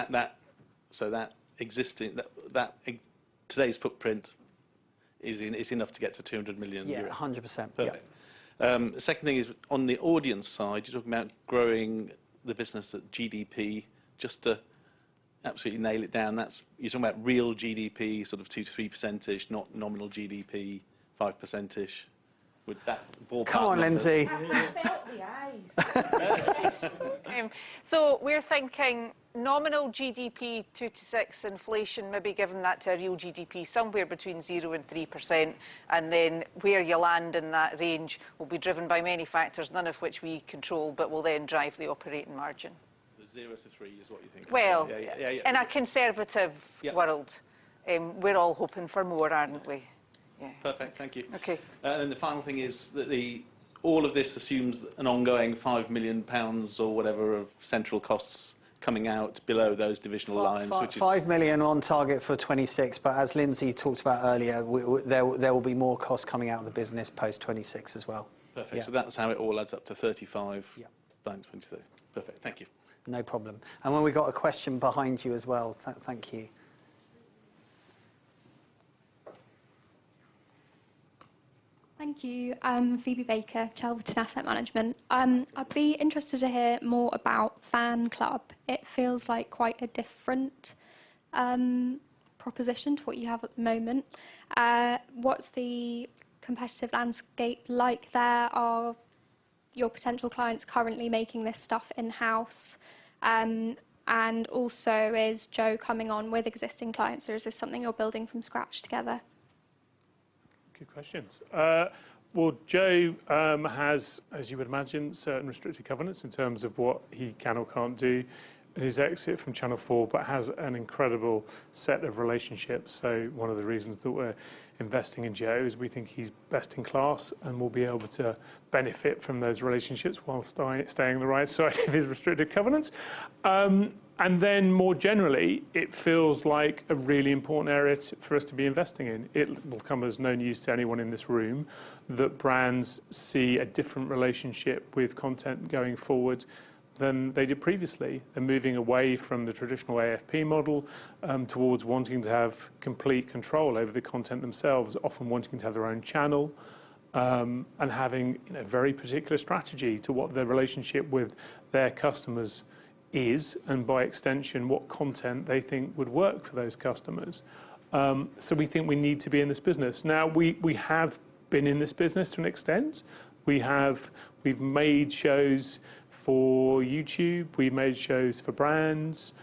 so that existing, that today's footprint is enough to get to 200 million a year. Yeah, 100%. Perfect. Second thing is on the audience side, you're talking about growing the business at GDP, just to absolutely nail it down. You're talking about real GDP, sort of 2-3%, not nominal GDP, 5%. Would that ballpark be? Come on, Lindsay. So we're thinking nominal GDP 2-6% inflation, maybe given that to real GDP, somewhere between 0 and 3%. And then where you land in that range will be driven by many factors, none of which we control, but will then drive the operating margin. The 0-3% is what you think? In a conservative world, we're all hoping for more, aren't we? Yeah. Perfect. Thank you. Okay. And then the final thing is that all of this assumes an ongoing 5 million pounds or whatever of central costs coming out below those divisional lines. 5 million on target for 2026, but as Lindsay talked about earlier, there will be more costs coming out of the business post 2026 as well. Perfect. That is how it all adds up to 35 million by 2026. Perfect. Thank you. No problem. We have a question behind you as well, thank you. Thank you. Phoebe Baker, Chelverton Asset Management. I would be interested to hear more about Fan Club. It feels like quite a different proposition to what you have at the moment. What is the competitive landscape like there? Are your potential clients currently making this stuff in-house? Also, is Joe coming on with existing clients, or is this something you are building from scratch together? Good questions. Joe has, as you would imagine, certain restrictive covenants in terms of what he can or cannot do. He is exit from Channel 4, but has an incredible set of relationships. One of the reasons that we are investing in Joe is we think he is best in class and will be able to benefit from those relationships while staying on the right side of his restrictive covenants. More generally, it feels like a really important area for us to be investing in. It will come as no news to anyone in this room that brands see a different relationship with content going forward than they did previously. They're moving away from the traditional AFP model towards wanting to have complete control over the content themselves, often wanting to have their own channel and having a very particular strategy to what their relationship with their customers is, and by extension, what content they think would work for those customers. We think we need to be in this business. Now, we have been in this business to an extent. We've made shows for YouTube. We've made shows for brands.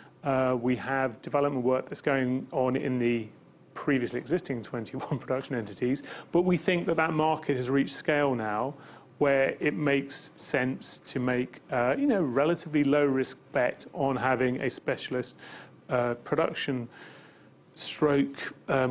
We have development work that's going on in the previously existing 21 production entities. We think that that market has reached scale now where it makes sense to make a relatively low-risk bet on having a specialist production stroke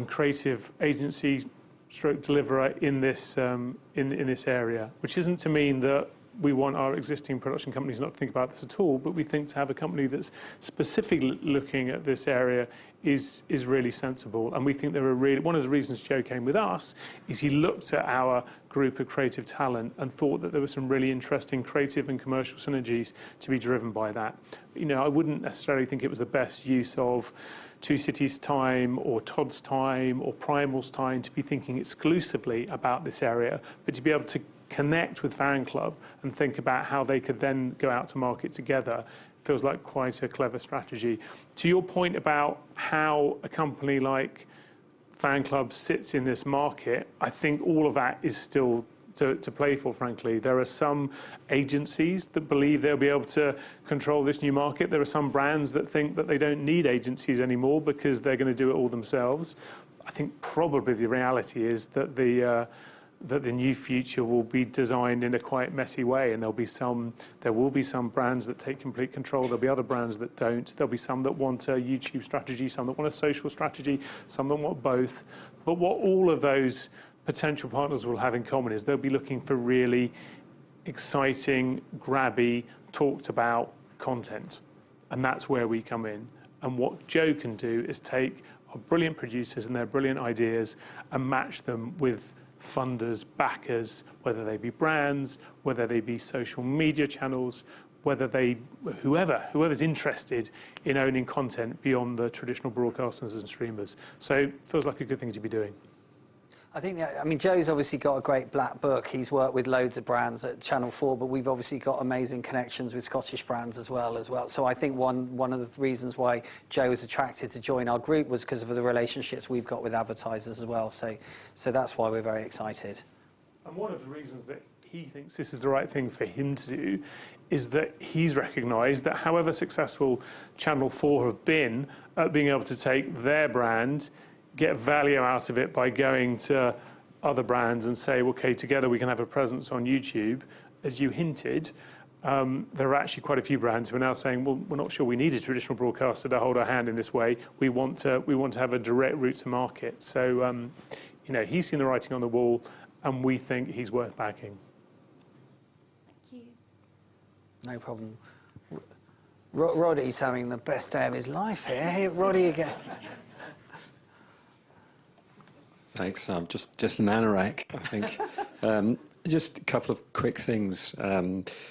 creative agency stroke deliverer in this area, which isn't to mean that we want our existing production companies not to think about this at all. We think to have a company that's specifically looking at this area is really sensible. We think there are really one of the reasons Joe came with us is he looked at our group of creative talent and thought that there were some really interesting creative and commercial synergies to be driven by that. I wouldn't necessarily think it was the best use of Two Cities' time or Todd's time or Primal's time to be thinking exclusively about this area, but to be able to connect with Fan Club and think about how they could then go out to market together feels like quite a clever strategy. To your point about how a company like Fan Club sits in this market, I think all of that is still to play for, frankly. There are some agencies that believe they'll be able to control this new market. There are some brands that think that they don't need agencies anymore because they're going to do it all themselves. I think probably the reality is that the new future will be designed in a quite messy way, and there will be some brands that take complete control. There'll be other brands that don't. There'll be some that want a YouTube strategy, some that want a social strategy, some that want both. What all of those potential partners will have in common is they'll be looking for really exciting, grabby, talked-about content. That's where we come in. What Joe can do is take our brilliant producers and their brilliant ideas and match them with funders, backers, whether they be brands, whether they be social media channels, whoever's interested in owning content beyond the traditional broadcasters and streamers. It feels like a good thing to be doing. I think, I mean, Joe's obviously got a great black book. He's worked with loads of brands at Channel 4, but we've obviously got amazing connections with Scottish brands as well. I think one of the reasons why Joe was attracted to join our group was because of the relationships we've got with advertisers as well. That is why we're very excited. One of the reasons that he thinks this is the right thing for him to do is that he's recognized that however successful Channel 4 have been at being able to take their brand, get value out of it by going to other brands and say, "Okay, together we can have a presence on YouTube," as you hinted, there are actually quite a few brands who are now saying, "We're not sure we need a traditional broadcaster to hold our hand in this way. We want to have a direct route to market." He's seen the writing on the wall, and we think he's worth backing. Thank you. No problem. Roddy's having the best day of his life here. Roddy again. Thanks. Just an anorak, I think. Just a couple of quick things.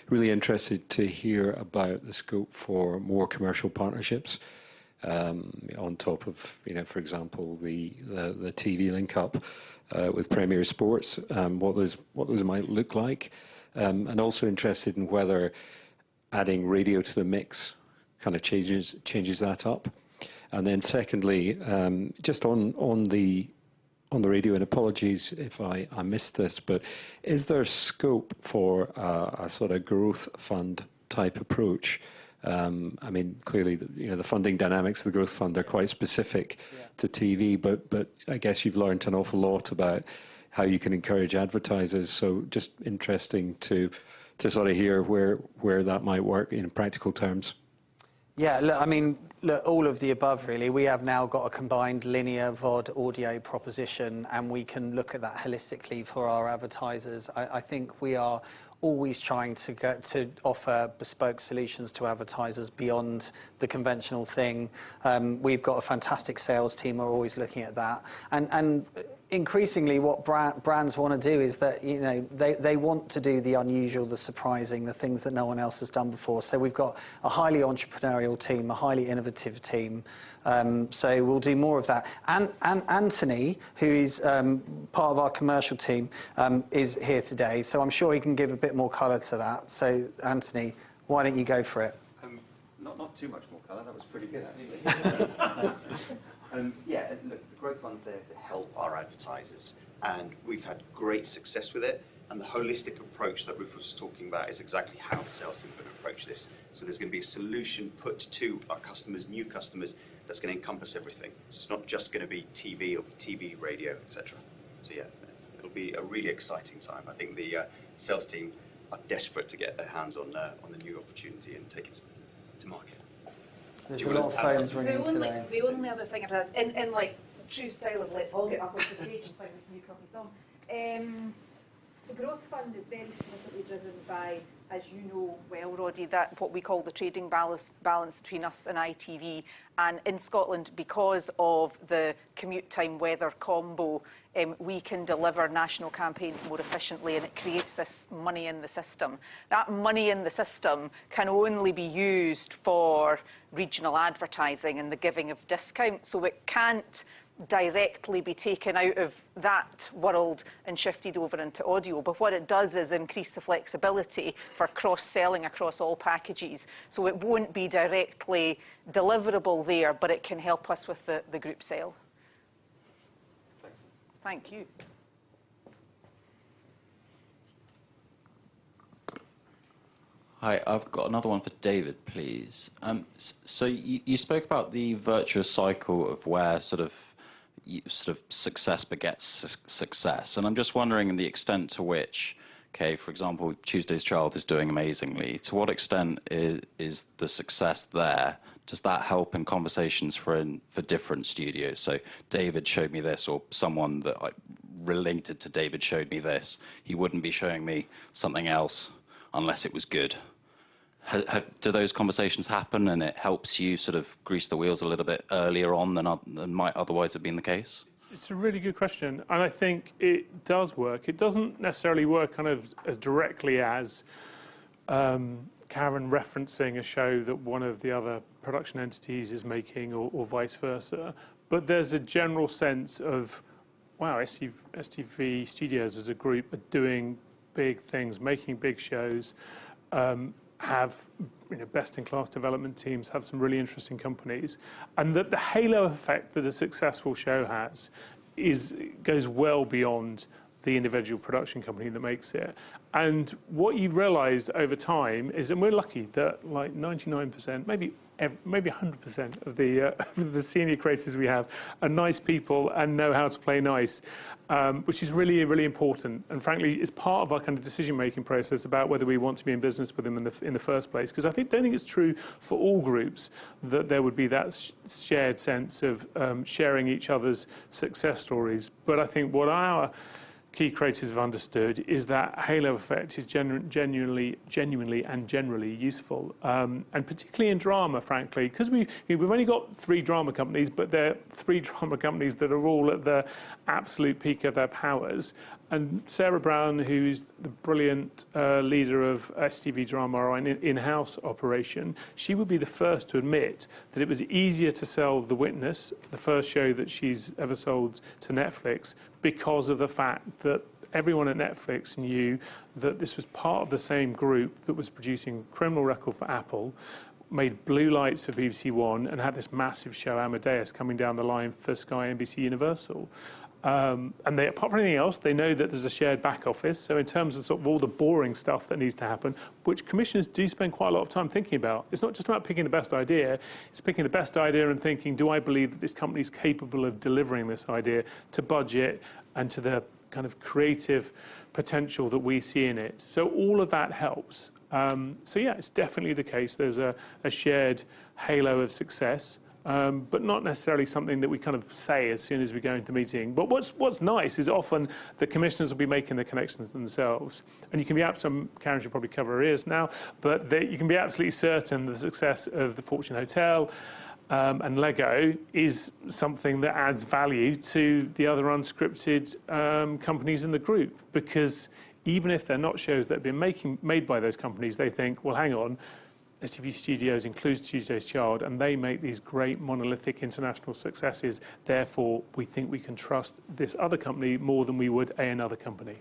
Really interested to hear about the scope for more commercial partnerships on top of, for example, the TV link-up with Premier Sports, what those might look like. Also interested in whether adding radio to the mix kind of changes that up. Secondly, just on the radio and apologies if I missed this, but is there scope for a sort of growth fund type approach? I mean, clearly, the funding dynamics of the growth fund are quite specific to TV, but I guess you've learned an awful lot about how you can encourage advertisers. Just interesting to sort of hear where that might work in practical terms. Yeah. I mean, look, all of the above, really. We have now got a combined linear VOD audio proposition, and we can look at that holistically for our advertisers. I think we are always trying to offer bespoke solutions to advertisers beyond the conventional thing. We have got a fantastic sales team. We are always looking at that. Increasingly, what brands want to do is that they want to do the unusual, the surprising, the things that no one else has done before. We have got a highly entrepreneurial team, a highly innovative team. We will do more of that. Anthony, who is part of our commercial team, is here today. I am sure he can give a bit more color to that. Anthony, why do you not go for it? Not too much more color. That was pretty good, actually. Yeah. Look, the growth fund is there to help our advertisers, and we have had great success with it. The holistic approach that Ruth was talking about is exactly how the sales team could approach this. There is going to be a solution put to our customers, new customers, that is going to encompass everything. It is not just going to be TV or TV, radio, etc. It will be a really exciting time. I think the sales team are desperate to get their hands on the new opportunity and take it to market. There are a lot of phones ringing today. The only other thing I would add, in true style of this, I will get back off the stage and say new company song. The growth fund is very significantly driven by, as you know well, Roddy, what we call the trading balance between us and ITV. In Scotland, because of the commute time-weather combo, we can deliver national campaigns more efficiently, and it creates this money in the system. That money in the system can only be used for regional advertising and the giving of discounts. It cannot directly be taken out of that world and shifted over into audio. What it does is increase the flexibility for cross-selling across all packages. It will not be directly deliverable there, but it can help us with the group sale. Thanks. Thank you. Hi. I have another one for David, please. You spoke about the virtuous cycle of where sort of success begets success. I am just wondering, to what extent, for example, Tuesday's Child is doing amazingly, to what extent is the success there? Does that help in conversations for different studios? David showed me this, or someone related to David showed me this. He would not be showing me something else unless it was good. Do those conversations happen, and it helps you sort of grease the wheels a little bit earlier on than might otherwise have been the case? It's a really good question. I think it does work. It does not necessarily work kind of as directly as Karen referencing a show that one of the other production entities is making or vice versa. There is a general sense of, wow, STV Studios as a group are doing big things, making big shows, have best-in-class development teams, have some really interesting companies. The halo effect that a successful show has goes well beyond the individual production company that makes it. What you've realized over time is that we're lucky that like 99%, maybe 100% of the senior creators we have are nice people and know how to play nice, which is really important. Frankly, it's part of our kind of decision-making process about whether we want to be in business with them in the first place. I don't think it's true for all groups that there would be that shared sense of sharing each other's success stories. I think what our key creators have understood is that halo effect is genuinely and generally useful, and particularly in drama, frankly. We've only got three drama companies, but they're three drama companies that are all at the absolute peak of their powers. Sarah Brown, who is the brilliant leader of STV Drama, our in-house operation, would be the first to admit that it was easier to sell The Witness, the first show that she has ever sold to Netflix, because of the fact that everyone at Netflix knew that this was part of the same group that was producing Criminal Record for Apple TV+, made Blue Lights for BBC One, and had this massive show, Amadeus, coming down the line for Sky and NBCUniversal. Apart from anything else, they know that there is a shared back office. In terms of sort of all the boring stuff that needs to happen, which commissions do spend quite a lot of time thinking about, it is not just about picking the best idea. It's picking the best idea and thinking, "Do I believe that this company is capable of delivering this idea to budget and to the kind of creative potential that we see in it?" All of that helps. Yeah, it's definitely the case. There's a shared halo of success, but not necessarily something that we kind of say as soon as we go into a meeting. What's nice is often the commissioners will be making the connections themselves. You can be absolutely—Karen should probably cover her ears now—but you can be absolutely certain the success of The Fortune Hotel and Lego is something that adds value to the other unscripted companies in the group. Even if they're not shows that have been made by those companies, they think, "Well, hang on. STV Studios includes Tuesday's Child, and they make these great monolithic international successes. Therefore, we think we can trust this other company more than we would another company.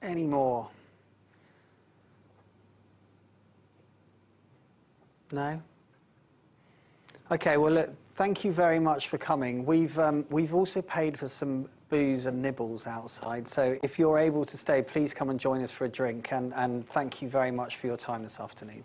Any more? No? Okay. Look, thank you very much for coming. We've also paid for some booze and nibbles outside. If you're able to stay, please come and join us for a drink. Thank you very much for your time this afternoon.